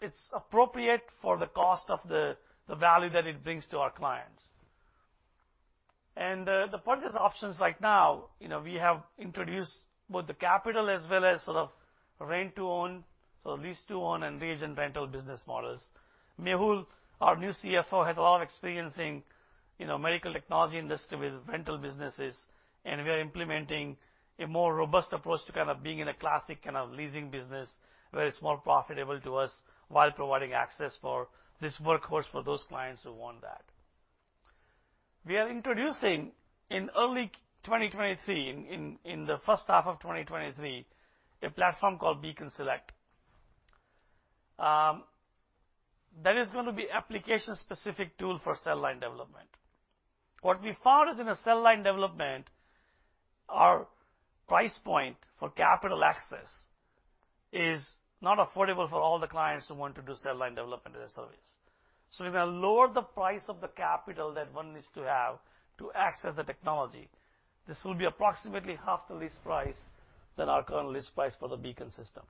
it's appropriate for the cost of the value that it brings to our clients. The purchase options right now, you know, we have introduced both the capital as well as sort of rent-to-own, so lease-to-own and lease and rental business models. Mehul, our new CFO, has a lot of experience in, you know, medical technology industry with rental businesses, and we are implementing a more robust approach to kind of being in a classic kind of leasing business where it's more profitable to us while providing access for this workhorse for those clients who want that. We are introducing in early 2023, in the first half of 2023, a platform called Beacon Select. That is gonna be application-specific tool for cell line development. What we found is in a cell line development, our price point for capital access is not affordable for all the clients who want to do cell line development as a service. We will lower the price of the capital that one needs to have to access the technology. This will be approximately half the lease price than our current lease price for the Beacon system.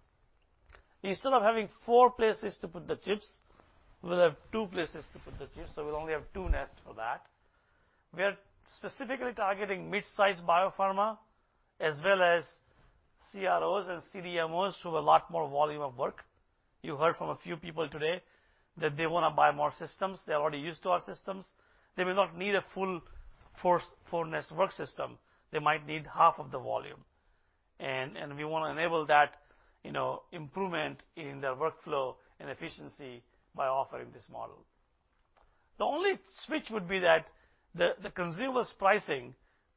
Instead of having four places to put the chips, we'll have two places to put the chips, so we'll only have two nests for that. We are specifically targeting midsize biopharma, as well as CROs and CDMOs who have a lot more volume of work. You heard from a few people today that they wanna buy more systems. They're already used to our systems. They may not need a full four nest workflow system. They might need half of the volume. We wanna enable that, you know, improvement in their workflow and efficiency by offering this model. The only switch would be that the consumables pricing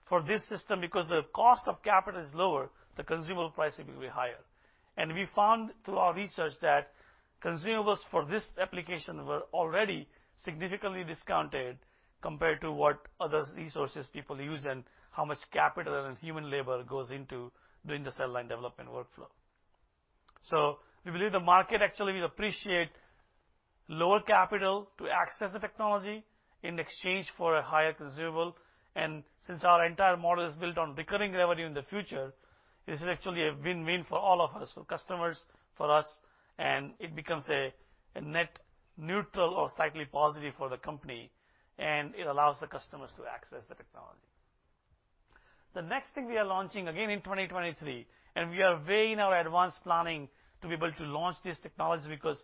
for this system, because the cost of capital is lower, the consumable pricing will be higher. We found through our research that consumables for this application were already significantly discounted compared to what other resources people use and how much capital and human labor goes into doing the cell line development workflow. We believe the market actually will appreciate lower capital to access the technology in exchange for a higher consumable. Since our entire model is built on recurring revenue in the future, this is actually a win-win for all of us, for customers, for us, and it becomes a net neutral or slightly positive for the company, and it allows the customers to access the technology. The next thing we are launching again in 2023, and we are way ahead in our advanced planning to be able to launch this technology because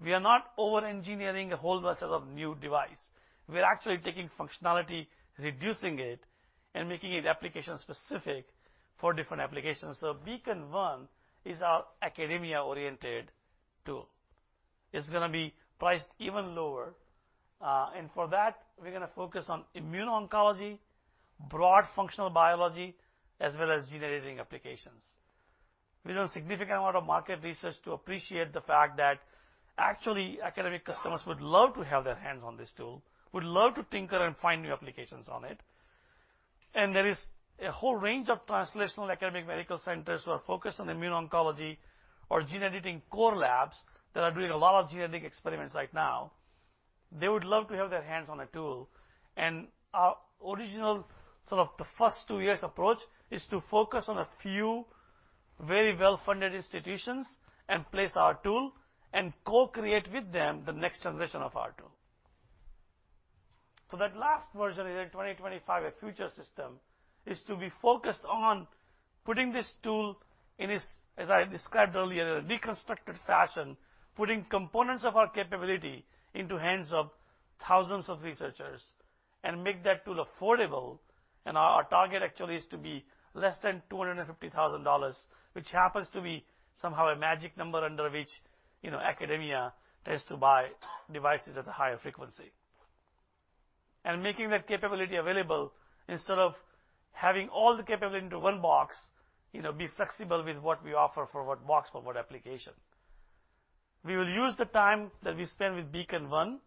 we are not over-engineering a whole bunch of new device. We're actually taking functionality, reducing it, and making it application-specific for different applications. Beacon One is our academia-oriented tool. It's gonna be priced even lower. For that, we're gonna focus on immune oncology, broad functional biology, as well as gene editing applications. We've done a significant amount of market research to appreciate the fact that actually academic customers would love to have their hands on this tool, would love to tinker and find new applications on it. There is a whole range of translational academic medical centers who are focused on immune oncology or gene editing core labs that are doing a lot of genetic experiments right now. They would love to have their hands on a tool. Our original sort of the first two years approach is to focus on a few very well-funded institutions and place our tool and co-create with them the next generation of our tool. That last version in 2025, a future system, is to be focused on putting this tool in as I described earlier, in a deconstructed fashion, putting components of our capability into hands of thousands of researchers and make that tool affordable. Our target actually is to be less than $250,000, which happens to be somehow a magic number under which, you know, academia tends to buy devices at a higher frequency. Making that capability available, instead of having all the capability into one box, you know, be flexible with what we offer for what box for what application. We will use the time that we spend with Beacon One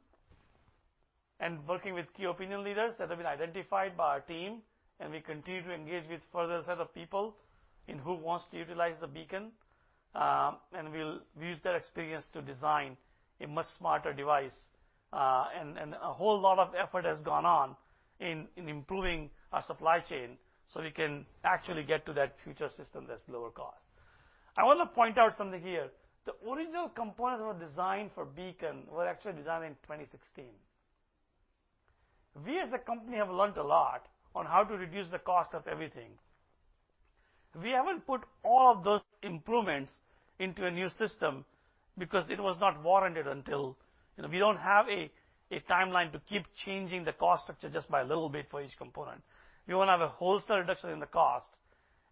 and working with key opinion leaders that have been identified by our team, and we continue to engage with further set of people who want to utilize the Beacon, and we'll use their experience to design a much smarter device. A whole lot of effort has gone on in improving our supply chain, so we can actually get to that future system that's lower cost. I wanna point out something here. The original components that were designed for Beacon were actually designed in 2016. We as a company have learned a lot on how to reduce the cost of everything. We haven't put all of those improvements into a new system because it was not warranted until. You know, we don't have a timeline to keep changing the cost structure just by a little bit for each component. We wanna have a wholesale reduction in the cost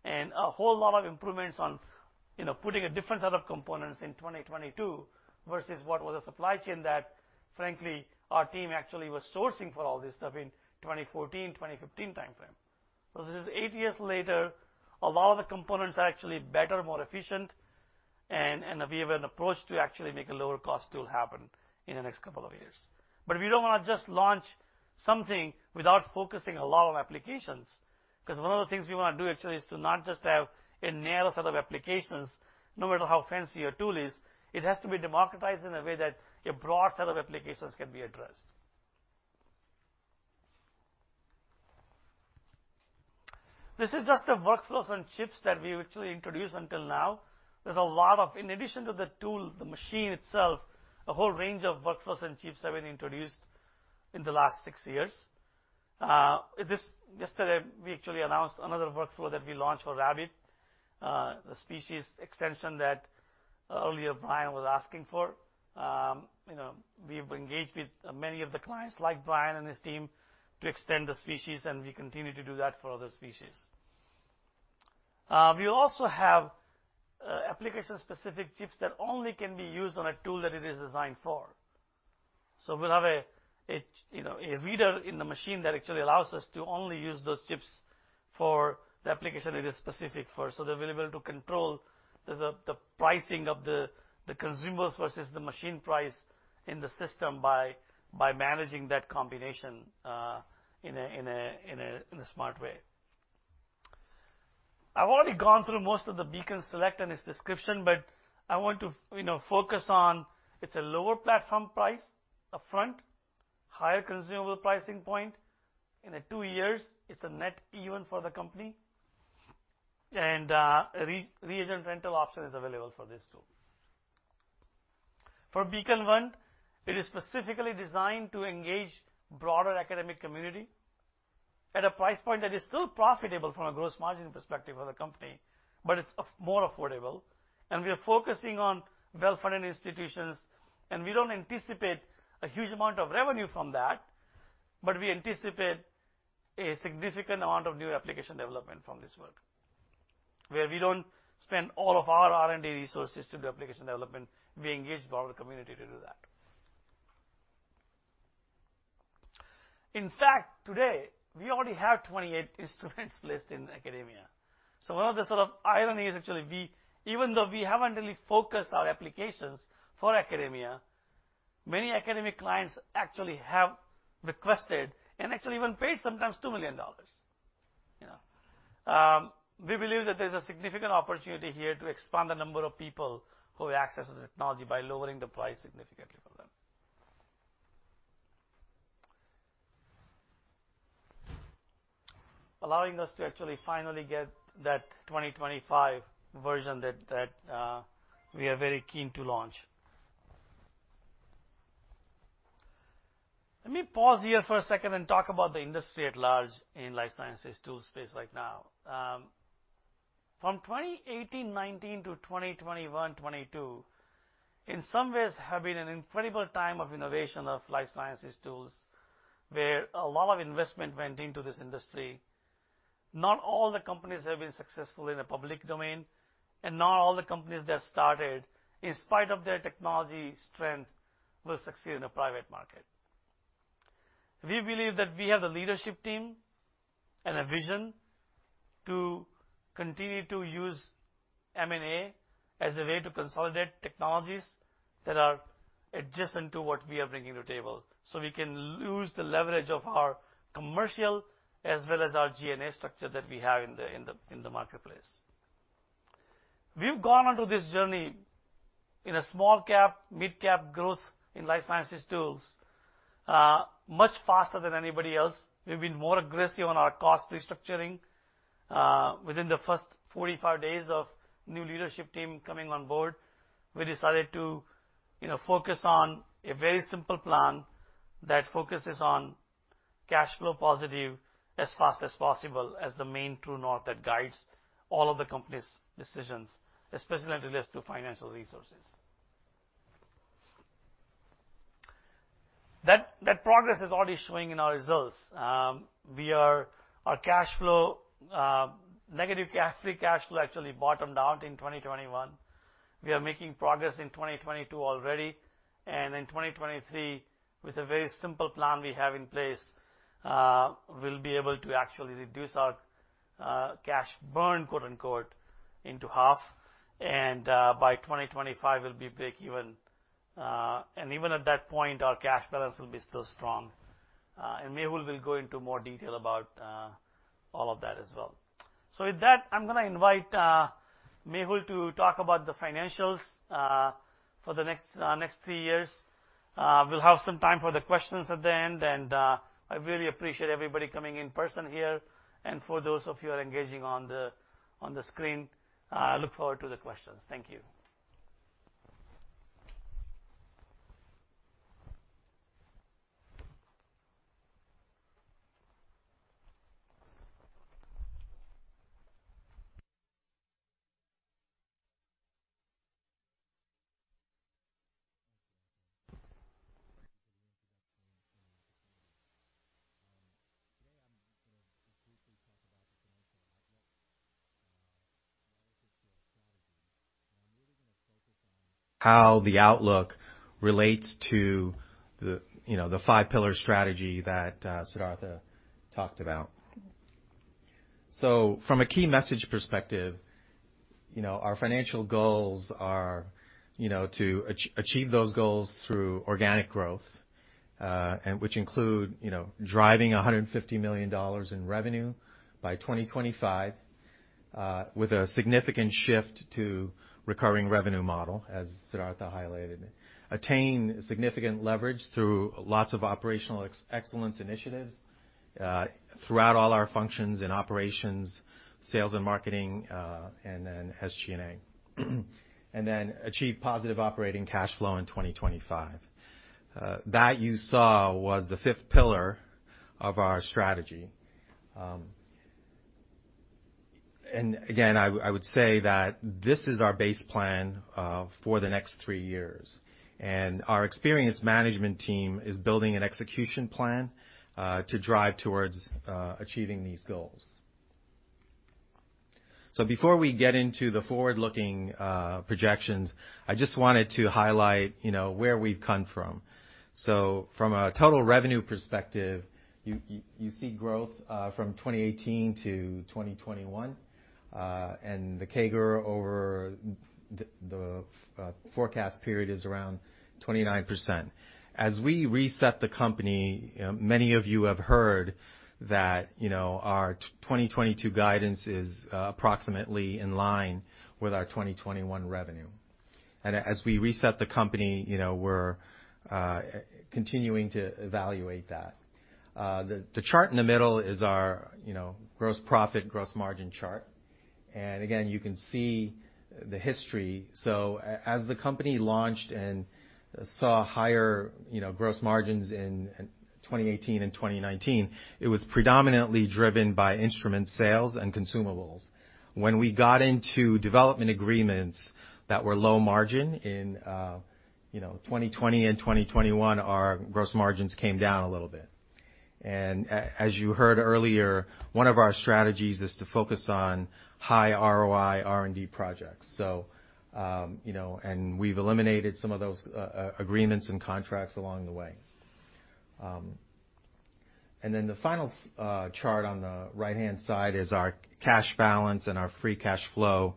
and a whole lot of improvements on, you know, putting a different set of components in 2022 versus what was a supply chain that, frankly, our team actually was sourcing for all this stuff in 2014, 2015 timeframe. This is eight years later, a lot of the components are actually better, more efficient, and we have an approach to actually make a lower cost tool happen in the next couple of years. We don't wanna just launch something without focusing a lot on applications, 'cause one of the things we wanna do actually is to not just have a narrow set of applications, no matter how fancy a tool is. It has to be democratized in a way that a broad set of applications can be addressed. This is just the workflows and chips that we've actually introduced until now. In addition to the tool, the machine itself, a whole range of workflows and chips have been introduced in the last six years. Yesterday, we actually announced another workflow that we launched for rabbit, the species extension that earlier Brian was asking for. You know, we've engaged with many of the clients, like Brian and his team, to extend the species, and we continue to do that for other species. We also have application-specific chips that only can be used on a tool that it is designed for. We'll have you know, a reader in the machine that actually allows us to only use those chips for the application it is specific for. They'll be able to control the pricing of the consumables versus the machine price in the system by managing that combination in a smart way. I've already gone through most of the Beacon Select and its description, but I want to you know, focus on it's a lower platform price upfront, higher consumable pricing point. In two years, it's a net even for the company. Reagent rental option is available for this tool. For Beacon One, it is specifically designed to engage broader academic community at a price point that is still profitable from a gross margin perspective for the company, but it's more affordable. We are focusing on well-funded institutions, and we don't anticipate a huge amount of revenue from that, but we anticipate a significant amount of new application development from this work, where we don't spend all of our R&D resources to the application development. We engage broader community to do that. In fact, today, we already have 28 instruments placed in academia. One of the sort of irony is actually even though we haven't really focused our applications for academia, many academic clients actually have requested and actually even paid sometimes $2 million. You know. We believe that there's a significant opportunity here to expand the number of people who access this technology by lowering the price significantly for them. Allowing us to actually finally get that 2025 version that we are very keen to launch. Let me pause here for a second and talk about the industry at large in life sciences tools space right now. From 2018-19 to 2021-22, in some ways have been an incredible time of innovation of life sciences tools, where a lot of investment went into this industry. Not all the companies have been successful in the public domain, and not all the companies that started, in spite of their technology strength, will succeed in the private market. We believe that we have a leadership team and a vision to continue to use M&A as a way to consolidate technologies that are adjacent to what we are bringing to the table, so we can use the leverage of our commercial as well as our SG&A structure that we have in the marketplace. We've gone onto this journey in a small cap, mid-cap growth in life sciences tools much faster than anybody else. We've been more aggressive on our cost restructuring. Within the first 45 days of new leadership team coming on board, we decided to, you know, focus on a very simple plan that focuses on cash flow positive as fast as possible as the main true north that guides all of the company's decisions, especially as it relates to financial resources. That progress is already showing in our results. Our cash flow negative free cash flow actually bottomed out in 2021. We are making progress in 2022 already. In 2023, with a very simple plan we have in place, we'll be able to actually reduce our cash burn, quote unquote, in half. By 2025, we'll be breakeven. Even at that point, our cash balance will be still strong. Mehul will go into more detail about all of that as well. With that, I'm gonna invite Mehul to talk about the financials for the next three years. We'll have some time for the questions at the end, and I really appreciate everybody coming in person here. For those of you who are engaging on the screen, I look forward to the questions. Thank you. Thank you, Siddhartha, for the introduction and the presentation. Today I'm gonna just briefly talk about the financial outlook relative to our strategy. I'm really gonna focus on how the outlook relates to the, you know, the five pillar strategy that Siddhartha talked about. From a key message perspective, you know, our financial goals are, you know, to achieve those goals through organic growth, and which include, you know, driving $150 million in revenue by 2025. With a significant shift to recurring revenue model, as Siddhartha highlighted. Attain significant leverage through lots of operational excellence initiatives, throughout all our functions in operations, sales and marketing, and then SG&A. Achieve positive operating cash flow in 2025. That you saw was the fifth pillar of our strategy. Again, I would say that this is our base plan, for the next three years. Our experienced management team is building an execution plan, to drive towards, achieving these goals. Before we get into the forward-looking, projections, I just wanted to highlight, you know, where we've come from. From a total revenue perspective, you see growth, from 2018 to 2021, and the CAGR over the forecast period is around 29%. As we reset the company, many of you have heard that, you know, our 2022 guidance is approximately in line with our 2021 revenue. As we reset the company, you know, we're continuing to evaluate that. The chart in the middle is our, you know, gross profit, gross margin chart. Again, you can see the history. As the company launched and saw higher, you know, gross margins in 2018 and 2019, it was predominantly driven by instrument sales and consumables. When we got into development agreements that were low margin in 2020 and 2021, our gross margins came down a little bit. As you heard earlier, one of our strategies is to focus on high ROI R&D projects. You know, we've eliminated some of those agreements and contracts along the way. The final chart on the right-hand side is our cash balance and our free cash flow.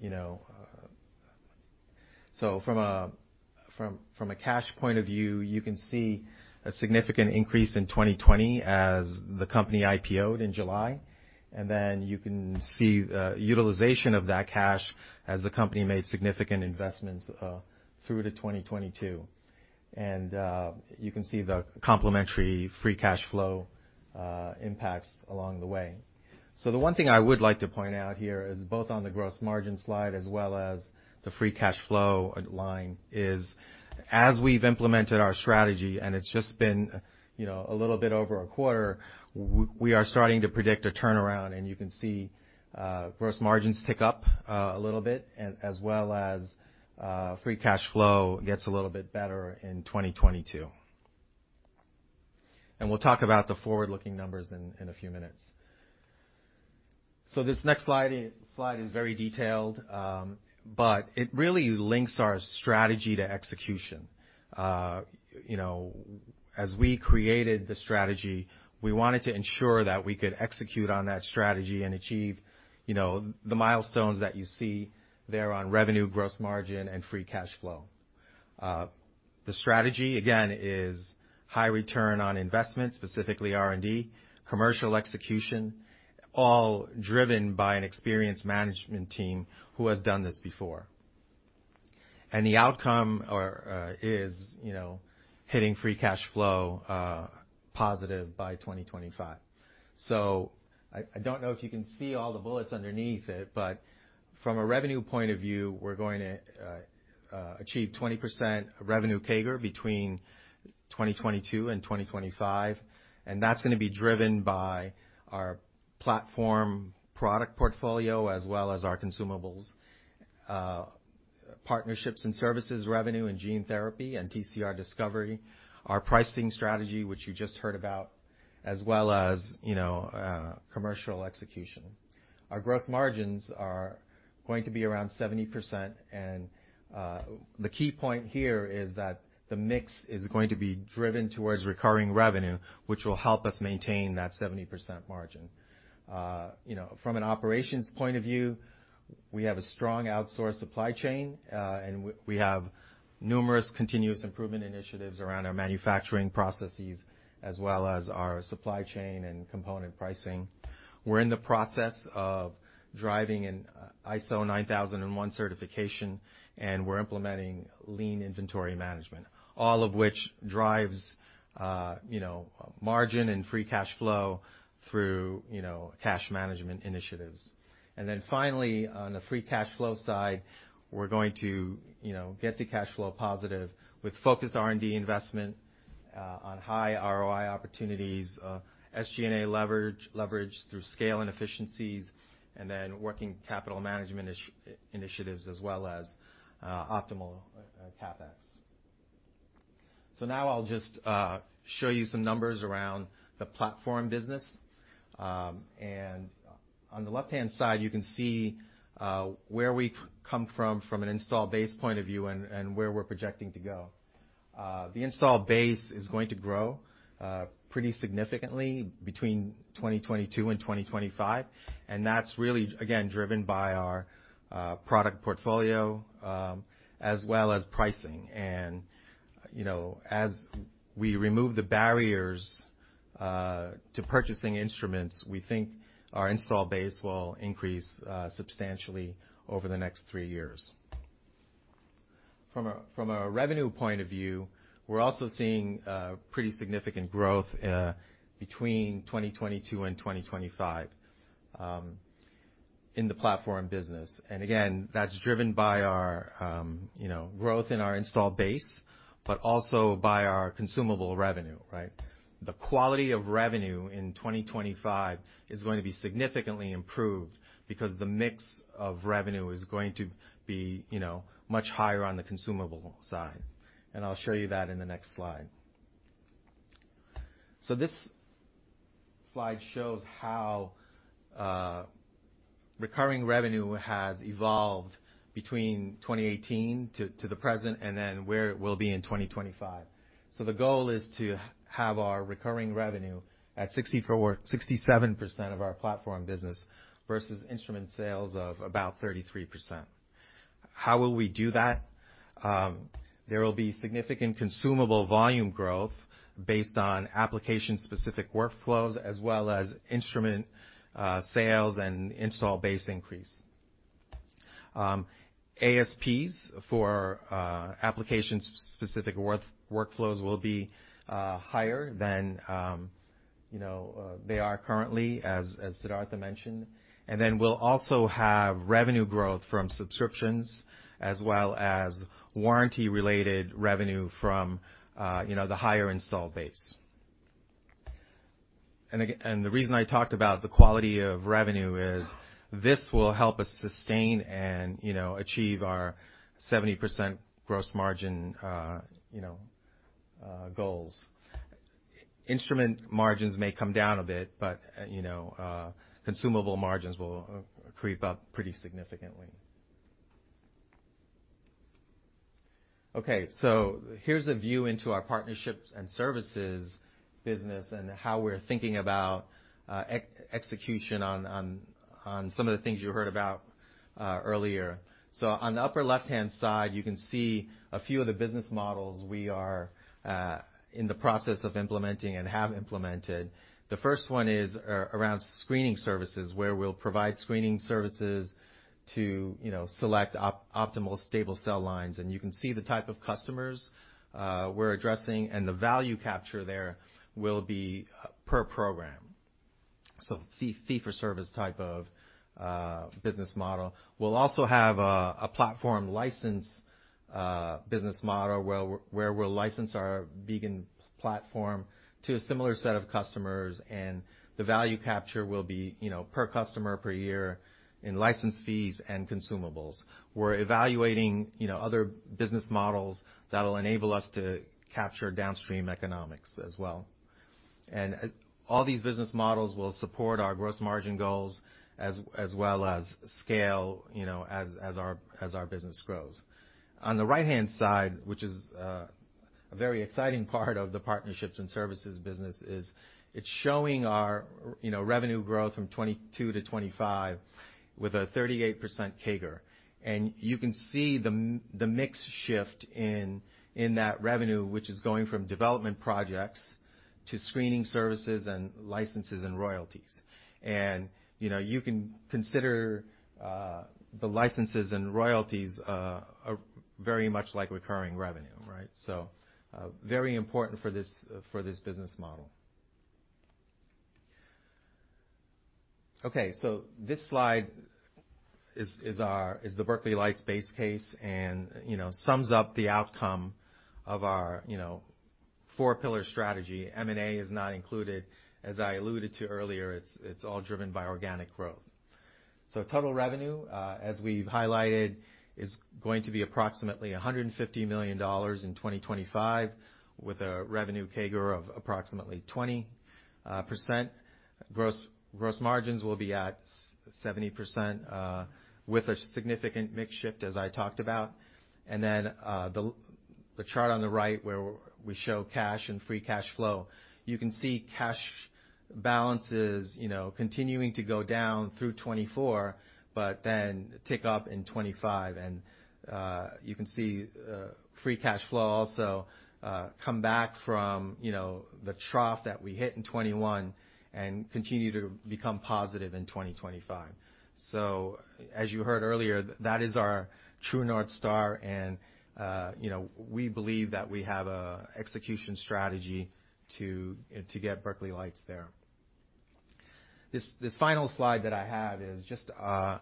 You know, from a cash point of view, you can see a significant increase in 2020 as the company IPO'd in July. You can see the utilization of that cash as the company made significant investments through to 2022. You can see the complementary free cash flow impacts along the way. The one thing I would like to point out here is both on the gross margin slide as well as the free cash flow line is, as we've implemented our strategy, and it's just been, you know, a little bit over a quarter, we are starting to predict a turnaround, and you can see, gross margins tick up, a little bit as well as, free cash flow gets a little bit better in 2022. We'll talk about the forward-looking numbers in a few minutes. This next slide is very detailed, but it really links our strategy to execution. You know, as we created the strategy, we wanted to ensure that we could execute on that strategy and achieve, you know, the milestones that you see there on revenue, gross margin, and free cash flow. The strategy again is high return on investment, specifically R&D, commercial execution, all driven by an experienced management team who has done this before. The outcome is, you know, hitting free cash flow positive by 2025. I don't know if you can see all the bullets underneath it, but from a revenue point of view, we're going to achieve 20% revenue CAGR between 2022 and 2025, and that's gonna be driven by our platform product portfolio as well as our consumables, partnerships and services revenue in gene therapy and TCR discovery, our pricing strategy, which you just heard about, as well as, you know, commercial execution. Our growth margins are going to be around 70%, and the key point here is that the mix is going to be driven towards recurring revenue, which will help us maintain that 70% margin. You know, from an operations point of view, we have a strong outsourced supply chain, and we have numerous continuous improvement initiatives around our manufacturing processes as well as our supply chain and component pricing. We're in the process of driving an ISO 9001 certification, and we're implementing lean inventory management, all of which drives you know, margin and free cash flow through you know, cash management initiatives. Then finally, on the free cash flow side, we're going to, you know, get to cash flow positive with focused R&D investment on high ROI opportunities, SG&A leverage through scale and efficiencies, and then working capital management initiatives as well as optimal CapEx. Now I'll just show you some numbers around the platform business. On the left-hand side, you can see where we've come from an installed base point of view and where we're projecting to go. The installed base is going to grow pretty significantly between 2022 and 2025, and that's really, again, driven by our product portfolio as well as pricing. You know, as we remove the barriers to purchasing instruments, we think our installed base will increase substantially over the next three years. From a revenue point of view, we're also seeing pretty significant growth between 2022 and 2025 in the platform business. Again, that's driven by our you know, growth in our installed base, but also by our consumable revenue, right? The quality of revenue in 2025 is going to be significantly improved because the mix of revenue is going to be, you know, much higher on the consumable side. I'll show you that in the next slide. This slide shows how recurring revenue has evolved between 2018 to the present, and then where it will be in 2025. The goal is to have our recurring revenue at 67% of our platform business versus instrument sales of about 33%. How will we do that? There will be significant consumable volume growth based on application-specific workflows as well as instrument sales and install base increase. ASPs for application-specific workflows will be higher than you know they are currently, as Siddhartha mentioned. We'll also have revenue growth from subscriptions as well as warranty-related revenue from you know the higher install base. The reason I talked about the quality of revenue is this will help us sustain and you know achieve our 70% gross margin you know goals. Instrument margins may come down a bit, but you know consumable margins will creep up pretty significantly. Here's a view into our partnerships and services business and how we're thinking about execution on some of the things you heard about earlier. On the upper left-hand side, you can see a few of the business models we are in the process of implementing and have implemented. The first one is around screening services, where we'll provide screening services to, you know, select optimal stable cell lines. You can see the type of customers we're addressing, and the value capture there will be per program. Fee for service type of business model. We'll also have a platform license business model where we'll license our Beacon platform to a similar set of customers, and the value capture will be, you know, per customer per year in license fees and consumables. We're evaluating, you know, other business models that'll enable us to capture downstream economics as well. All these business models will support our gross margin goals as well as scale, you know, as our business grows. On the right-hand side, which is a very exciting part of the partnerships and services business, it's showing our, you know, revenue growth from 2022 to 2025 with a 38% CAGR. You can see the mix shift in that revenue, which is going from development projects to screening services and licenses and royalties. You know, you can consider the licenses and royalties very much like recurring revenue, right? Very important for this business model. Okay. This slide is the Berkeley Lights base case and, you know, sums up the outcome of our, you know, four-pillar strategy. M&A is not included. As I alluded to earlier, it's all driven by organic growth. Total revenue, as we've highlighted, is going to be approximately $150 million in 2025, with a revenue CAGR of approximately 20%. Gross margins will be at 70%, with a significant mix shift, as I talked about. The chart on the right where we show cash and free cash flow, you can see cash balances, you know, continuing to go down through 2024, but then tick up in 2025. You can see free cash flow also come back from, you know, the trough that we hit in 2021 and continue to become positive in 2025. As you heard earlier, that is our true North Star and, you know, we believe that we have an execution strategy to get Berkeley Lights there. This final slide that I have is just our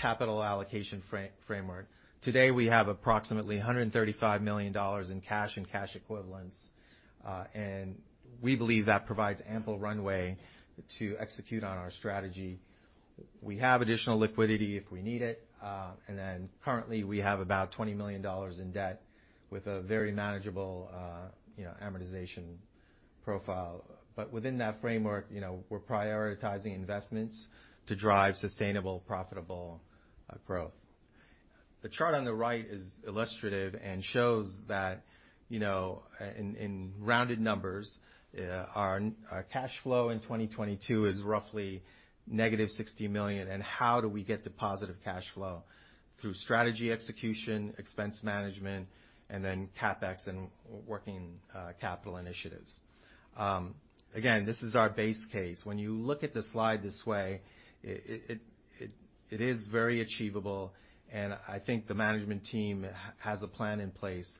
capital allocation framework. Today, we have approximately $135 million in cash and cash equivalents, and we believe that provides ample runway to execute on our strategy. We have additional liquidity if we need it. And then currently, we have about $20 million in debt with a very manageable, you know, amortization profile. But within that framework, you know, we're prioritizing investments to drive sustainable, profitable growth. The chart on the right is illustrative and shows that, you know, in rounded numbers, our cash flow in 2022 is roughly negative $60 million, and how do we get to positive cash flow? Through strategy execution, expense management, and then CapEx and working capital initiatives. Again, this is our base case. When you look at the slide this way, it is very achievable, and I think the management team has a plan in place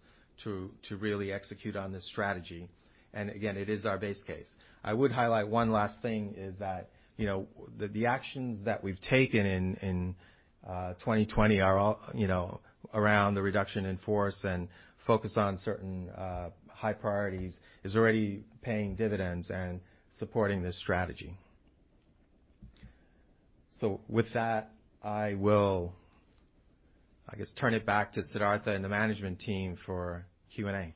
to really execute on this strategy. Again, it is our base case. I would highlight one last thing, that you know, the actions that we've taken in 2020 are all, you know, around the reduction in force and focus on certain high priorities is already paying dividends and supporting this strategy. With that, I will, I guess, turn it back to Siddhartha and the management team for Q&A.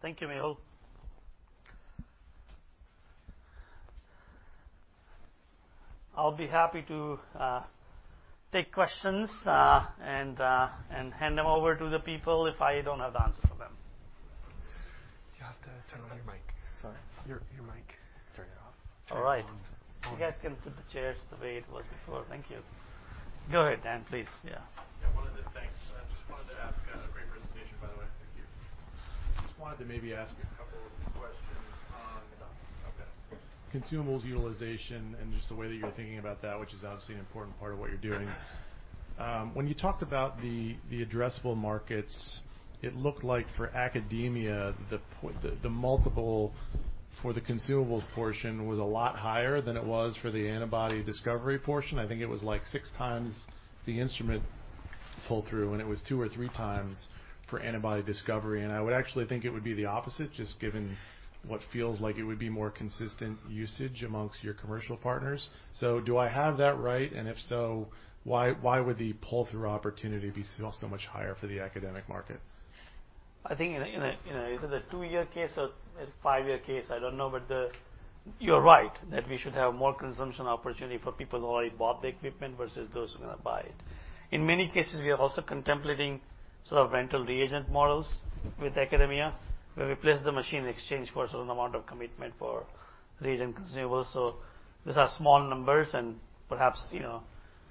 Thank you, Mehul. I'll be happy to take questions, and hand them over to the people if I don't have the answer for them. You have to turn on your mic. Sorry. Your mic. Turn it off. All right. You guys can put the chairs the way it was before. Thank you. Go ahead, Dan, please. Yeah. Yeah. Thanks. I just wanted to ask. Great presentation, by the way. Thank you. Just wanted to maybe ask a couple questions on. Yeah. Okay. Consumables utilization and just the way that you're thinking about that, which is obviously an important part of what you're doing. When you talk about the addressable markets, it looked like for academia, the multiple for the consumables portion was a lot higher than it was for the antibody discovery portion. I think it was like six times the instrument pull-through, and it was two or three times for antibody discovery. I would actually think it would be the opposite, just given what feels like it would be more consistent usage amongst your commercial partners. Do I have that right? If so, why would the pull-through opportunity be so much higher for the academic market? I think in a two-year case or a five-year case, I don't know. You're right, that we should have more consumption opportunity for people who already bought the equipment versus those who are gonna buy it. In many cases, we are also contemplating sort of rental reagent models with academia, where we place the machine in exchange for a certain amount of commitment for reagent consumables. These are small numbers, and perhaps, you know,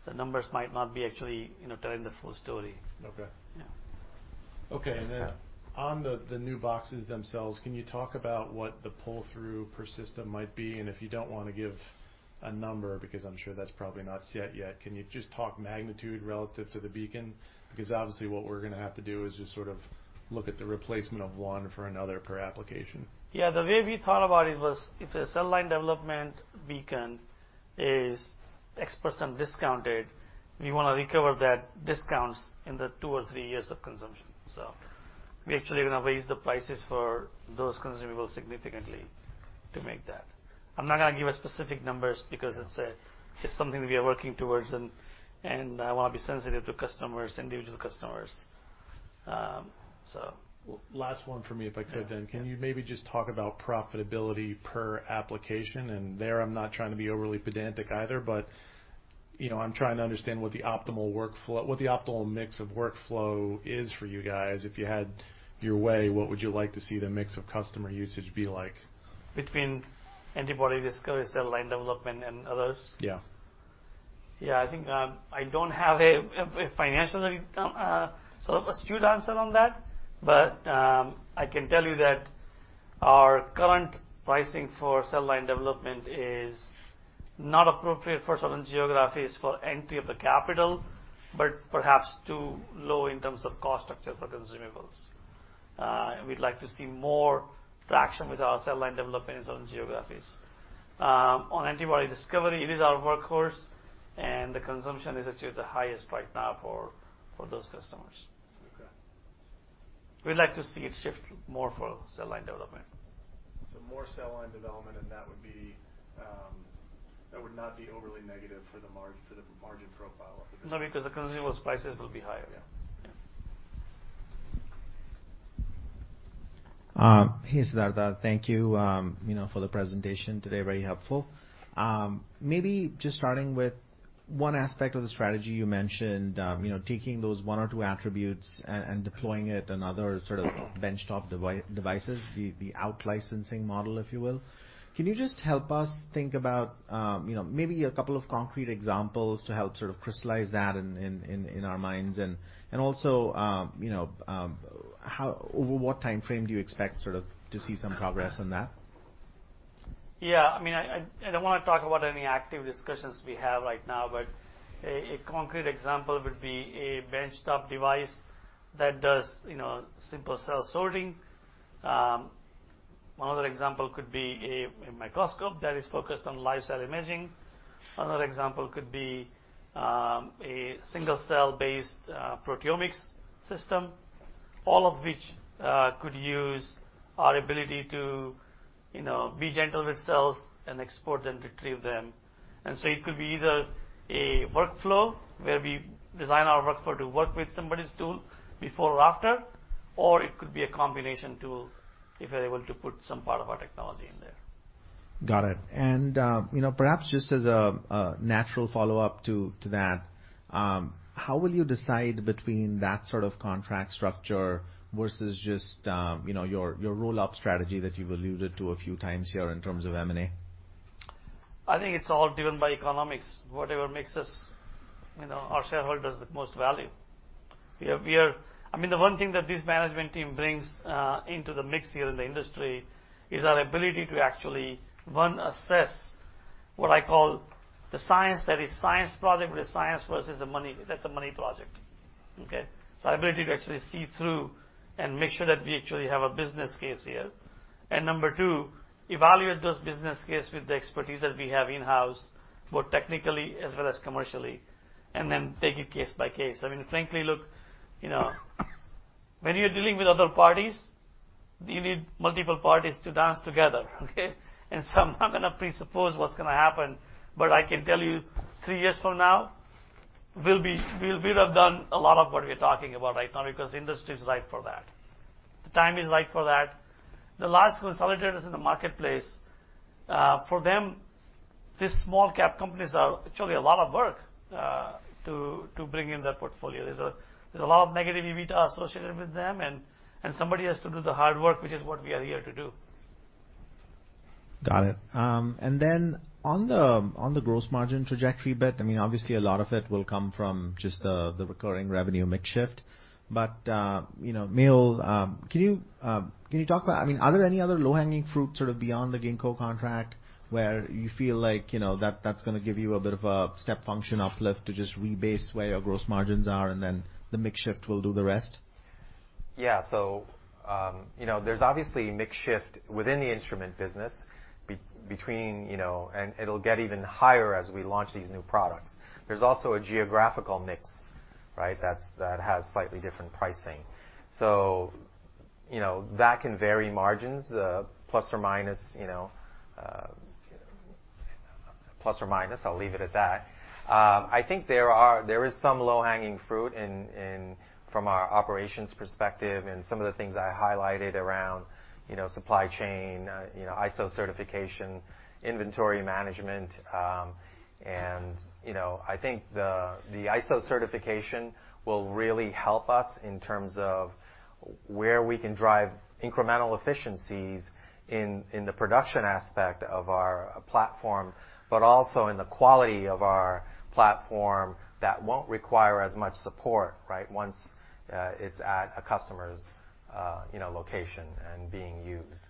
the numbers might not be actually, you know, telling the full story. Okay. Yeah. Okay. Yeah. On the new boxes themselves, can you talk about what the pull through per system might be? If you don't wanna give a number, because I'm sure that's probably not set yet, can you just talk magnitude relative to the Beacon? Because obviously, what we're gonna have to do is just sort of look at the replacement of one for another per application. Yeah. The way we thought about it was if a cell line development Beacon is X percent discounted, we wanna recover that discounts in the two or three years of consumption. We actually gonna raise the prices for those consumables significantly to make that. I'm not gonna give a specific numbers because it's something we are working towards and I wanna be sensitive to customers, individual customers. Last one for me, if I could then. Yeah. Yeah. Can you maybe just talk about profitability per application? There, I'm not trying to be overly pedantic either, but, you know, I'm trying to understand what the optimal mix of workflow is for you guys. If you had your way, what would you like to see the mix of customer usage be like? Between antibody discovery, cell line development, and others? Yeah. Yeah. I think I don't have a financial sort of astute answer on that, but I can tell you that our current pricing for cell line development is not appropriate for certain geographies for entry of the capital, but perhaps too low in terms of cost structure for consumables. We'd like to see more traction with our cell line development in certain geographies. On antibody discovery, it is our workhorse, and the consumption is actually the highest right now for those customers. Okay. We'd like to see it shift more for cell line development. More cell line development, and that would not be overly negative for the margin profile of the business. No, because the consumables prices will be higher. Yeah. Yeah. Hey, Siddhartha. Thank you know, for the presentation today. Very helpful. Maybe just starting with one aspect of the strategy you mentioned, you know, taking those one or two attributes and deploying it on other sort of benchtop devices, the out licensing model, if you will. Can you just help us think about, you know, maybe a couple of concrete examples to help sort of crystallize that in our minds? Also, you know, over what timeframe do you expect sort of to see some progress on that? Yeah, I mean, I don't wanna talk about any active discussions we have right now, but a concrete example would be a benchtop device that does, you know, simple cell sorting. One other example could be a microscope that is focused on live cell imaging. Another example could be a single cell-based proteomics system, all of which could use our ability to, you know, be gentle with cells and export them to treat them. It could be either a workflow where we design our workflow to work with somebody's tool before or after, or it could be a combination tool if we're able to put some part of our technology in there. Got it. You know, perhaps just as a natural follow-up to that, how will you decide between that sort of contract structure versus just, you know, your roll-up strategy that you've alluded to a few times here in terms of M&A? I think it's all driven by economics, whatever makes us, you know, our shareholders the most value. I mean, the one thing that this management team brings into the mix here in the industry is our ability to actually, one, assess what I call the science, that is science project with science versus the money. That's a money project. Okay? Ability to actually see through and make sure that we actually have a business case here. And number two, evaluate those business case with the expertise that we have in-house, both technically as well as commercially, and then take it case by case. I mean, frankly, look, you know, when you're dealing with other parties, you need multiple parties to dance together, okay? I'm not gonna presuppose what's gonna happen, but I can tell you three years from now, we'll have done a lot of what we're talking about right now because industry is right for that. The time is right for that. The large consolidators in the marketplace, for them, these small cap companies are actually a lot of work to bring in their portfolio. There's a lot of negative EBITDA associated with them and somebody has to do the hard work, which is what we are here to do. Got it. On the gross margin trajectory bit, I mean, obviously a lot of it will come from just the recurring revenue mix shift. You know, Mehul, can you talk about, I mean, are there any other low-hanging fruit sort of beyond the Ginkgo contract where you feel like, you know, that's gonna give you a bit of a step function uplift to just rebase where your gross margins are and then the mix shift will do the rest? Yeah. You know, there's obviously mix shift within the instrument business between, you know, and it'll get even higher as we launch these new products. There's also a geographical mix, right? That has slightly different pricing. You know, that can vary margins plus or minus. I'll leave it at that. I think there is some low-hanging fruit in from our operations perspective and some of the things I highlighted around, you know, supply chain, ISO certification, inventory management. You know, I think the ISO certification will really help us in terms of where we can drive incremental efficiencies in the production aspect of our platform, but also in the quality of our platform that won't require as much support, right? Once, it's at a customer's, you know, location and being used.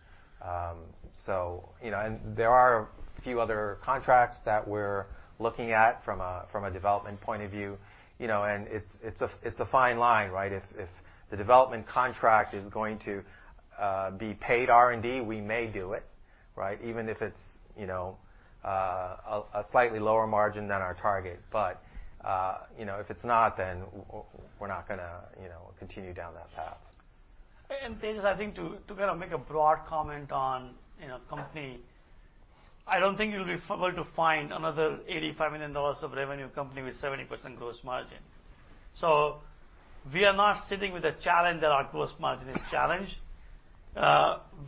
You know, there are a few other contracts that we're looking at from a development point of view. You know, it's a fine line, right? If the development contract is going to be paid R&D, we may do it, right? Even if it's, you know, a slightly lower margin than our target. You know, if it's not, then we're not gonna, you know, continue down that path. Tejas, I think to kind of make a broad comment on, you know, company, I don't think you'll be able to find another $85 million of revenue company with 70% gross margin. We are not sitting with a challenge that our gross margin is challenged.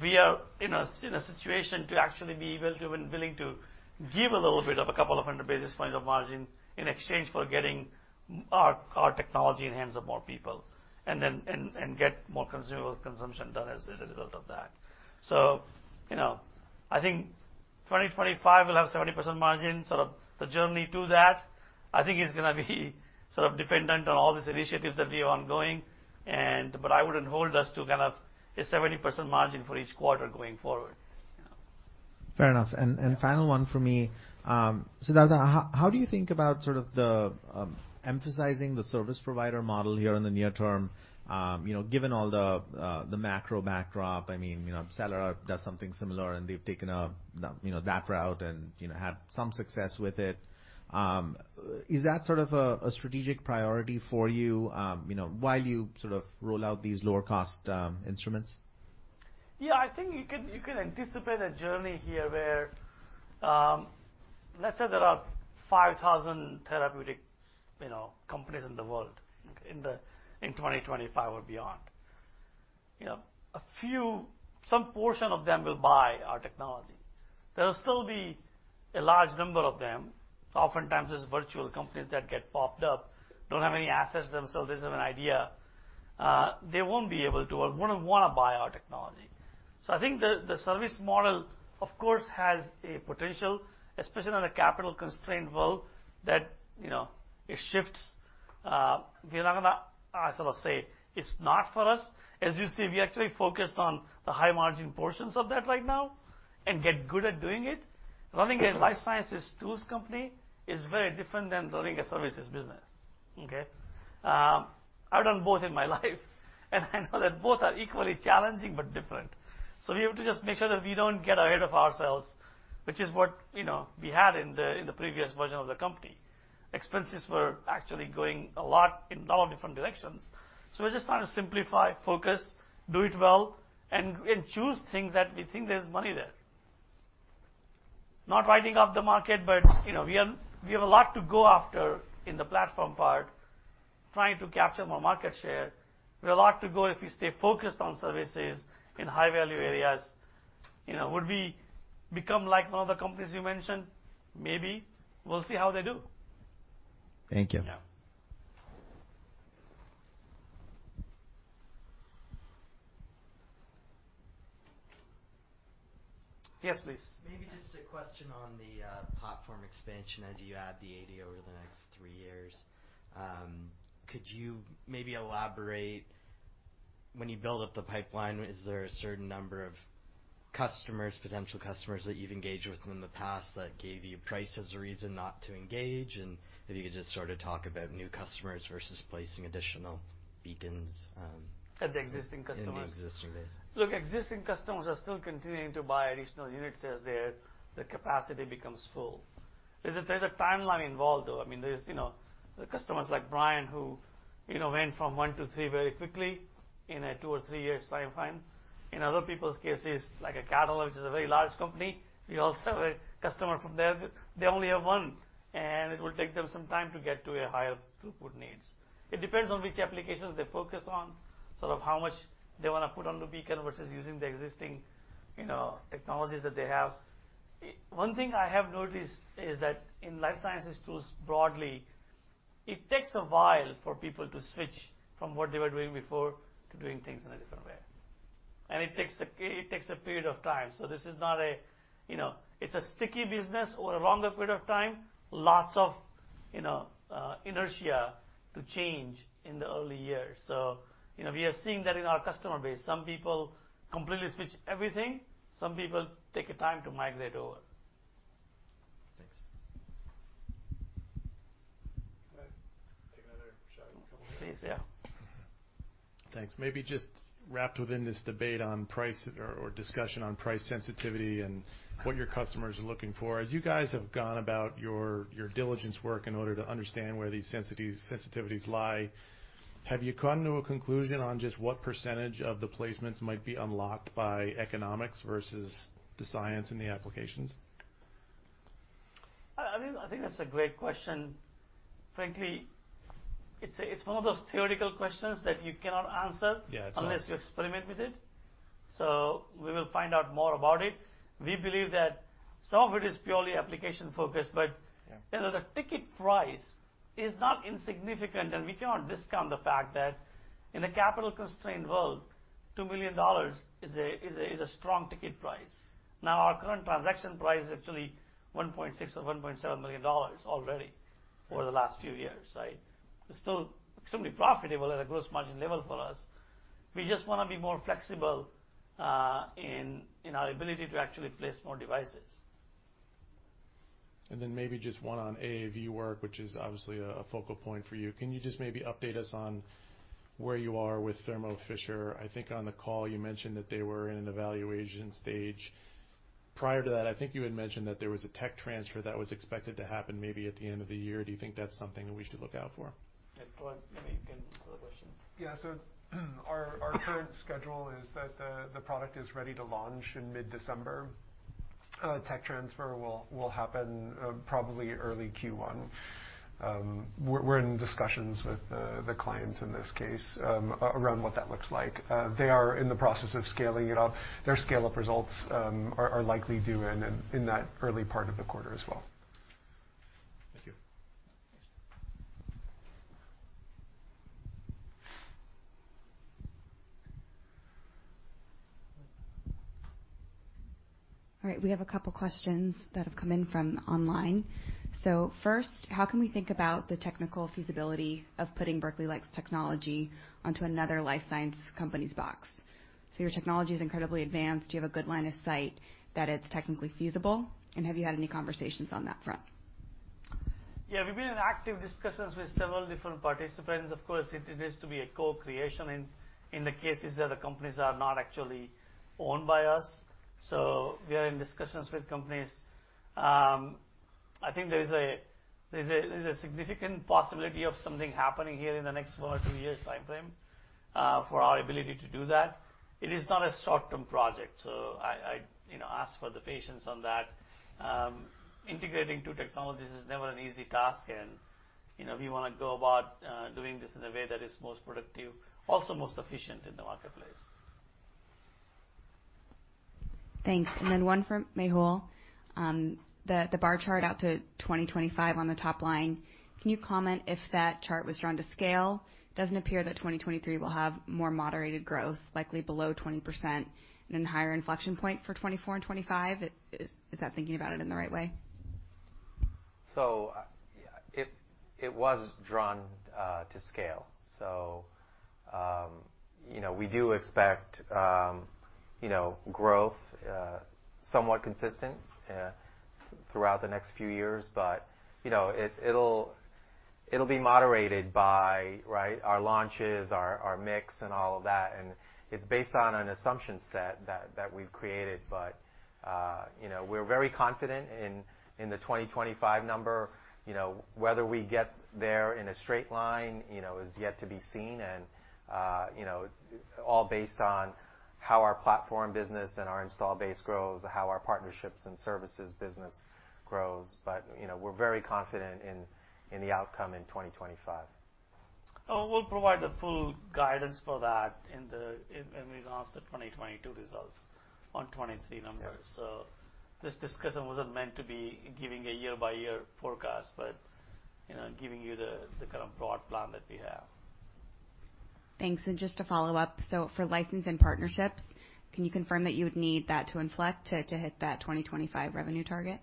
We are in a situation to actually be able to and willing to give a little bit of a couple of hundred basis points of margin in exchange for getting our technology in the hands of more people and then get more consumable consumption done as a result of that. You know, I think 2025 will have 70% margin, sort of the journey to that, I think is gonna be sort of dependent on all these initiatives that we are ongoing. I wouldn't hold us to kind of a 70% margin for each quarter going forward. Fair enough. Final one for me. Siddhartha, how do you think about sort of the emphasizing the service provider model here in the near term, you know, given all the macro backdrop? I mean, you know, Cellares does something similar, and they've taken a you know that route and, you know, had some success with it. Is that sort of a strategic priority for you know, while you sort of roll out these lower cost instruments? Yeah, I think you can anticipate a journey here where, let's say there are 5,000 therapeutic, you know, companies in the world, okay? In 2025 or beyond. You know, a few, some portion of them will buy our technology. There'll still be a large number of them. Oftentimes, it's virtual companies that get popped up, don't have any assets themselves, they just have an idea, they won't be able to or wouldn't wanna buy our technology. I think the service model, of course, has a potential, especially in a capital-constrained world, that, you know, it shifts. We're not gonna sort of say it's not for us. As you see, we actually focused on the high margin portions of that right now and get good at doing it. Running a life sciences tools company is very different than running a services business, okay? I've done both in my life, and I know that both are equally challenging but different. We have to just make sure that we don't get ahead of ourselves, which is what you know we had in the previous version of the company. Expenses were actually going a lot in all different directions. We're just trying to simplify, focus, do it well, and choose things that we think there's money there. Not writing off the market, but you know we have a lot to go after in the platform part, trying to capture more market share. We have a lot to go if we stay focused on services in high value areas. You know, would we become like one of the companies you mentioned? Maybe. We'll see how they do. Thank you. Yes, please. Maybe just a question on the platform expansion as you add the 80 over the next three years. Could you maybe elaborate when you build up the pipeline, is there a certain number of customers, potential customers that you've engaged with in the past that gave you price as a reason not to engage? If you could just sort of talk about new customers versus placing additional Beacons. At the existing customers. In the existing base. Look, existing customers are still continuing to buy additional units as their capacity becomes full. There's a timeline involved, though. I mean, you know, the customers like Brian, who, you know, went from one to three very quickly in a two or three years timeframe. In other people's cases, like a Catalent, which is a very large company, we also have a customer from there, they only have one, and it will take them some time to get to a higher throughput needs. It depends on which applications they focus on, sort of how much they wanna put on the Beacon versus using the existing, you know, technologies that they have. One thing I have noticed is that in life sciences tools broadly, it takes a while for people to switch from what they were doing before to doing things in a different way. It takes a period of time. This is not a, you know, it's a sticky business over a longer period of time, lots of, you know, inertia to change in the early years. You know, we are seeing that in our customer base. Some people completely switch everything, some people take a time to migrate over. Thanks. Can I take another shot? Please, yeah. Thanks. Maybe just wrapped within this debate on price or discussion on price sensitivity and what your customers are looking for, as you guys have gone about your due diligence work in order to understand where these sensitivities lie, have you come to a conclusion on just what percentage of the placements might be unlocked by economics versus the science and the applications? I think that's a great question. Frankly, it's one of those theoretical questions that you cannot answer. Yeah, it's hard. Unless you experiment with it. We will find out more about it. We believe that some of it is purely application-focused, but. Yeah. You know, the ticket price is not insignificant, and we cannot discount the fact that in a capital-constrained world, $2 million is a strong ticket price. Now, our current transaction price is actually $1.6 million or $1.7 million already for the last few years, right? It's still extremely profitable at a gross margin level for us. We just wanna be more flexible in our ability to actually place more devices. Maybe just one on AAV work, which is obviously a focal point for you. Can you just maybe update us on where you are with Thermo Fisher? I think on the call you mentioned that they were in an evaluation stage. Prior to that, I think you had mentioned that there was a tech transfer that was expected to happen maybe at the end of the year. Do you think that's something that we should look out for? Yeah. Well, maybe you can answer the question. Yeah. Our current schedule is that the product is ready to launch in mid-December. Tech transfer will happen probably early Q1. We're in discussions with the clients in this case around what that looks like. They are in the process of scaling it up. Their scale-up results are likely due in that early part of the quarter as well. Thank you. Yes. All right. We have a couple questions that have come in from online. First, how can we think about the technical feasibility of putting Berkeley Lights technology onto another life science company's box? Your technology is incredibly advanced. Do you have a good line of sight that it's technically feasible, and have you had any conversations on that front? Yeah. We've been in active discussions with several different participants. Of course, it needs to be a co-creation in the cases that the companies are not actually owned by us. We are in discussions with companies. I think there's a significant possibility of something happening here in the next one or two years timeframe for our ability to do that. It is not a short-term project, so I, you know, ask for the patience on that. Integrating two technologies is never an easy task and, you know, we wanna go about doing this in a way that is most productive, also most efficient in the marketplace. Thanks. One for Mehul. The bar chart out to 2025 on the top line, can you comment if that chart was drawn to scale? It doesn't appear that 2023 will have more moderated growth, likely below 20% and then higher inflection point for 2024 and 2025. Is that thinking about it in the right way? It was drawn to scale. You know, we do expect you know, growth somewhat consistent throughout the next few years. You know, it'll be moderated by right, our launches, our mix and all of that. It's based on an assumption set that we've created. You know, we're very confident in the 2025 number. You know, whether we get there in a straight line, you know, is yet to be seen and you know, all based on how our platform business and our install base grows, how our partnerships and services business grows. You know, we're very confident in the outcome in 2025. We'll provide the full guidance for that when we announce the 2022 results. On 2023 numbers. Yeah. This discussion wasn't meant to be giving a year-by-year forecast, but, you know, giving you the kind of broad plan that we have. Thanks. Just to follow up, so for license and partnerships, can you confirm that you would need that to inflect to hit that 2025 revenue target?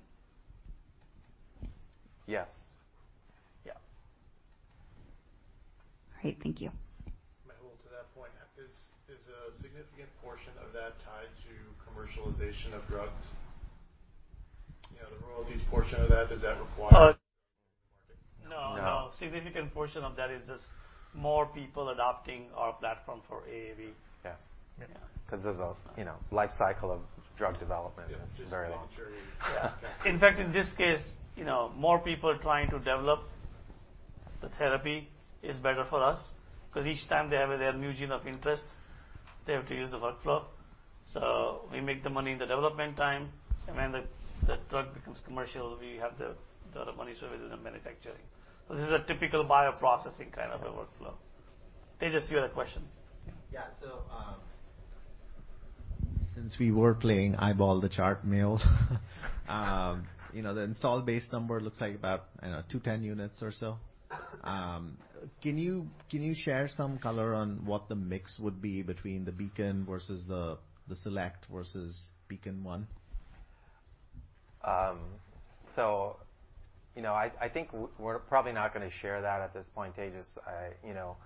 Yes. Yeah. All right, thank you. Mehul, to that point, is a significant portion of that tied to commercialization of drugs? You know, the royalties portion of that, does that require. Uh. Market? No, no. No. Significant portion of that is just more people adopting our platform for AAV. Yeah. Yeah. Cause of the, you know, life cycle of drug development is very Yes, just launch. Yeah. In fact, in this case, you know, more people trying to develop the therapy is better for us, 'cause each time they have their new gene of interest, they have to use the workflow. We make the money in the development time, and when the drug becomes commercial, we have the ongoing services and manufacturing. This is a typical bioprocessing kind of a workflow. Tejas, you had a question. Since we were playing eyeball the chart while, you know, the installed base number looks like about, I don't know, 210 units or so. Can you share some color on what the mix would be between the Beacon versus the Select versus Beacon One? You know, I think we're probably not gonna share that at this point, Tejas. You know,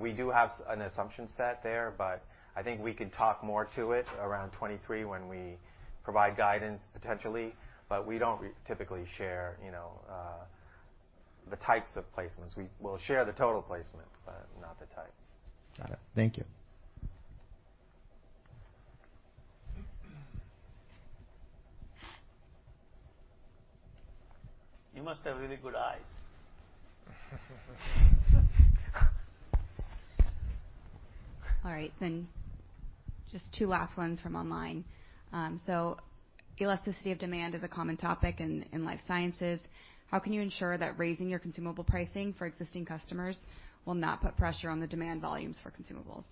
we do have an assumption set there, but I think we could talk more to it around 2023 when we provide guidance potentially. We don't typically share, you know, the types of placements. We'll share the total placements, but not the type. Got it. Thank you. You must have really good eyes. All right, just two last ones from online. Elasticity of demand is a common topic in life sciences. How can you ensure that raising your consumable pricing for existing customers will not put pressure on the demand volumes for consumables?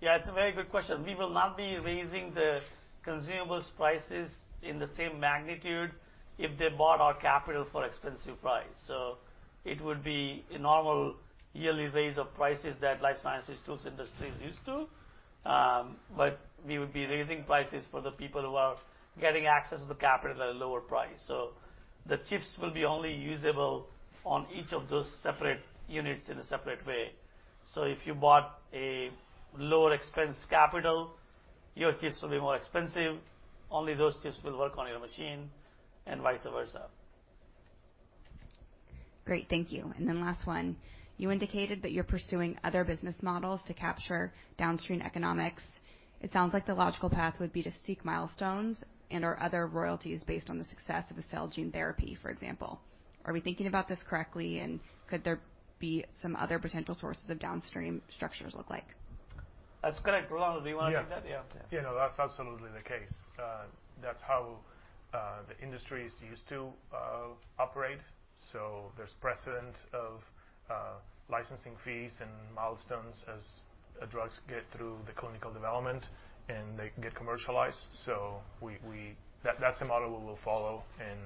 Yeah, it's a very good question. We will not be raising the consumables prices in the same magnitude if they bought our capital at an expensive price. It would be a normal yearly raise of prices that the life sciences tools industry is used to. We would be raising prices for the people who are getting access to the capital at a lower price. The chips will be only usable on each of those separate units in a separate way. If you bought a lower expense capital, your chips will be more expensive. Only those chips will work on your machine, and vice versa. Great. Thank you. Last one. You indicated that you're pursuing other business models to capture downstream economics. It sounds like the logical path would be to seek milestones and/or other royalties based on the success of a cell and gene therapy, for example. Are we thinking about this correctly? Could there be some other potential sources of downstream structures look like? That's correct. Rolando, do you wanna take that? Yeah. Yeah. You know, that's absolutely the case. That's how the industry is used to operate. There's precedent of licensing fees and milestones as drugs get through the clinical development and they get commercialized. That's the model we will follow and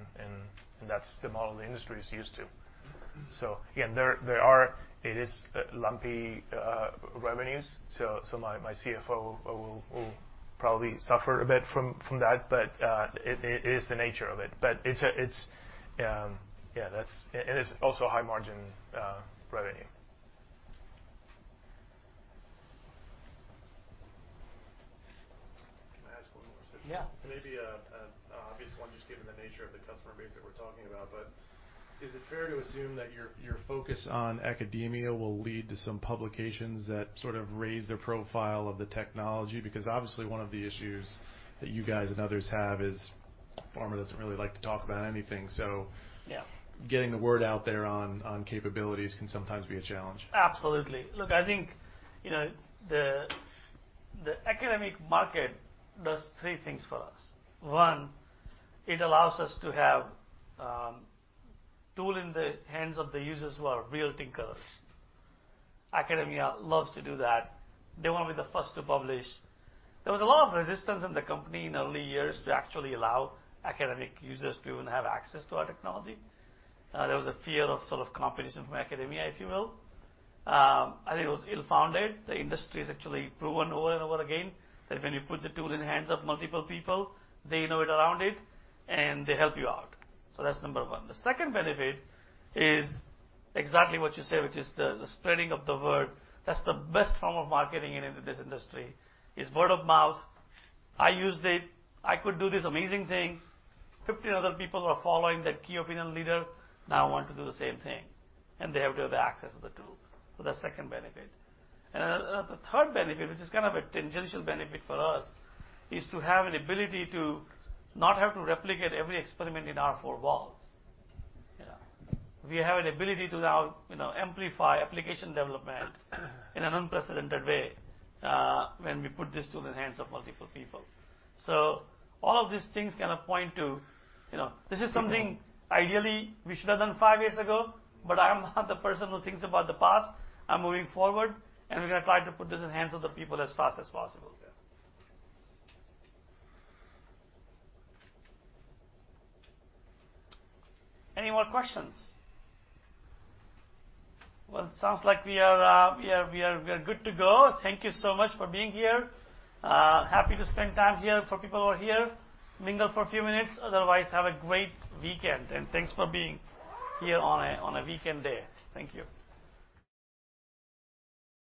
that's the model the industry is used to. Yeah, there are lumpy revenues. My CFO will probably suffer a bit from that, but it is the nature of it. It's also high margin revenue. Can I ask one more question? Yeah. Maybe an obvious one just given the nature of the customer base that we're talking about. Is it fair to assume that your focus on academia will lead to some publications that sort of raise the profile of the technology? Because obviously, one of the issues that you guys and others have is pharma doesn't really like to talk about anything, so. Yeah. Getting the word out there on capabilities can sometimes be a challenge. Absolutely. Look, I think, you know, the academic market does three things for us. One, it allows us to have tool in the hands of the users who are real thinkers. Academia loves to do that. They wanna be the first to publish. There was a lot of resistance in the company in early years to actually allow academic users to even have access to our technology. There was a fear of sort of competition from academia, if you will. I think it was ill-founded. The industry has actually proven over and over again that when you put the tool in the hands of multiple people, they innovate around it and they help you out. So that's number one. The second benefit is exactly what you say, which is the spreading of the word. That's the best form of marketing in this industry, is word of mouth. I used it. I could do this amazing thing. 50 other people who are following that key opinion leader now want to do the same thing, and they have to have access to the tool. The second benefit. The third benefit, which is kind of a tangential benefit for us, is to have an ability to not have to replicate every experiment in our four walls. You know? We have an ability to now, you know, amplify application development in an unprecedented way, when we put this tool in the hands of multiple people. All of these things kind of point to, you know. This is something ideally we should have done five years ago, but I am not the person who thinks about the past. I'm moving forward, and we're gonna try to put this in the hands of the people as fast as possible. Yeah. Any more questions? Well, it sounds like we are good to go. Thank you so much for being here. Happy to spend time here for people who are here. Mingle for a few minutes. Otherwise, have a great weekend, and thanks for being here on a weekend day. Thank you.